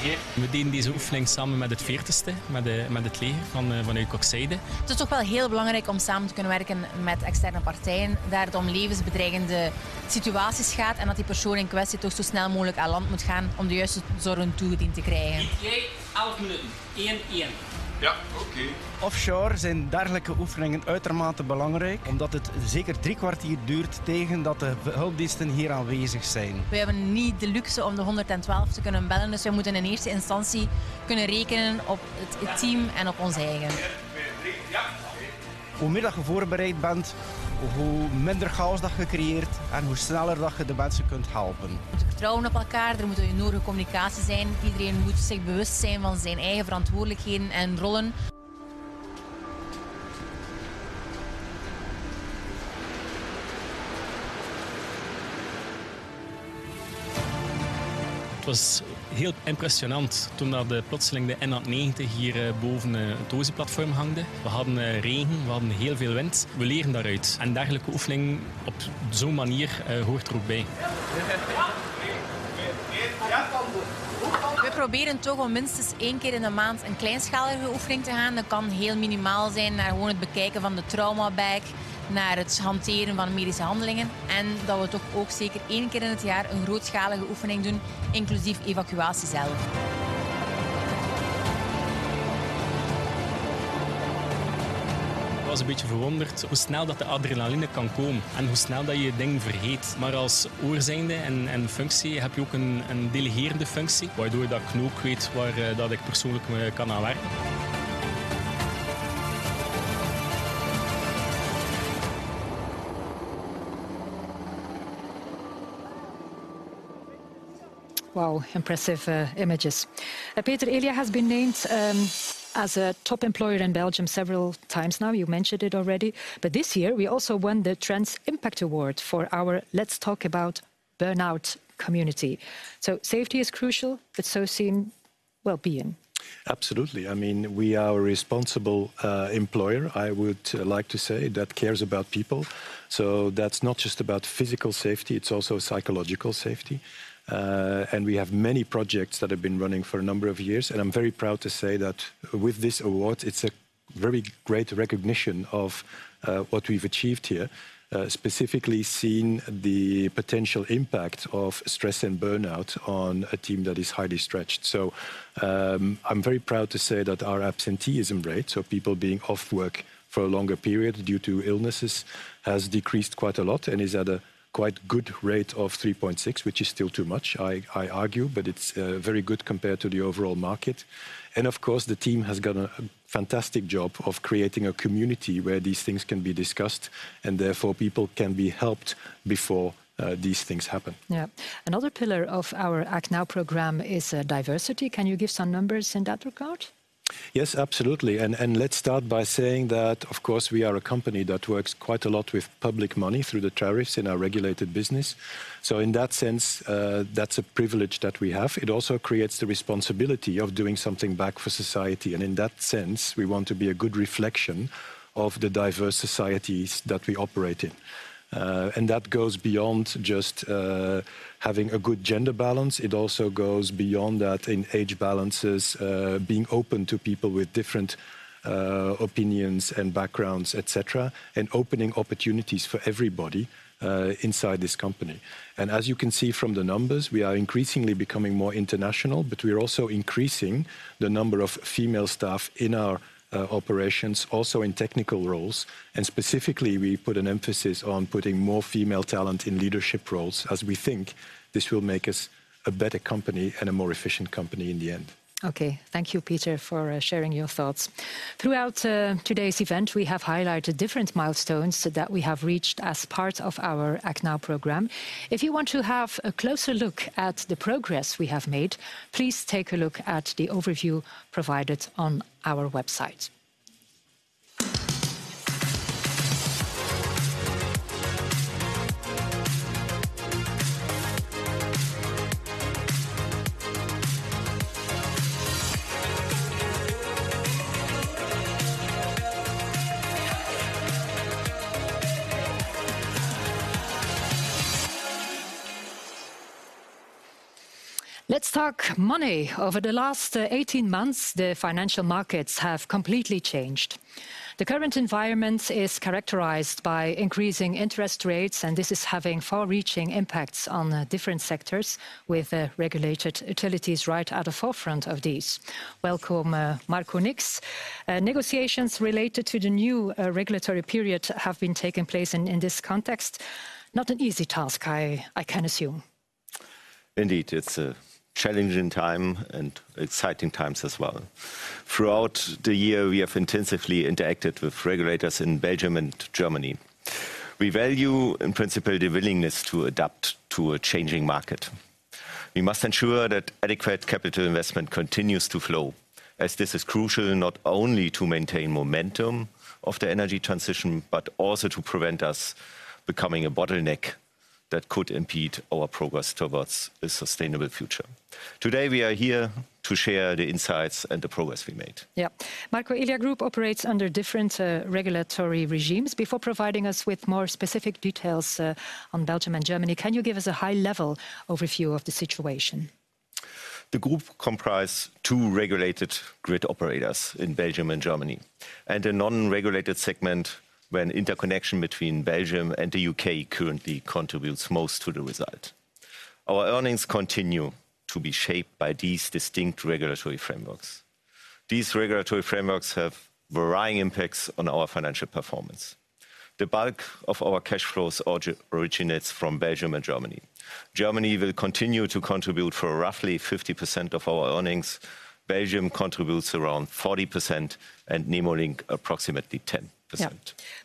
here. Wow, impressive images. Peter, Elia has been named as a top employer in Belgium several times now. You mentioned it already, but this year we also won the Trends Impact Award for our Let's Talk About Burnout community. So safety is crucial, but so is wellbeing. Absolutely. I mean, we are a responsible employer, I would like to say, that cares about people. So that's not just about physical safety, it's also psychological safety. And we have many projects that have been running for a number of years, and I'm very proud to say that with this award, it's a very great recognition of what we've achieved here. Specifically seeing the potential impact of stress and burnout on a team that is highly stretched. So, I'm very proud to say that our absenteeism rate, so people being off work for a longer period due to illnesses, has decreased quite a lot and is at a quite good rate of 3.6, which is still too much, I argue, but it's very good compared to the overall market. Of course, the team has done a fantastic job of creating a community where these things can be discussed, and therefore people can be helped before these things happen. Yeah. Another pillar of our Act Now program is, diversity. Can you give some numbers in that regard? Yes, absolutely. And let's start by saying that, of course, we are a company that works quite a lot with public money through the tariffs in our regulated business. So in that sense, that's a privilege that we have. It also creates the responsibility of doing something back for society, and in that sense, we want to be a good reflection of the diverse societies that we operate in. And that goes beyond just having a good gender balance. It also goes beyond that in age balances, being open to people with different opinions and backgrounds, et cetera, and opening opportunities for everybody inside this company. And as you can see from the numbers, we are increasingly becoming more international, but we're also increasing the number of female staff in our operations, also in technical roles. Specifically, we put an emphasis on putting more female talent in leadership roles, as we think this will make us a better company and a more efficient company in the end. Okay. Thank you, Peter, for sharing your thoughts. Throughout today's event, we have highlighted different milestones that we have reached as part of our Act Now program. If you want to have a closer look at the progress we have made, please take a look at the overview provided on our website. ... Let's talk money. Over the last 18 months, the financial markets have completely changed. The current environment is characterized by increasing interest rates, and this is having far-reaching impacts on different sectors, with regulated utilities right at the forefront of these. Welcome, Marco Nix. Negotiations related to the new regulatory period have been taking place in this context. Not an easy task, I can assume. Indeed, it's a challenging time and exciting times as well. Throughout the year, we have intensively interacted with regulators in Belgium and Germany. We value, in principle, the willingness to adapt to a changing market. We must ensure that adequate capital investment continues to flow, as this is crucial, not only to maintain momentum of the energy transition, but also to prevent us becoming a bottleneck that could impede our progress towards a sustainable future. Today, we are here to share the insights and the progress we made. Yeah. Marco, Elia Group operates under different regulatory regimes. Before providing us with more specific details on Belgium and Germany, can you give us a high-level overview of the situation? The group comprises two regulated grid operators in Belgium and Germany, and a non-regulated segment where interconnection between Belgium and the UK currently contributes most to the result. Our earnings continue to be shaped by these distinct regulatory frameworks. These regulatory frameworks have varying impacts on our financial performance. The bulk of our cash flows originates from Belgium and Germany. Germany will continue to contribute roughly 50% of our earnings. Belgium contributes around 40%, and Nemo Link, approximately 10%. Yeah.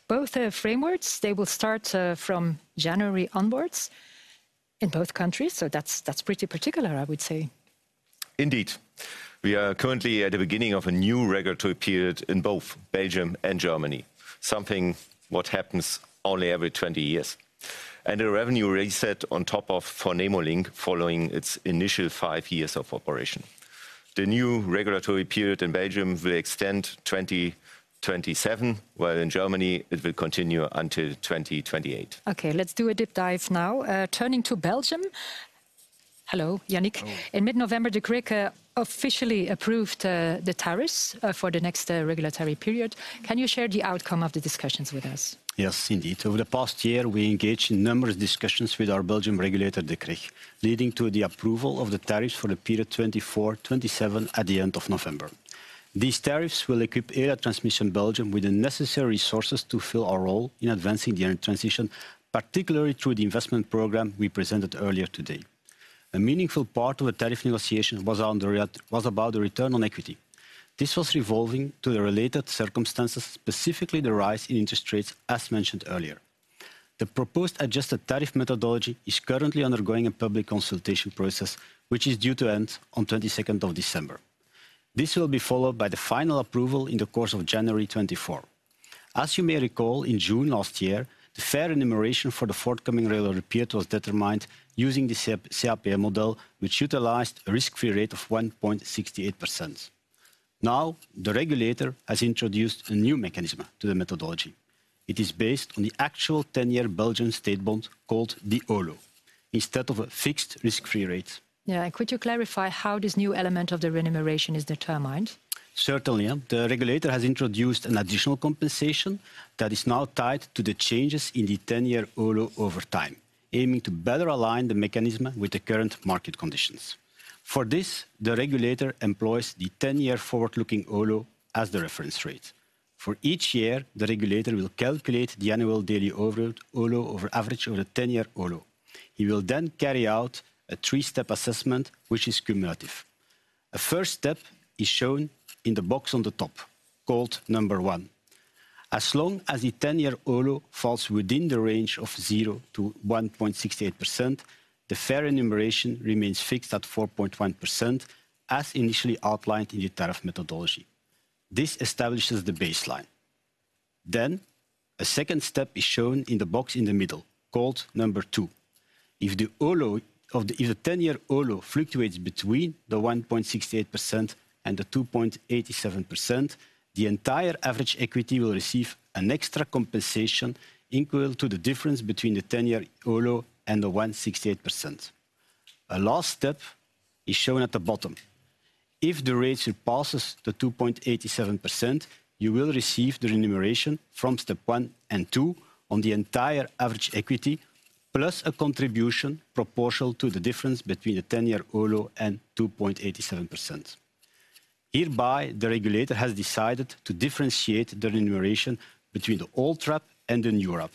Both frameworks, they will start from January onwards in both countries, so that's, that's pretty particular, I would say. Indeed. We are currently at the beginning of a new regulatory period in both Belgium and Germany. Something what happens only every 20 years. And a revenue reset on top of, for Nemo Link, following its initial 5 years of operation. The new regulatory period in Belgium will extend 2027, while in Germany it will continue until 2028. Okay, let's do a deep dive now. Turning to Belgium... Hello, Yannick. Hello. In mid-November, the CREG officially approved the tariffs for the next regulatory period. Can you share the outcome of the discussions with us? Yes, indeed. Over the past year, we engaged in numerous discussions with our Belgian regulator, the CREG, leading to the approval of the tariffs for the period 2024-2027 at the end of November. These tariffs will equip Elia Transmission Belgium with the necessary resources to fill our role in advancing the energy transition, particularly through the investment program we presented earlier today. A meaningful part of the tariff negotiation was about the return on equity. This was relating to the related circumstances, specifically the rise in interest rates, as mentioned earlier. The proposed adjusted tariff methodology is currently undergoing a public consultation process, which is due to end on 22nd of December. This will be followed by the final approval in the course of January 2024. As you may recall, in June last year, the fair remuneration for the forthcoming regulatory period was determined using the CAPM, which utilized a risk-free rate of 1.68%. Now, the regulator has introduced a new mechanism to the methodology. It is based on the actual 10-year Belgian state bond, called the OLO, instead of a fixed risk-free rate. Yeah, and could you clarify how this new element of the remuneration is determined? Certainly, yeah. The regulator has introduced an additional compensation that is now tied to the changes in the ten-year OLO over time, aiming to better align the mechanism with the current market conditions. For this, the regulator employs the ten-year forward-looking OLO as the reference rate. For each year, the regulator will calculate the annual daily average OLO over average of the ten-year OLO. He will then carry out a three-step assessment, which is cumulative. A first step is shown in the box on the top, called number one. As long as the ten-year OLO falls within the range of 0%-1.68%, the fair remuneration remains fixed at 4.1%, as initially outlined in the tariff methodology. This establishes the baseline. Then, a second step is shown in the box in the middle, called number two. If the OLO of the... If the ten-year OLO fluctuates between 1.68% and 2.87%, the entire average equity will receive an extra compensation equal to the difference between the ten-year OLO and 1.68%. A last step is shown at the bottom. If the rate surpasses 2.87%, you will receive the remuneration from step 1 and 2 on the entire average equity, plus a contribution proportional to the difference between the ten-year OLO and 2.87%. Hereby, the regulator has decided to differentiate the remuneration between the old RAB and the new WRAP.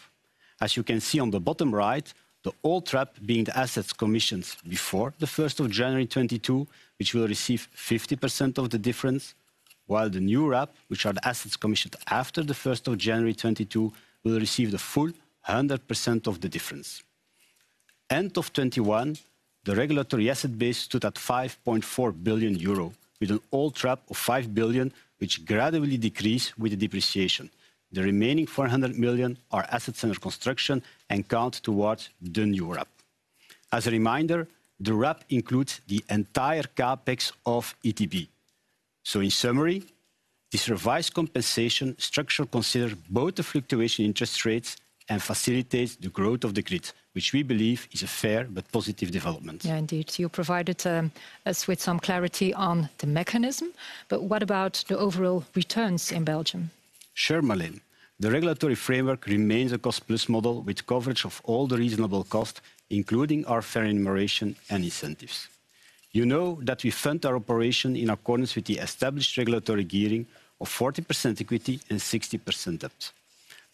As you can see on the bottom right, the Old RAB being the assets commissioned before the 1st of January 2022, which will receive 50% of the difference, while the new RAB, which are the assets commissioned after the 1st of January 2022, will receive the full 100% of the difference. End of 2021, the regulatory asset base stood at 5.4 billion euro, with an oldRAB of 5 billion, which gradually decreases with the depreciation. The remaining 400 million are assets under construction and count towards the new WRAP. As a reminder, the WRAP includes the entire CapEx of ETB. So in summary, this revised compensation structure considers both the fluctuations in interest rates and facilitates the growth of the grid, which we believe is a fair but positive development. Yeah, indeed. You provided us with some clarity on the mechanism, but what about the overall returns in Belgium? Sure, Marleen. The regulatory framework remains a cost-plus model with coverage of all the reasonable cost, including our fair remuneration and incentives. You know that we fund our operation in accordance with the established regulatory gearing of 40% equity and 60% debt.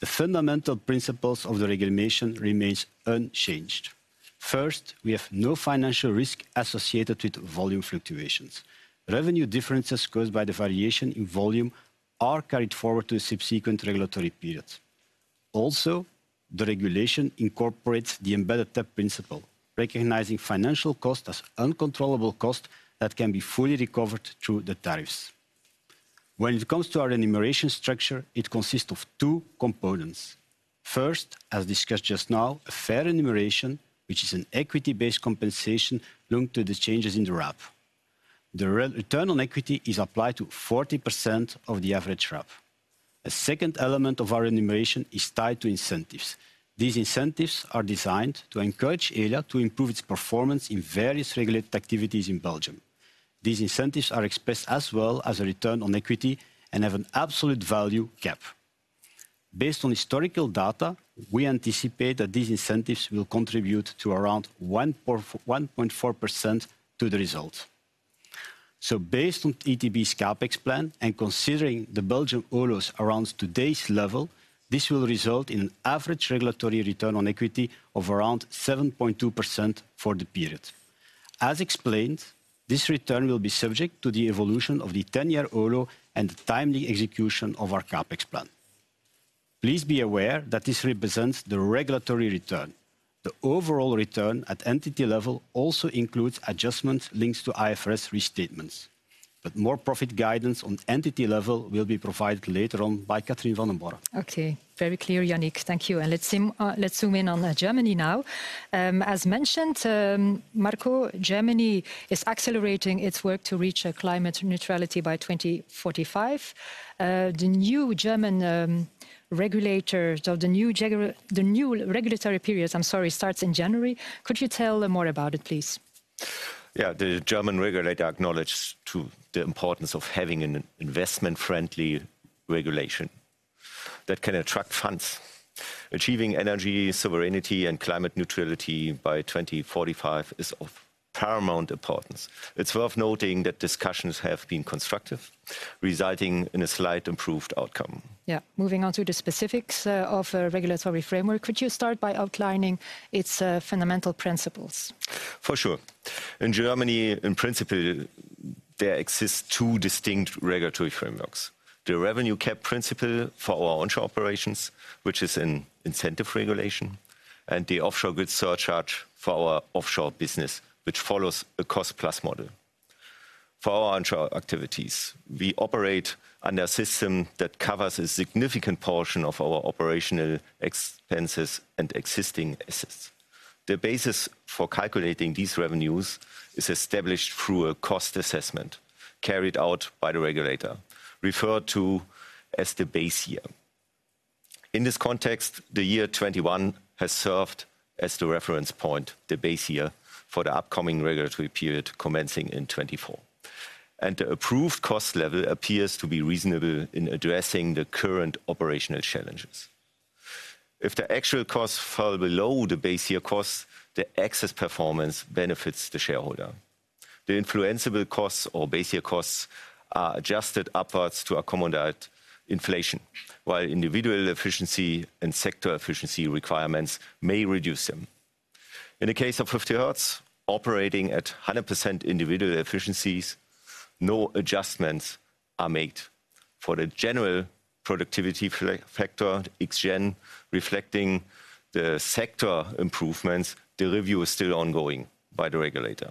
The fundamental principles of the regulation remains unchanged. First, we have no financial risk associated with volume fluctuations. Revenue differences caused by the variation in volume are carried forward to subsequent regulatory periods. Also, the regulation incorporates the embedded debt principle, recognizing financial cost as uncontrollable cost that can be fully recovered through the tariffs. When it comes to our remuneration structure, it consists of two components. First, as discussed just now, a fair remuneration, which is an equity-based compensation linked to the changes in the RAB. The return on equity is applied to 40% of the average RAB. A second element of our remuneration is tied to incentives. These incentives are designed to encourage Elia to improve its performance in various regulated activities in Belgium. These incentives are expressed as well as a return on equity and have an absolute value cap. Based on historical data, we anticipate that these incentives will contribute to around 1.4% to the result. Based on ETB's CapEx plan and considering the Belgian OLO around today's level, this will result in an average regulatory return on equity of around 7.2% for the period. As explained, this return will be subject to the evolution of the 10-year OLO and the timely execution of our CapEx plan. Please be aware that this represents the regulatory return. The overall return at entity level also includes adjustments links to IFRS restatements, but more profit guidance on entity level will be provided later on by Catherine Vandenborre. Okay, very clear, Yannick. Thank you. And let's zoom in on Germany now. As mentioned, Marco, Germany is accelerating its work to reach a climate neutrality by 2045. The new German regulator, the new regulatory periods, I'm sorry, starts in January. Could you tell more about it, please? Yeah. The German regulator acknowledged to the importance of having an investment-friendly regulation that can attract funds. Achieving energy, sovereignty, and climate neutrality by 2045 is of paramount importance. It's worth noting that discussions have been constructive, resulting in a slight improved outcome. Yeah. Moving on to the specifics of a regulatory framework, could you start by outlining its fundamental principles? For sure. In Germany, in principle, there exists two distinct regulatory frameworks: the revenue cap principle for our onshore operations, which is an incentive regulation, and the offshore grid surcharge for our offshore business, which follows a cost-plus model. For our onshore activities, we operate under a system that covers a significant portion of our operational expenses and existing assets. The basis for calculating these revenues is established through a cost assessment carried out by the regulator, referred to as the base year. In this context, the year 2021 has served as the reference point, the base year, for the upcoming regulatory period commencing in 2024. The approved cost level appears to be reasonable in addressing the current operational challenges. If the actual costs fall below the base year costs, the excess performance benefits the shareholder. The uncontrollable costs or base year costs are adjusted upwards to accommodate inflation, while individual efficiency and sector efficiency requirements may reduce them. In the case of 50Hertz, operating at 100% individual efficiencies, no adjustments are made. For the general productivity factor, Xgen, reflecting the sector improvements, the review is still ongoing by the regulator.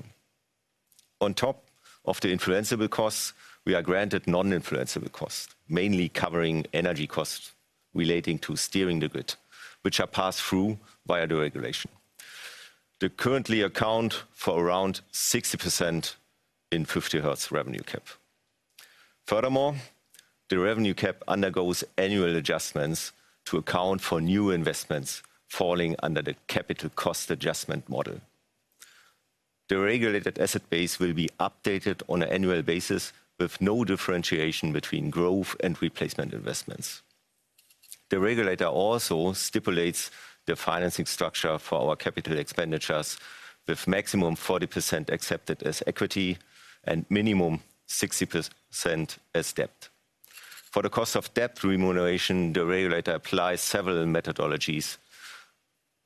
On top of the uncontrollable costs, we are granted controllable costs, mainly covering energy costs relating to steering the grid, which are passed through via the regulation. They currently account for around 60% in 50Hertz revenue cap. Furthermore, the revenue cap undergoes annual adjustments to account for new investments falling under the capital cost adjustment model. The regulated asset base will be updated on an annual basis with no differentiation between growth and replacement investments. The regulator also stipulates the financing structure for our CapEx, with maximum 40% accepted as equity and minimum 60% as debt. For the cost of debt remuneration, the regulator applies several methodologies.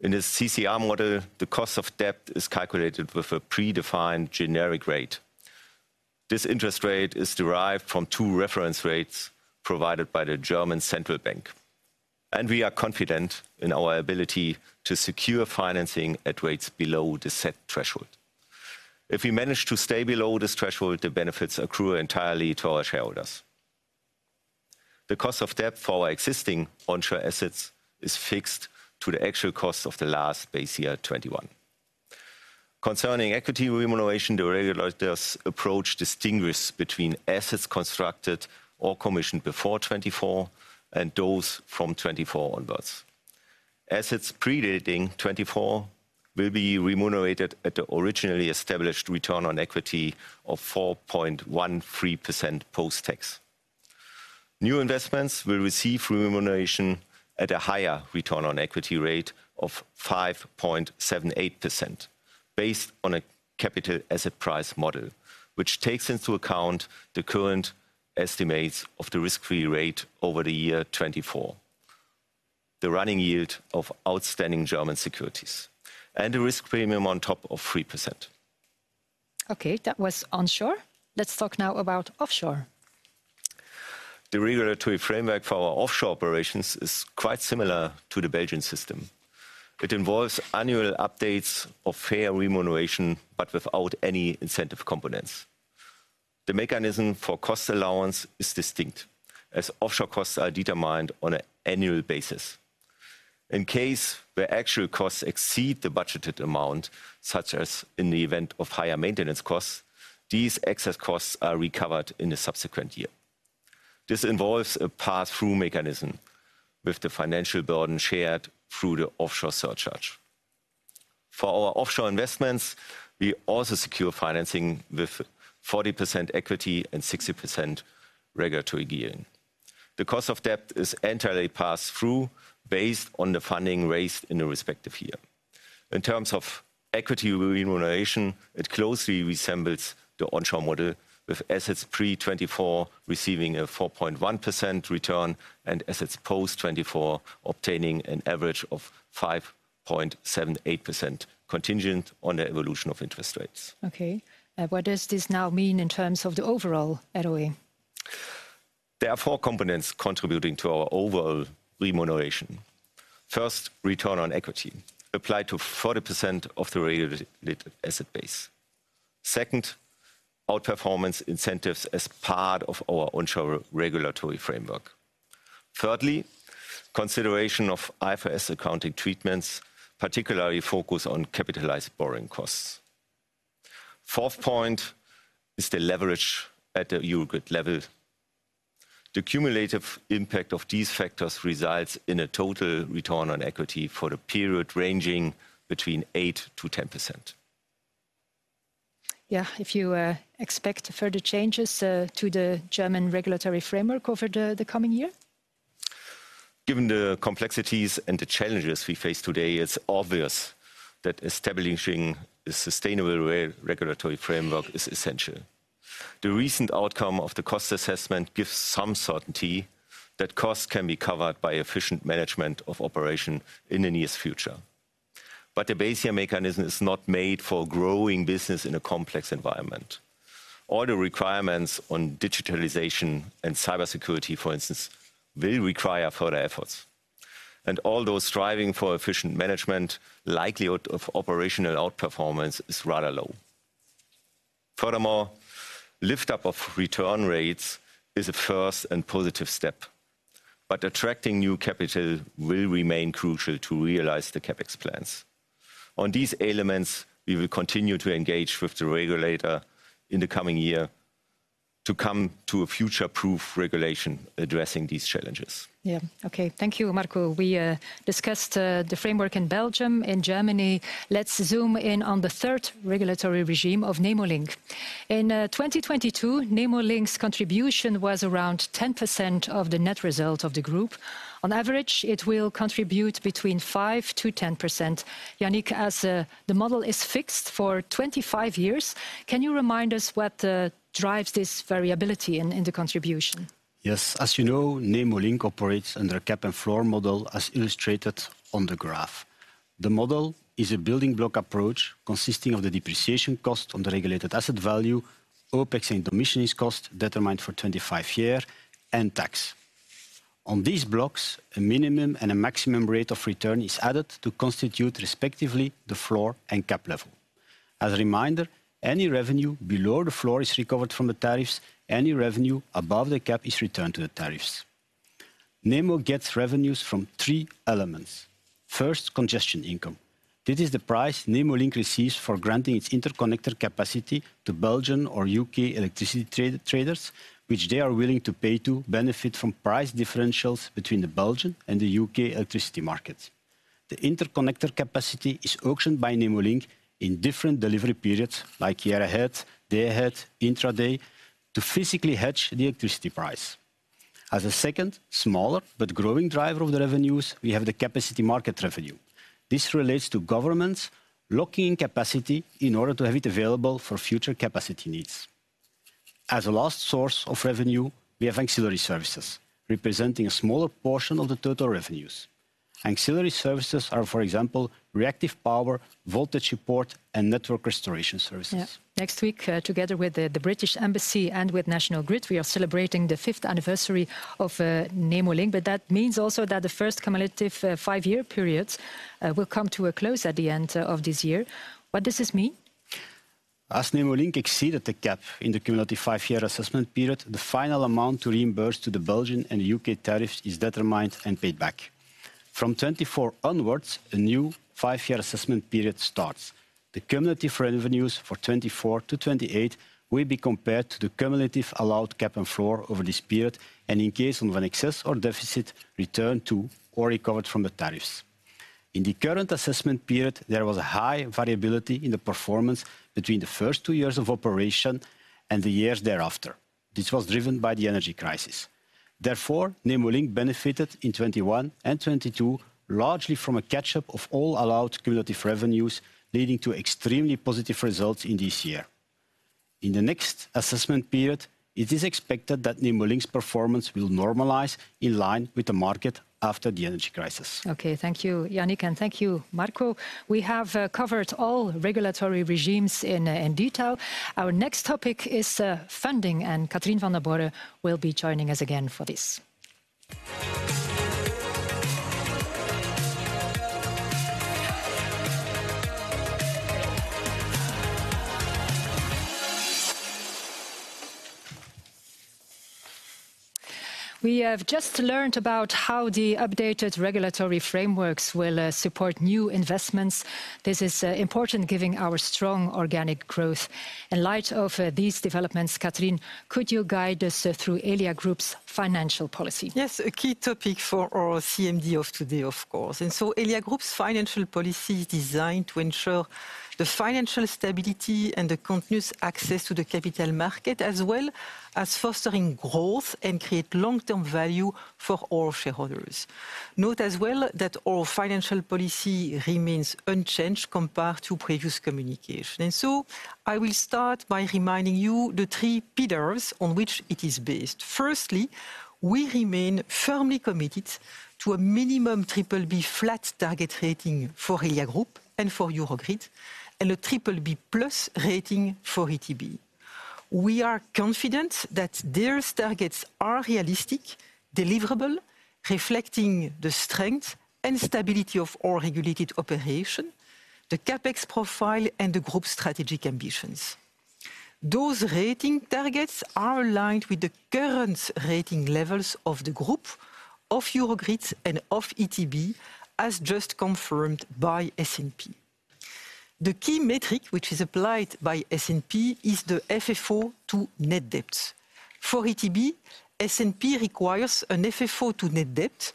In the CCA model, the cost of debt is calculated with a predefined generic rate. This interest rate is derived from two reference rates provided by the German Central Bank, and we are confident in our ability to secure financing at rates below the set threshold. If we manage to stay below this threshold, the benefits accrue entirely to our shareholders.... The cost of debt for our existing onshore assets is fixed to the actual cost of the last base year 2021. Concerning equity remuneration, the regulator's approach distinguish between assets constructed or commissioned before 2024 and those from 2024 onwards. Assets predating 2024 will be remunerated at the originally established return on equity of 4.13% post-tax. New investments will receive remuneration at a higher return on equity rate of 5.78%, based on a capital asset pricing model, which takes into account the current estimates of the risk-free rate over the year 2024, the running yield of outstanding German securities, and a risk premium on top of 3%. Okay, that was onshore. Let's talk now about offshore. The regulatory framework for our offshore operations is quite similar to the Belgian system. It involves annual updates of fair remuneration, but without any incentive components. The mechanism for cost allowance is distinct, as offshore costs are determined on an annual basis. In case the actual costs exceed the budgeted amount, such as in the event of higher maintenance costs, these excess costs are recovered in the subsequent year. This involves a pass-through mechanism, with the financial burden shared through the offshore surcharge. For our offshore investments, we also secure financing with 40% equity and 60% regulatory gearing. The cost of debt is entirely passed through, based on the funding raised in the respective year. In terms of equity remuneration, it closely resembles the onshore model, with assets pre-2024 receiving a 4.1% return, and assets post-2024 obtaining an average of 5.78%, contingent on the evolution of interest rates. Okay. What does this now mean in terms of the overall ROE? There are four components contributing to our overall remuneration. First, return on equity applied to 40% of the regulated asset base. Second, outperformance incentives as part of our onshore regulatory framework. Thirdly, consideration of IFRS accounting treatments, particularly focus on capitalized borrowing costs. Fourth point is the leverage at the Eurogrid level. The cumulative impact of these factors results in a total return on equity for the period ranging between 8%-10%. Yeah, if you expect further changes to the German regulatory framework over the coming year? Given the complexities and the challenges we face today, it's obvious that establishing a sustainable regulatory framework is essential. The recent outcome of the cost assessment gives some certainty that costs can be covered by efficient management of operation in the near future. But the base year mechanism is not made for growing business in a complex environment. All the requirements on digitalization and cybersecurity, for instance, will require further efforts. And although striving for efficient management, likelihood of operational outperformance is rather low. Furthermore, uplift of return rates is a first and positive step, but attracting new capital will remain crucial to realize the CapEx plans. On these elements, we will continue to engage with the regulator in the coming year to come to a future-proof regulation addressing these challenges. Yeah. Okay. Thank you, Marco. We discussed the framework in Belgium, in Germany. Let's zoom in on the third regulatory regime of Nemo Link. In 2022, Nemo Link's contribution was around 10% of the net result of the group. On average, it will contribute between 5%-10%. Yannick, as the model is fixed for 25 years, can you remind us what drives this variability in the contribution? Yes. As you know, Nemo Link operates under a cap and floor model, as illustrated on the graph. The model is a building block approach consisting of the depreciation cost on the regulated asset value, OpEx, and commission's cost, determined for 25-year, and tax. On these blocks, a minimum and a maximum rate of return is added to constitute, respectively, the floor and cap level. As a reminder, any revenue below the floor is recovered from the tariffs. Any revenue above the cap is returned to the tariffs. Nemo gets revenues from three elements. First, congestion income. This is the price Nemo Link receives for granting its interconnector capacity to Belgian or U.K. electricity traders, which they are willing to pay to benefit from price differentials between the Belgian and the U.K. electricity market. The interconnector capacity is auctioned by Nemo Link in different delivery periods, like year ahead, day ahead, intraday, to physically hedge the electricity price. As a second, smaller, but growing driver of the revenues, we have the capacity market revenue. This relates to governments locking in capacity in order to have it available for future capacity needs. As a last source of revenue, we have auxiliary services, representing a smaller portion of the total revenues. Auxiliary services are, for example, reactive power, voltage support, and network restoration services. Yeah. Next week, together with the British Embassy and with National Grid, we are celebrating the fifth anniversary of Nemo Link, but that means also that the first cumulative five-year periods will come to a close at the end of this year. What does this mean? ... As Nemo Link exceeded the cap in the cumulative five-year assessment period, the final amount to reimburse to the Belgian and U.K. tariffs is determined and paid back. From 2024 onwards, a new five-year assessment period starts. The cumulative revenues for 2024 to 2028 will be compared to the cumulative allowed cap and floor over this period, and in case of an excess or deficit, returned to or recovered from the tariffs. In the current assessment period, there was a high variability in the performance between the first two years of operation and the years thereafter. This was driven by the energy crisis. Therefore, Nemo Link benefited in 2021 and 2022 largely from a catch-up of all allowed cumulative revenues, leading to extremely positive results in this year. In the next assessment period, it is expected that Nemo Link's performance will normalize in line with the market after the energy crisis. Okay, thank you, Yannick, and thank you, Marco. We have covered all regulatory regimes in detail. Our next topic is funding, and Catherine Vandenborre will be joining us again for this. We have just learned about how the updated regulatory frameworks will support new investments. This is important giving our strong organic growth. In light of these developments, Catherine, could you guide us through Elia Group's financial policy? Yes, a key topic for our CMD of today, of course. Elia Group's financial policy is designed to ensure the financial stability and the continuous access to the capital market, as well as fostering growth and create long-term value for all shareholders. Note as well that our financial policy remains unchanged compared to previous communication. I will start by reminding you the three pillars on which it is based. Firstly, we remain firmly committed to a minimum triple B flat target rating for Elia Group and for Eurogrid, and a triple B plus rating for ETB. We are confident that these targets are realistic, deliverable, reflecting the strength and stability of all regulated operation, the CapEx profile, and the group strategic ambitions. Those rating targets are aligned with the current rating levels of the group, of Eurogrid, and of ETB, as just confirmed by S&P. The key metric, which is applied by S&P, is the FFO to net debt. For ETB, S&P requires an FFO to net debt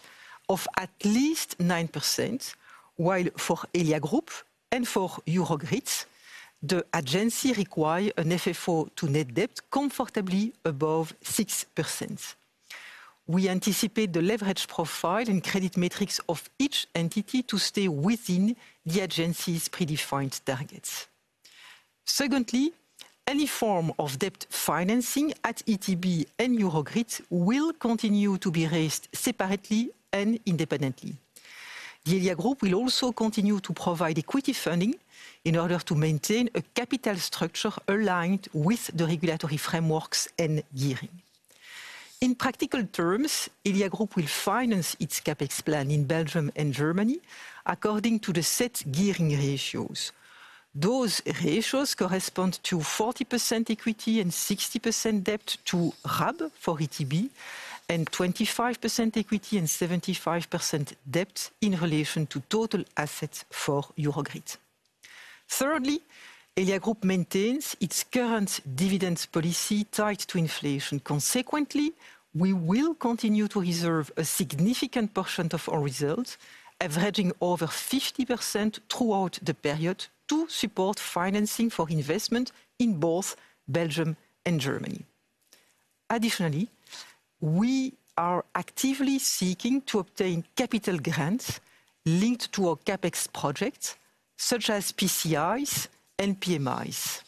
of at least 9%, while for Elia Group and for Eurogrid, the agency requires an FFO to net debt comfortably above 6%. We anticipate the leverage profile and credit metrics of each entity to stay within the agency's predefined targets. Secondly, any form of debt financing at ETB and Eurogrid will continue to be raised separately and independently. The Elia Group will also continue to provide equity funding in order to maintain a capital structure aligned with the regulatory frameworks and gearing. In practical terms, Elia Group will finance its CapEx plan in Belgium and Germany, according to the set gearing ratios. Those ratios correspond to 40% equity and 60% debt to RAB for ETB, and 25% equity and 75% debt in relation to total assets for Eurogrid. Thirdly, Elia Group maintains its current dividends policy tied to inflation. Consequently, we will continue to reserve a significant portion of our results, averaging over 50% throughout the period, to support financing for investment in both Belgium and Germany. Additionally, we are actively seeking to obtain capital grants linked to our CapEx projects, such as PCIs and PMIs.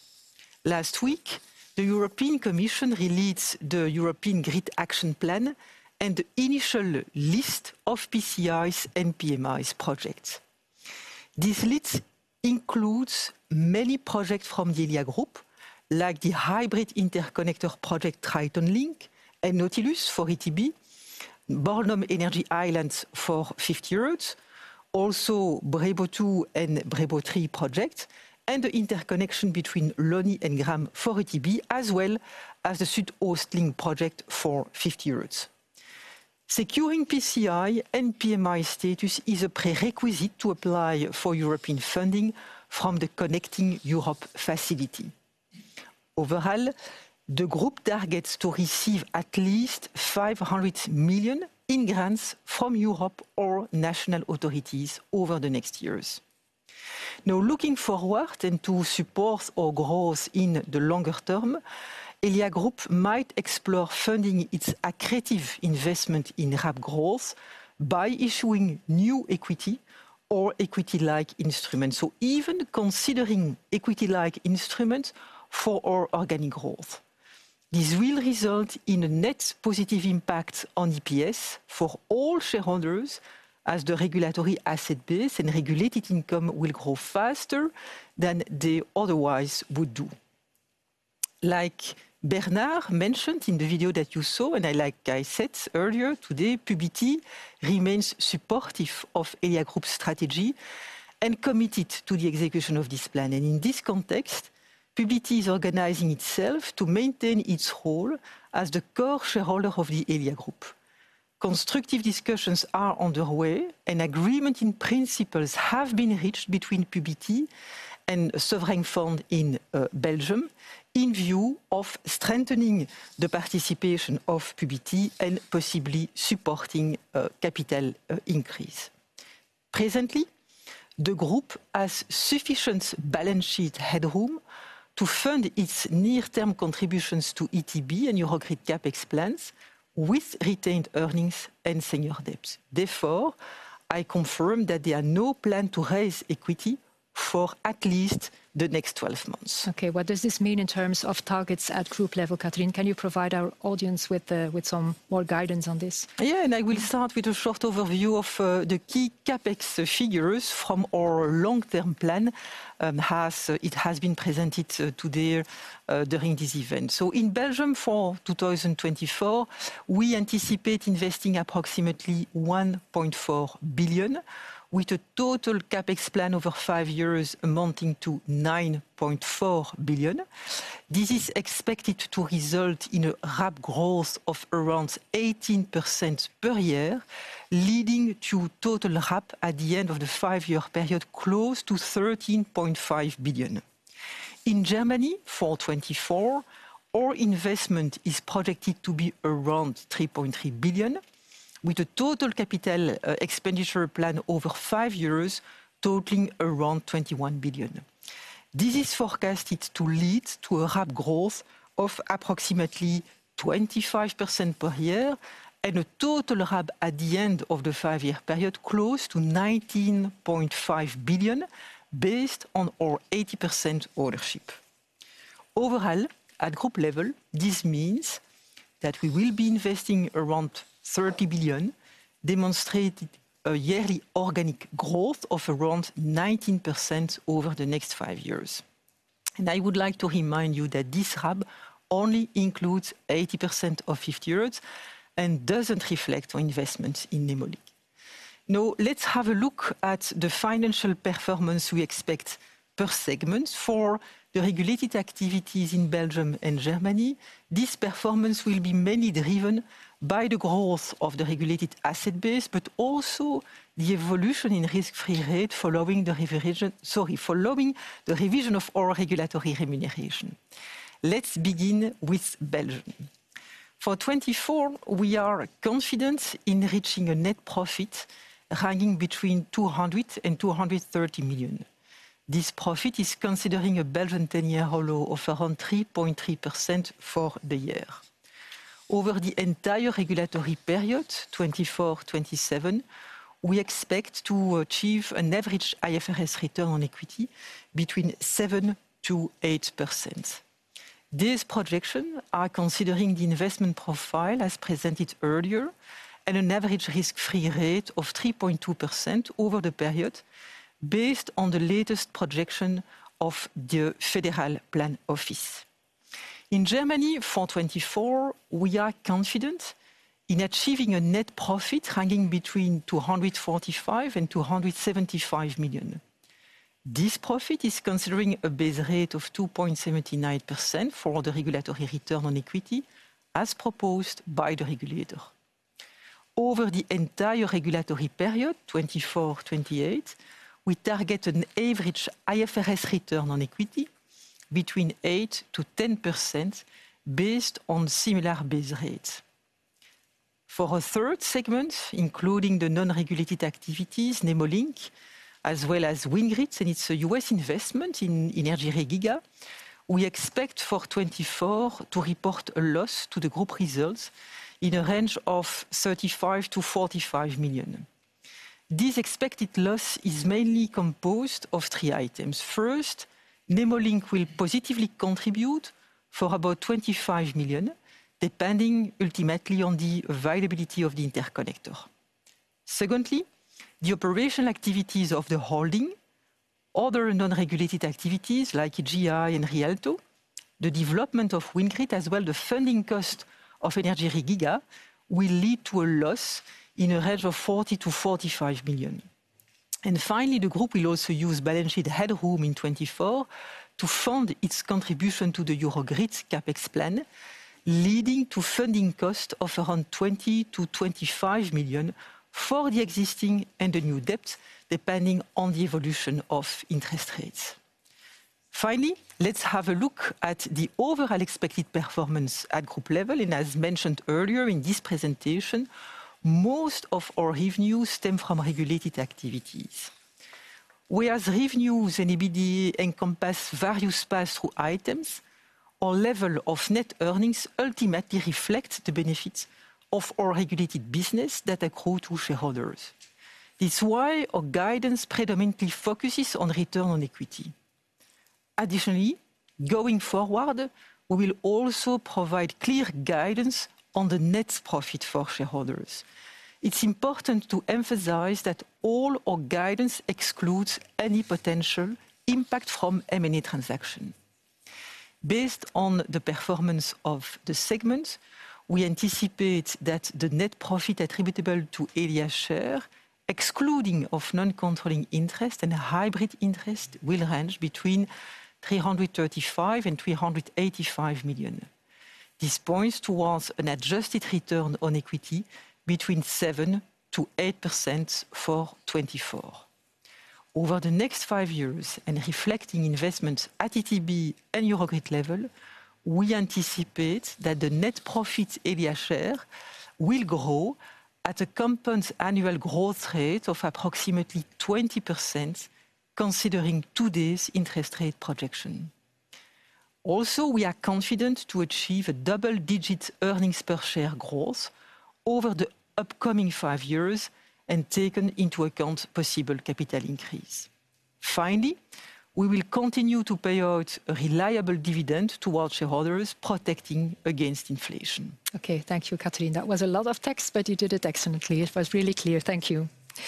Last week, the European Commission released the European Grid Action Plan and the initial list of PCIs and PMIs projects. This list includes many projects from the Elia Group, like the Hybrid Interconnector project, Triton Link, and Nautilus for ETB, Bornholm Energy Islands for 50Hertz, also Brabo II and Brabo III project, and the interconnection between Lonny and Gramme for ETB, as well as the SüdOstLink project for 50Hertz. Securing PCI and PMI status is a prerequisite to apply for European funding from the Connecting Europe Facility. Overall, the group targets to receive at least 500 million in grants from Europe or national authorities over the next years. Now, looking forward and to support our growth in the longer term, Elia Group might explore funding its accretive investment in hub growth by issuing new equity or equity-like instruments. So even considering equity-like instruments for our organic growth. This will result in a net positive impact on EPS for all shareholders, as the regulatory asset base and regulated income will grow faster than they otherwise would do.... Like Bernard mentioned in the video that you saw, and I, like I said earlier today, Publi-T remains supportive of Elia Group's strategy and committed to the execution of this plan. In this context, Publi-T is organizing itself to maintain its role as the core shareholder of the Elia Group. Constructive discussions are underway, and agreement in principles have been reached between Publi-T and Sovereign Fund in Belgium, in view of strengthening the participation of Publi-T and possibly supporting a capital increase. Presently, the group has sufficient balance sheet headroom to fund its near-term contributions to ETB and Eurogrid CapEx plans with retained earnings and senior debts. Therefore, I confirm that there are no plans to raise equity for at least the next 12 months. Okay, what does this mean in terms of targets at group level, Catherine? Can you provide our audience with, with some more guidance on this? Yeah, and I will start with a short overview of the key CapEx figures from our long-term plan, it has been presented today during this event. So in Belgium, for 2024, we anticipate investing approximately 1.4 billion, with a total CapEx plan over five years amounting to 9.4 billion. This is expected to result in a rapid growth of around 18% per year, leading to total RAB at the end of the five-year period, close to 13.5 billion. In Germany, for 2024, our investment is projected to be around 3.3 billion, with a total capital expenditure plan over five years totaling around 21 billion. This is forecasted to lead to a RAB growth of approximately 25% per year and a total RAB at the end of the 5-year period, close to 19.5 billion, based on our 80% ownership. Overall, at group level, this means that we will be investing around 30 billion, demonstrating a yearly organic growth of around 19% over the next 5 years. I would like to remind you that this RAB only includes 80% of 50Hertz and doesn't reflect our investment in Nemo Link. Now, let's have a look at the financial performance we expect per segment. For the regulated activities in Belgium and Germany, this performance will be mainly driven by the growth of the regulated asset base, but also the evolution in risk-free rate following the revision, sorry, following the revision of our regulatory remuneration. Let's begin with Belgium. For 2024, we are confident in reaching a net profit ranging between 200 million and 230 million. This profit is considering a Belgian ten-year OLO of around 3.3% for the year. Over the entire regulatory period, 2024-2027, we expect to achieve an average IFRS return on equity between 7%-8%. These projections are considering the investment profile as presented earlier, and an average risk-free rate of 3.2% over the period, based on the latest projection of the Federal Plan office. In Germany, for 2024, we are confident in achieving a net profit ranging between 245 million and 275 million. This profit is considering a base rate of 2.79% for the regulatory return on equity, as proposed by the regulator. Over the entire regulatory period, 2024-2028, we target an average IFRS return on equity between 8%-10%, based on similar base rates. For our third segment, including the non-regulated activities, Nemo Link, as well as WindGrid, and its U.S. investment in energyRe Giga, we expect for 2024 to report a loss to the group results in a range of 35 million-45 million. This expected loss is mainly composed of three items. First, Nemo Link will positively contribute for about 25 million, depending ultimately on the availability of the interconnector. Secondly, the operational activities of the holding, other non-regulated activities like EGI and re.alto, the development of WindGrid, as well the funding cost of energyRe Giga, will lead to a loss in a range of 40 million-45 million. Finally, the group will also use balance sheet headroom in 2024 to fund its contribution to the Eurogrid CapEx plan, leading to funding cost of around 20-25 million for the existing and the new debt, depending on the evolution of interest rates. Finally, let's have a look at the overall expected performance at group level, and as mentioned earlier in this presentation, most of our revenues stem from regulated activities. Whereas revenues and EBITDA encompass various pass-through items, our level of net earnings ultimately reflects the benefits of our regulated business that accrue to shareholders. It's why our guidance predominantly focuses on return on equity. Additionally, going forward, we will also provide clear guidance on the net profit for shareholders. It's important to emphasize that all our guidance excludes any potential impact from M&A transaction.... Based on the performance of the segments, we anticipate that the net profit attributable to Elia share, excluding of non-controlling interest and a hybrid interest, will range between 335 million and 385 million. This points towards an adjusted return on equity between 7%-8% for 2024. Over the next 5 years, and reflecting investments at ETB and Eurogrid level, we anticipate that the net profit Elia share will grow at a compound annual growth rate of approximately 20%, considering today's interest rate projection. Also, we are confident to achieve a double-digit earnings per share growth over the upcoming 5 years, and taken into account possible capital increase. Finally, we will continue to pay out a reliable dividend to our shareholders, protecting against inflation. Okay, thank you, Catherine. That was a lot of text, but you did it excellently. It was really clear. Thank you. So,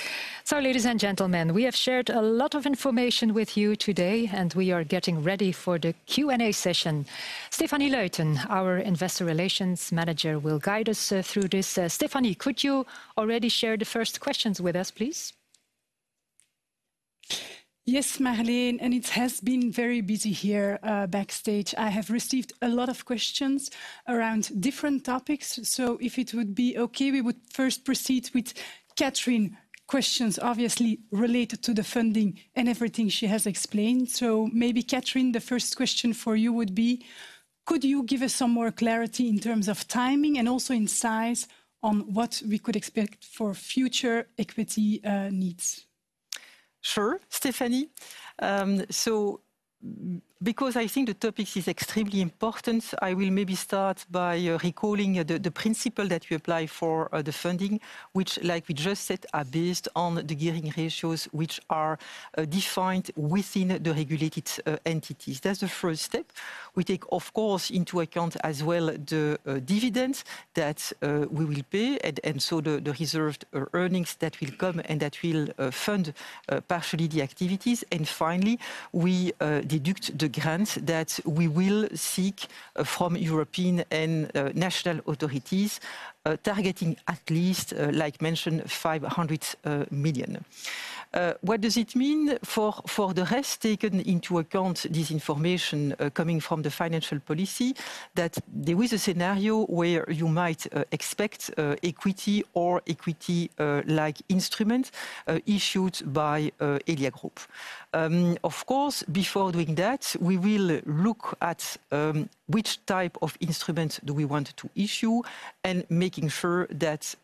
ladies and gentlemen, we have shared a lot of information with you today, and we are getting ready for the Q&A session. Stéphanie Luyten, our investor relations manager, will guide us through this. Stephanie, could you already share the first questions with us, please? Yes, Marleen, and it has been very busy here, backstage. I have received a lot of questions around different topics, so if it would be okay, we would first proceed with Catherine. Questions obviously related to the funding and everything she has explained. So maybe, Catherine, the first question for you would be: could you give us some more clarity in terms of timing, and also in size, on what we could expect for future equity needs? Sure, Stephanie. Because I think the topic is extremely important, I will maybe start by recalling the principle that we apply for the funding, which, like we just said, are based on the gearing ratios which are defined within the regulated entities. That's the first step. We take, of course, into account as well the dividends that we will pay, and so the reserved earnings that will come and that will fund partially the activities. And finally, we deduct the grants that we will seek from European and national authorities targeting at least, like mentioned, 500 million. What does it mean for the rest, taken into account this information coming from the financial policy, that there is a scenario where you might expect equity or equity-like instrument issued by Elia Group? Of course, before doing that, we will look at which type of instruments do we want to issue, and making sure that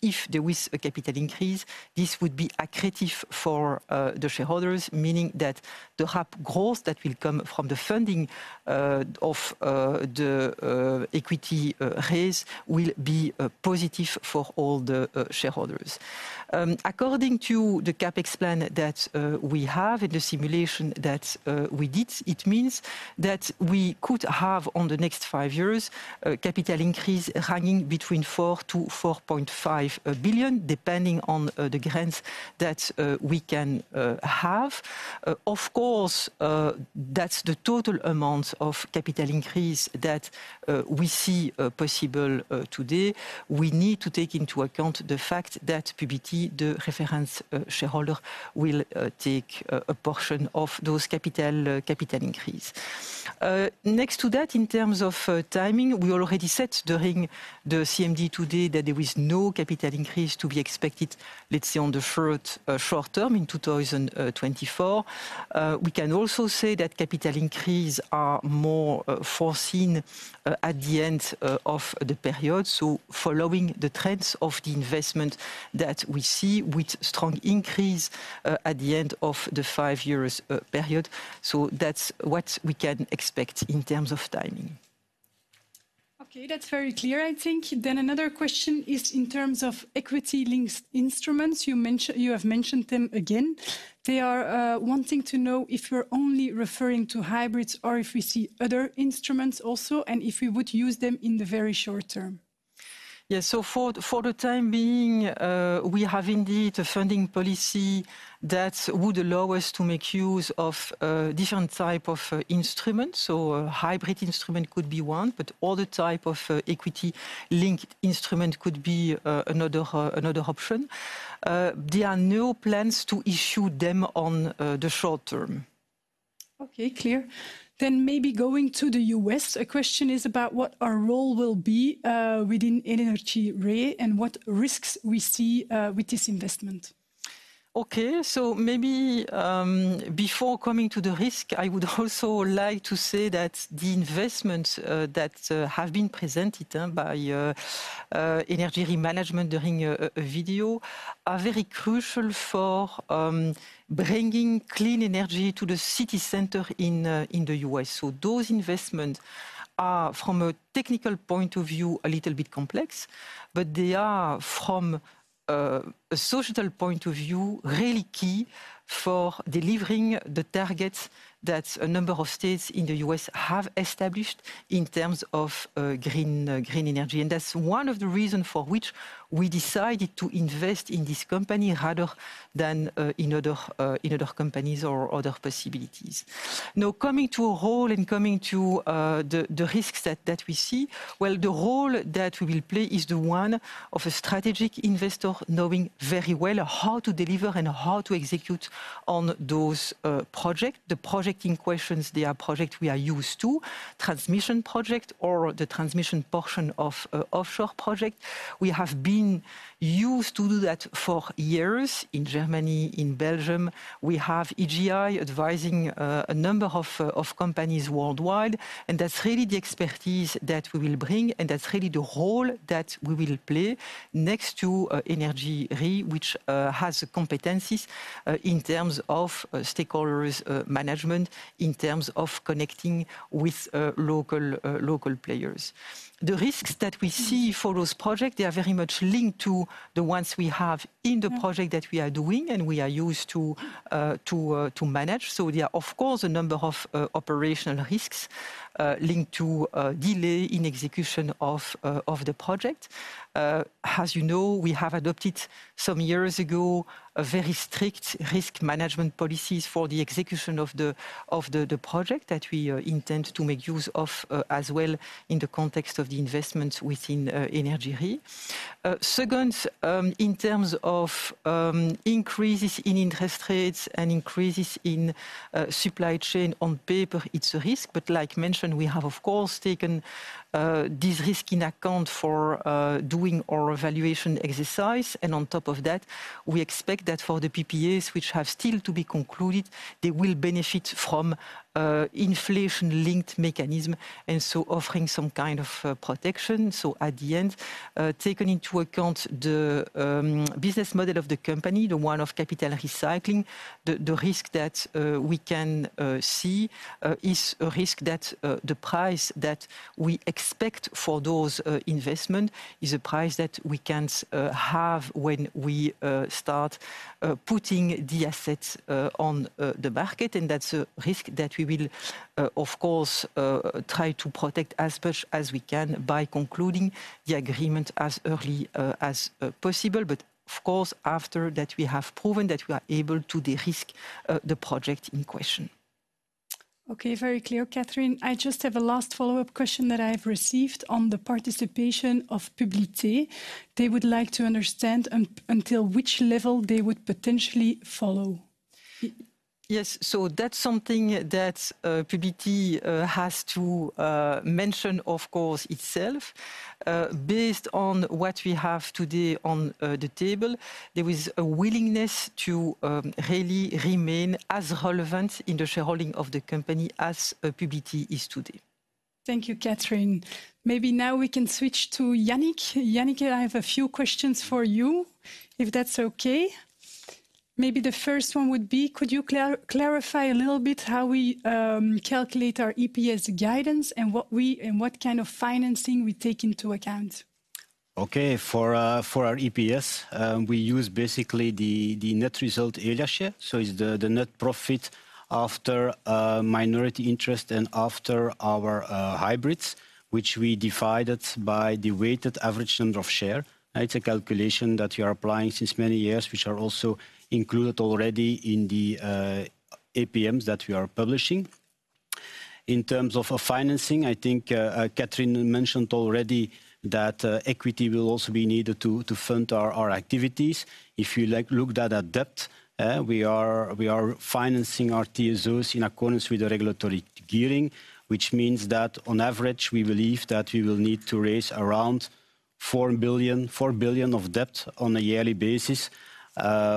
if there is a capital increase, this would be accretive for the shareholders, meaning that the growth that will come from the funding of the equity raise will be positive for all the shareholders. According to the CapEx plan that we have and the simulation that we did, it means that we could have, on the next five years, a capital increase ranging between 4 billion-4.5 billion, depending on the grants that we can have. Of course, that's the total amount of capital increase that we see possible today. We need to take into account the fact that Publi-T, the reference shareholder, will take a portion of those capital increase. Next to that, in terms of timing, we already said during the CMD today that there is no capital increase to be expected, let's say, in the short term, in 2024. We can also say that capital increase are more foreseen at the end of the period, so following the trends of the investment that we see, with strong increase at the end of the five years period. So that's what we can expect in terms of timing. Okay, that's very clear, I think. Then another question is in terms of equity-linked instruments. You have mentioned them again. They are wanting to know if you're only referring to hybrids, or if we see other instruments also, and if we would use them in the very short term. Yes, so for the time being, we have indeed a funding policy that would allow us to make use of different type of instruments, so a hybrid instrument could be one, but other type of equity-linked instrument could be another option. There are no plans to issue them on the short term. Okay, clear. Then maybe going to the U.S., a question is about what our role will be within energyRe, and what risks we see with this investment? ... Okay, so maybe, before coming to the risk, I would also like to say that the investments that have been presented by energyRe management during a video are very crucial for bringing clean energy to the city center in the US. So those investments are, from a technical point of view, a little bit complex, but they are from a social point of view, really key for delivering the targets that a number of states in the US have established in terms of green energy. And that's one of the reasons for which we decided to invest in this company rather than in other companies or other possibilities. Now, coming to a role and coming to the risks that we see, well, the role that we will play is the one of a strategic investor, knowing very well how to deliver and how to execute on those project. The project in questions, they are project we are used to, transmission project or the transmission portion of offshore project. We have been used to do that for years in Germany, in Belgium. We have EGI advising a number of companies worldwide, and that's really the expertise that we will bring, and that's really the role that we will play next to energyRe, which has competencies in terms of stakeholders management, in terms of connecting with local players. The risks that we see for those project, they are very much linked to the ones we have in the project that we are doing, and we are used to manage. There are, of course, a number of operational risks linked to a delay in execution of the project. As you know, we have adopted some years ago a very strict risk management policies for the execution of the project that we are intent to make use of as well in the context of the investments within energyRe. Second, in terms of increases in interest rates and increases in supply chain, on paper it's a risk, but like mentioned, we have of course taken this risk in account for doing our evaluation exercise. And on top of that, we expect that for the PPAs, which have still to be concluded, they will benefit from inflation-linked mechanism, and so offering some kind of protection. So at the end, taking into account the business model of the company, the one of capital recycling, the risk that we can see is a risk that the price that we expect for those investment is a price that we can't have when we start putting the assets on the market. And that's a risk that we will of course try to protect as much as we can by concluding the agreement as early as possible. But of course, after that we have proven that we are able to de-risk the project in question. Okay, very clear, Catherine. I just have a last follow-up question that I have received on the participation of Publi-T. They would like to understand until which level they would potentially follow. Yes. So that's something that Publi-T has to mention, of course, itself. Based on what we have today on the table, there is a willingness to really remain as relevant in the shareholding of the company as Publi-T is today. Thank you, Catherine. Maybe now we can switch to Yannick. Yannick, I have a few questions for you, if that's okay? Maybe the first one would be, could you clarify a little bit how we calculate our EPS guidance and what kind of financing we take into account? Okay. For our EPS, we use basically the net result per share, so it's the net profit after minority interest and after our hybrids, which we divided by the weighted average number of shares. And it's a calculation that we are applying since many years, which are also included already in the APMs that we are publishing. In terms of financing, I think Catherine mentioned already that equity will also be needed to fund our activities. If you like looked at debt, we are financing our TSOs in accordance with the regulatory gearing, which means that on average, we believe that we will need to raise around 4 billion of debt on a yearly basis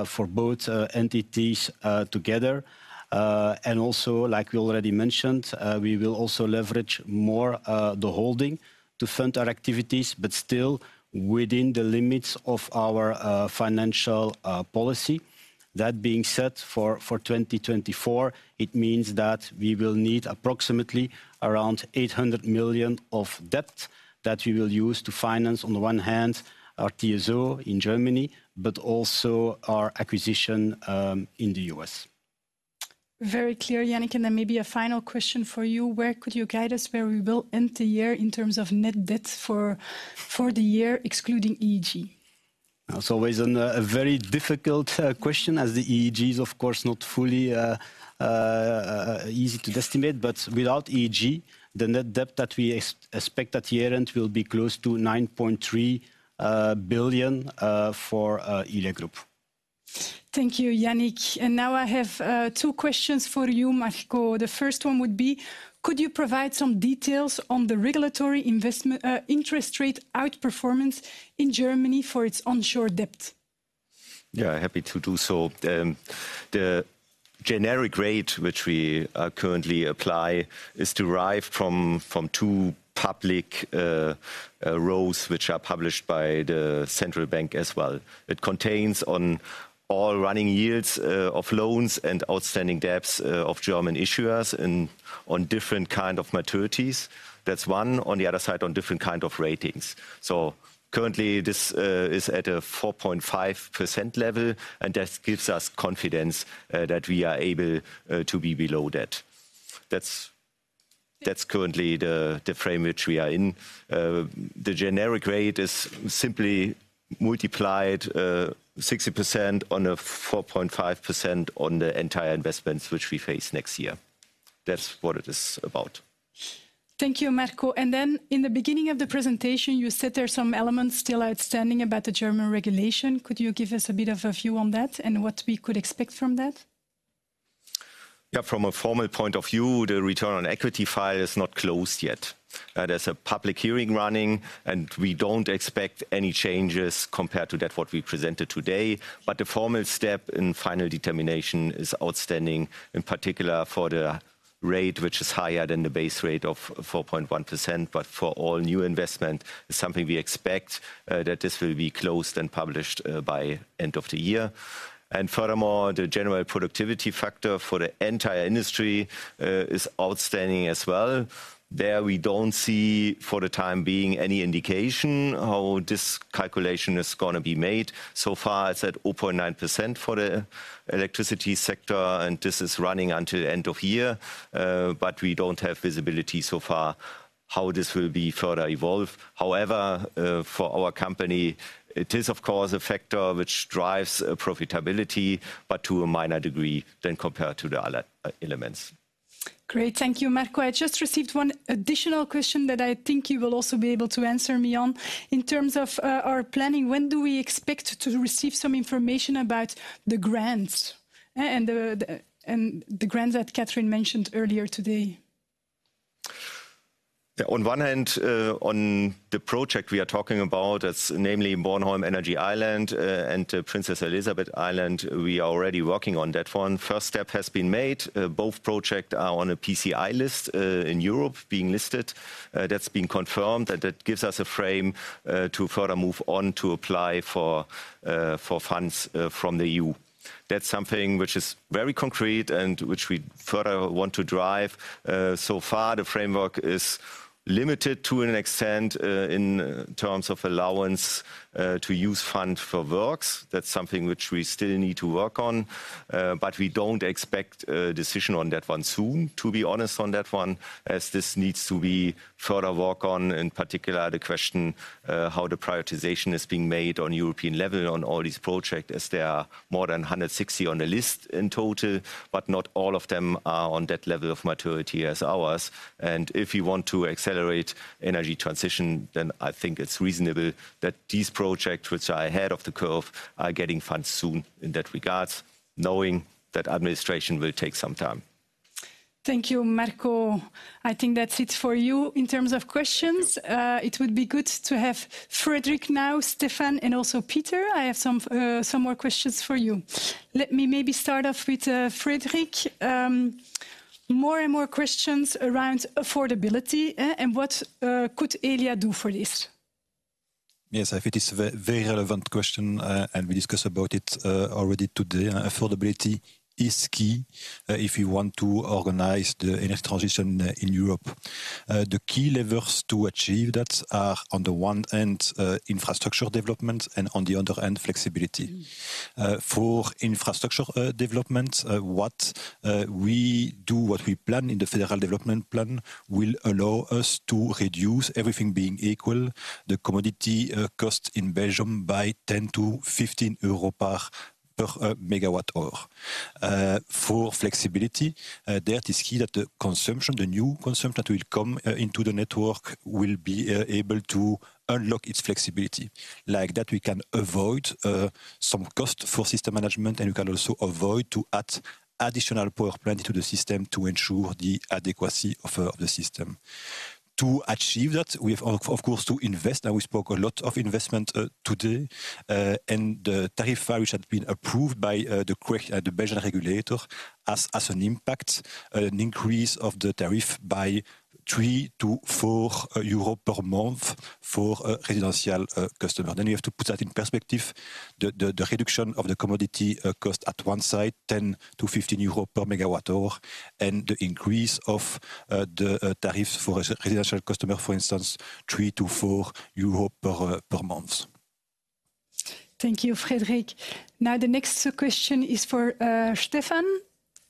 for both entities together. Also, like we already mentioned, we will also leverage more, the holding to fund our activities, but still within the limits of our financial policy. That being said, for 2024, it means that we will need approximately around 800 million of debt that we will use to finance, on the one hand, our TSO in Germany, but also our acquisition in the U.S. Very clear, Yannick, and then maybe a final question for you. Where could you guide us where we will end the year in terms of net debt for the year, excluding EEG? That's always a very difficult question, as the EEG is, of course, not fully easy to estimate. But without EEG, the net debt that we expect at year-end will be close to 9.3 billion for Elia Group. Thank you, Yannick. And now I have two questions for you, Marco. The first one would be: Could you provide some details on the regulatory interest rate outperformance in Germany for its onshore debt?... Yeah, happy to do so. The generic rate which we currently apply is derived from two public ratios, which are published by the central bank as well. It contains on all running yields of loans and outstanding debts of German issuers and on different kind of maturities. That's one. On the other side, on different kind of ratings. So currently, this is at a 4.5% level, and this gives us confidence that we are able to be below that. That's currently the frame which we are in. The generic rate is simply multiplied 60% on a 4.5% on the entire investments which we face next year. That's what it is about. Thank you, Marco. Then in the beginning of the presentation, you said there are some elements still outstanding about the German regulation. Could you give us a bit of a view on that and what we could expect from that? Yeah, from a formal point of view, the return on equity file is not closed yet. There's a public hearing running, and we don't expect any changes compared to that what we presented today. But the formal step in final determination is outstanding, in particular for the rate, which is higher than the base rate of 4.1%. But for all new investment, it's something we expect that this will be closed and published by end of the year. And furthermore, the general productivity factor for the entire industry is outstanding as well. There, we don't see, for the time being, any indication how this calculation is gonna be made. So far, it's at 0.9% for the electricity sector, and this is running until end of year. But we don't have visibility so far how this will be further evolve. However, for our company, it is, of course, a factor which drives profitability, but to a minor degree than compared to the other elements. Great. Thank you, Marco. I just received one additional question that I think you will also be able to answer me on. In terms of our planning, when do we expect to receive some information about the grants and the grants that Catherine mentioned earlier today? Yeah, on one hand, on the project we are talking about, as namely Bornholm Energy Island, and Princess Elisabeth Island, we are already working on that one. First step has been made. Both project are on a PCI list, in Europe, being listed. That's been confirmed, and that gives us a frame, to further move on to apply for, for funds, from the EU. That's something which is very concrete and which we further want to drive. So far, the framework is limited to an extent, in terms of allowance, to use fund for works. That's something which we still need to work on, but we don't expect a decision on that one soon, to be honest on that one, as this needs to be further work on, in particular, the question, how the prioritization is being made on European level on all these projects, as there are more than 160 on the list in total, but not all of them are on that level of maturity as ours. If you want to accelerate energy transition, then I think it's reasonable that these projects, which are ahead of the curve, are getting funds soon in that regards, knowing that administration will take some time. Thank you, Marco. I think that's it for you in terms of questions. Yeah. It would be good to have Frédéric now, Stefan, and also Peter. I have some more questions for you. Let me maybe start off with Frédéric. More and more questions around affordability, and what could Elia do for this? Yes, I think it's a very relevant question, and we discussed about it already today. Affordability is key, if you want to organize the energy transition in Europe. The key levers to achieve that are, on the one hand, infrastructure development, and on the other hand, flexibility. For infrastructure development, what we do, what we plan in the Federal Development Plan will allow us to reduce, everything being equal, the commodity cost in Belgium by 10-15 euros per megawatt hour. For flexibility, that is key that the consumption, the new consumption that will come into the network will be able to unlock its flexibility. Like that, we can avoid some cost for system management, and we can also avoid to add additional power plant to the system to ensure the adequacy of the system. To achieve that, we have, of course, to invest, and we spoke a lot of investment today. The tariff which had been approved by the Belgian regulator has, as an impact, an increase of the tariff by 3-4 euro per month for a residential customer. Then you have to put that in perspective, the reduction of the commodity cost at one side, 10-15 euro per MWh, and the increase of the tariffs for residential customer, for instance, 3-4 euros per month. Thank you, Frédéric. Now, the next question is for, Stefan.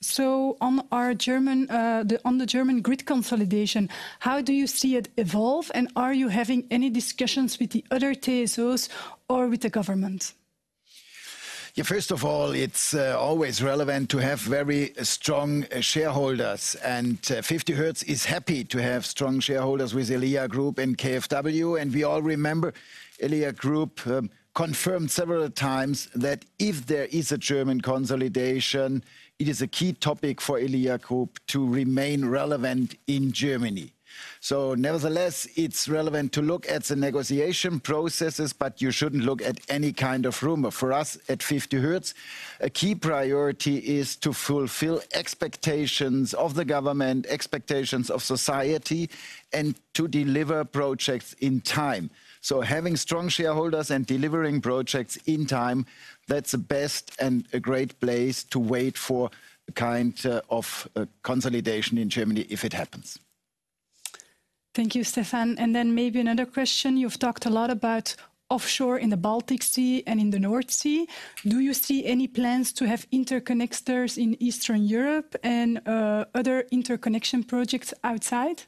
So on the German grid consolidation, how do you see it evolve, and are you having any discussions with the other TSOs or with the government?... Yeah, first of all, it's always relevant to have very strong shareholders, and 50Hertz is happy to have strong shareholders with Elia Group and KfW. And we all remember, Elia Group confirmed several times that if there is a German consolidation, it is a key topic for Elia Group to remain relevant in Germany. So nevertheless, it's relevant to look at the negotiation processes, but you shouldn't look at any kind of rumor. For us, at 50Hertz, a key priority is to fulfill expectations of the government, expectations of society, and to deliver projects in time. So having strong shareholders and delivering projects in time, that's the best and a great place to wait for a kind of consolidation in Germany, if it happens. Thank you, Stefan. Then maybe another question, you've talked a lot about offshore in the Baltic Sea and in the North Sea. Do you see any plans to have interconnectors in Eastern Europe and other interconnection projects outside?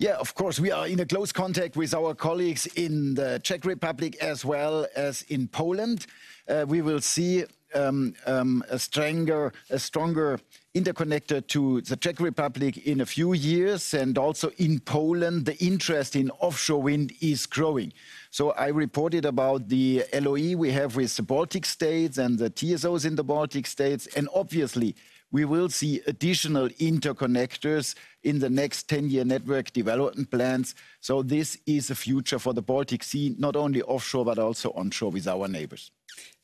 Yeah, of course. We are in close contact with our colleagues in the Czech Republic, as well as in Poland. We will see a stronger interconnector to the Czech Republic in a few years, and also in Poland, the interest in offshore wind is growing. So I reported about the LoI we have with the Baltic States and the TSOs in the Baltic States, and obviously, we will see additional interconnectors in the next Ten-Year Network Development Plans. So this is a future for the Baltic Sea, not only offshore, but also onshore with our neighbors.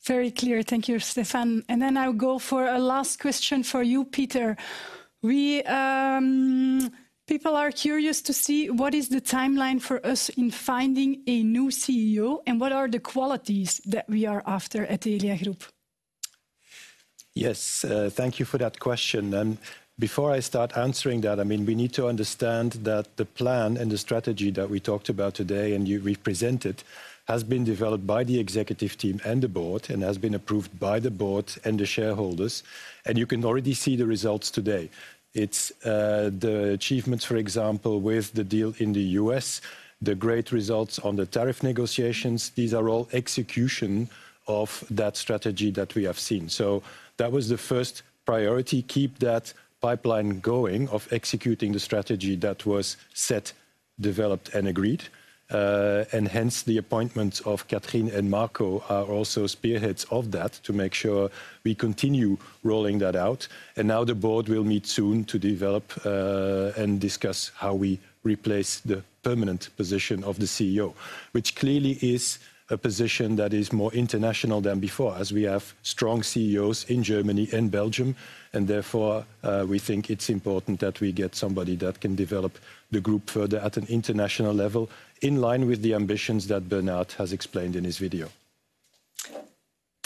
Very clear. Thank you, Stefan. And then I'll go for a last question for you, Peter. We, people are curious to see what is the timeline for us in finding a new CEO, and what are the qualities that we are after at Elia Group? Yes, thank you for that question. And before I start answering that, I mean, we need to understand that the plan and the strategy that we talked about today, and you- we've presented, has been developed by the executive team and the board, and has been approved by the board and the shareholders, and you can already see the results today. It's the achievements, for example, with the deal in the US, the great results on the tariff negotiations, these are all execution of that strategy that we have seen. So that was the first priority, keep that pipeline going, of executing the strategy that was set, developed, and agreed. And hence, the appointments of Catherine and Marco are also spearheads of that, to make sure we continue rolling that out. Now, the board will meet soon to develop and discuss how we replace the permanent position of the CEO, which clearly is a position that is more international than before, as we have strong CEOs in Germany and Belgium. Therefore, we think it's important that we get somebody that can develop the group further at an international level, in line with the ambitions that Bernard has explained in his video.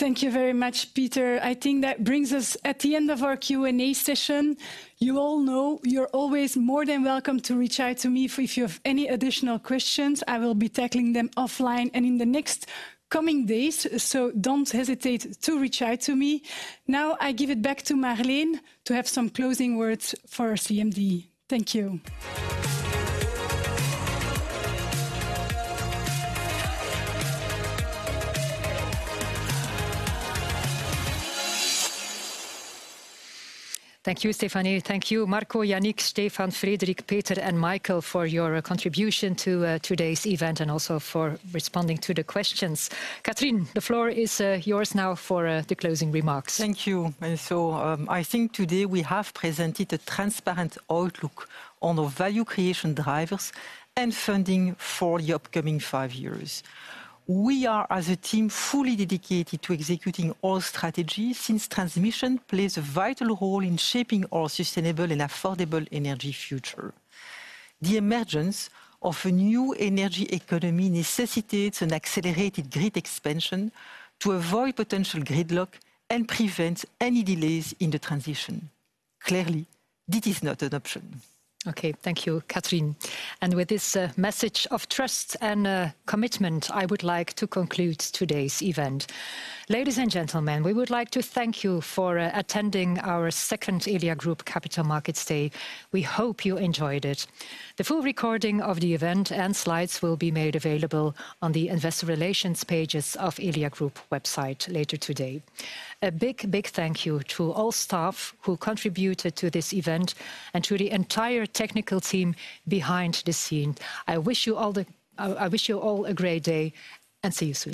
Thank you very much, Peter. I think that brings us at the end of our Q&A session. You all know you're always more than welcome to reach out to me if, if you have any additional questions. I will be tackling them offline and in the next coming days, so don't hesitate to reach out to me. Now, I give it back to Marleen to have some closing words for our CMD. Thank you. Thank you, Stephanie. Thank you, Marco, Yannick, Stefan, Frédéric, Peter, and Michael for your contribution to today's event, and also for responding to the questions. Catherine, the floor is yours now for the closing remarks. Thank you. So, I think today we have presented a transparent outlook on the value creation drivers and funding for the upcoming five years. We are, as a team, fully dedicated to executing all strategy, since transmission plays a vital role in shaping our sustainable and affordable energy future. The emergence of a new energy economy necessitates an accelerated grid expansion to avoid potential gridlock and prevent any delays in the transition. Clearly, this is not an option. Okay. Thank you, Catherine. And with this message of trust and commitment, I would like to conclude today's event. Ladies and gentlemen, we would like to thank you for attending our second Elia Group Capital Markets Day. We hope you enjoyed it. The full recording of the event and slides will be made available on the investor relations pages of Elia Group website later today. A big, big thank you to all staff who contributed to this event, and to the entire technical team behind the scene. I wish you all a great day, and see you soon.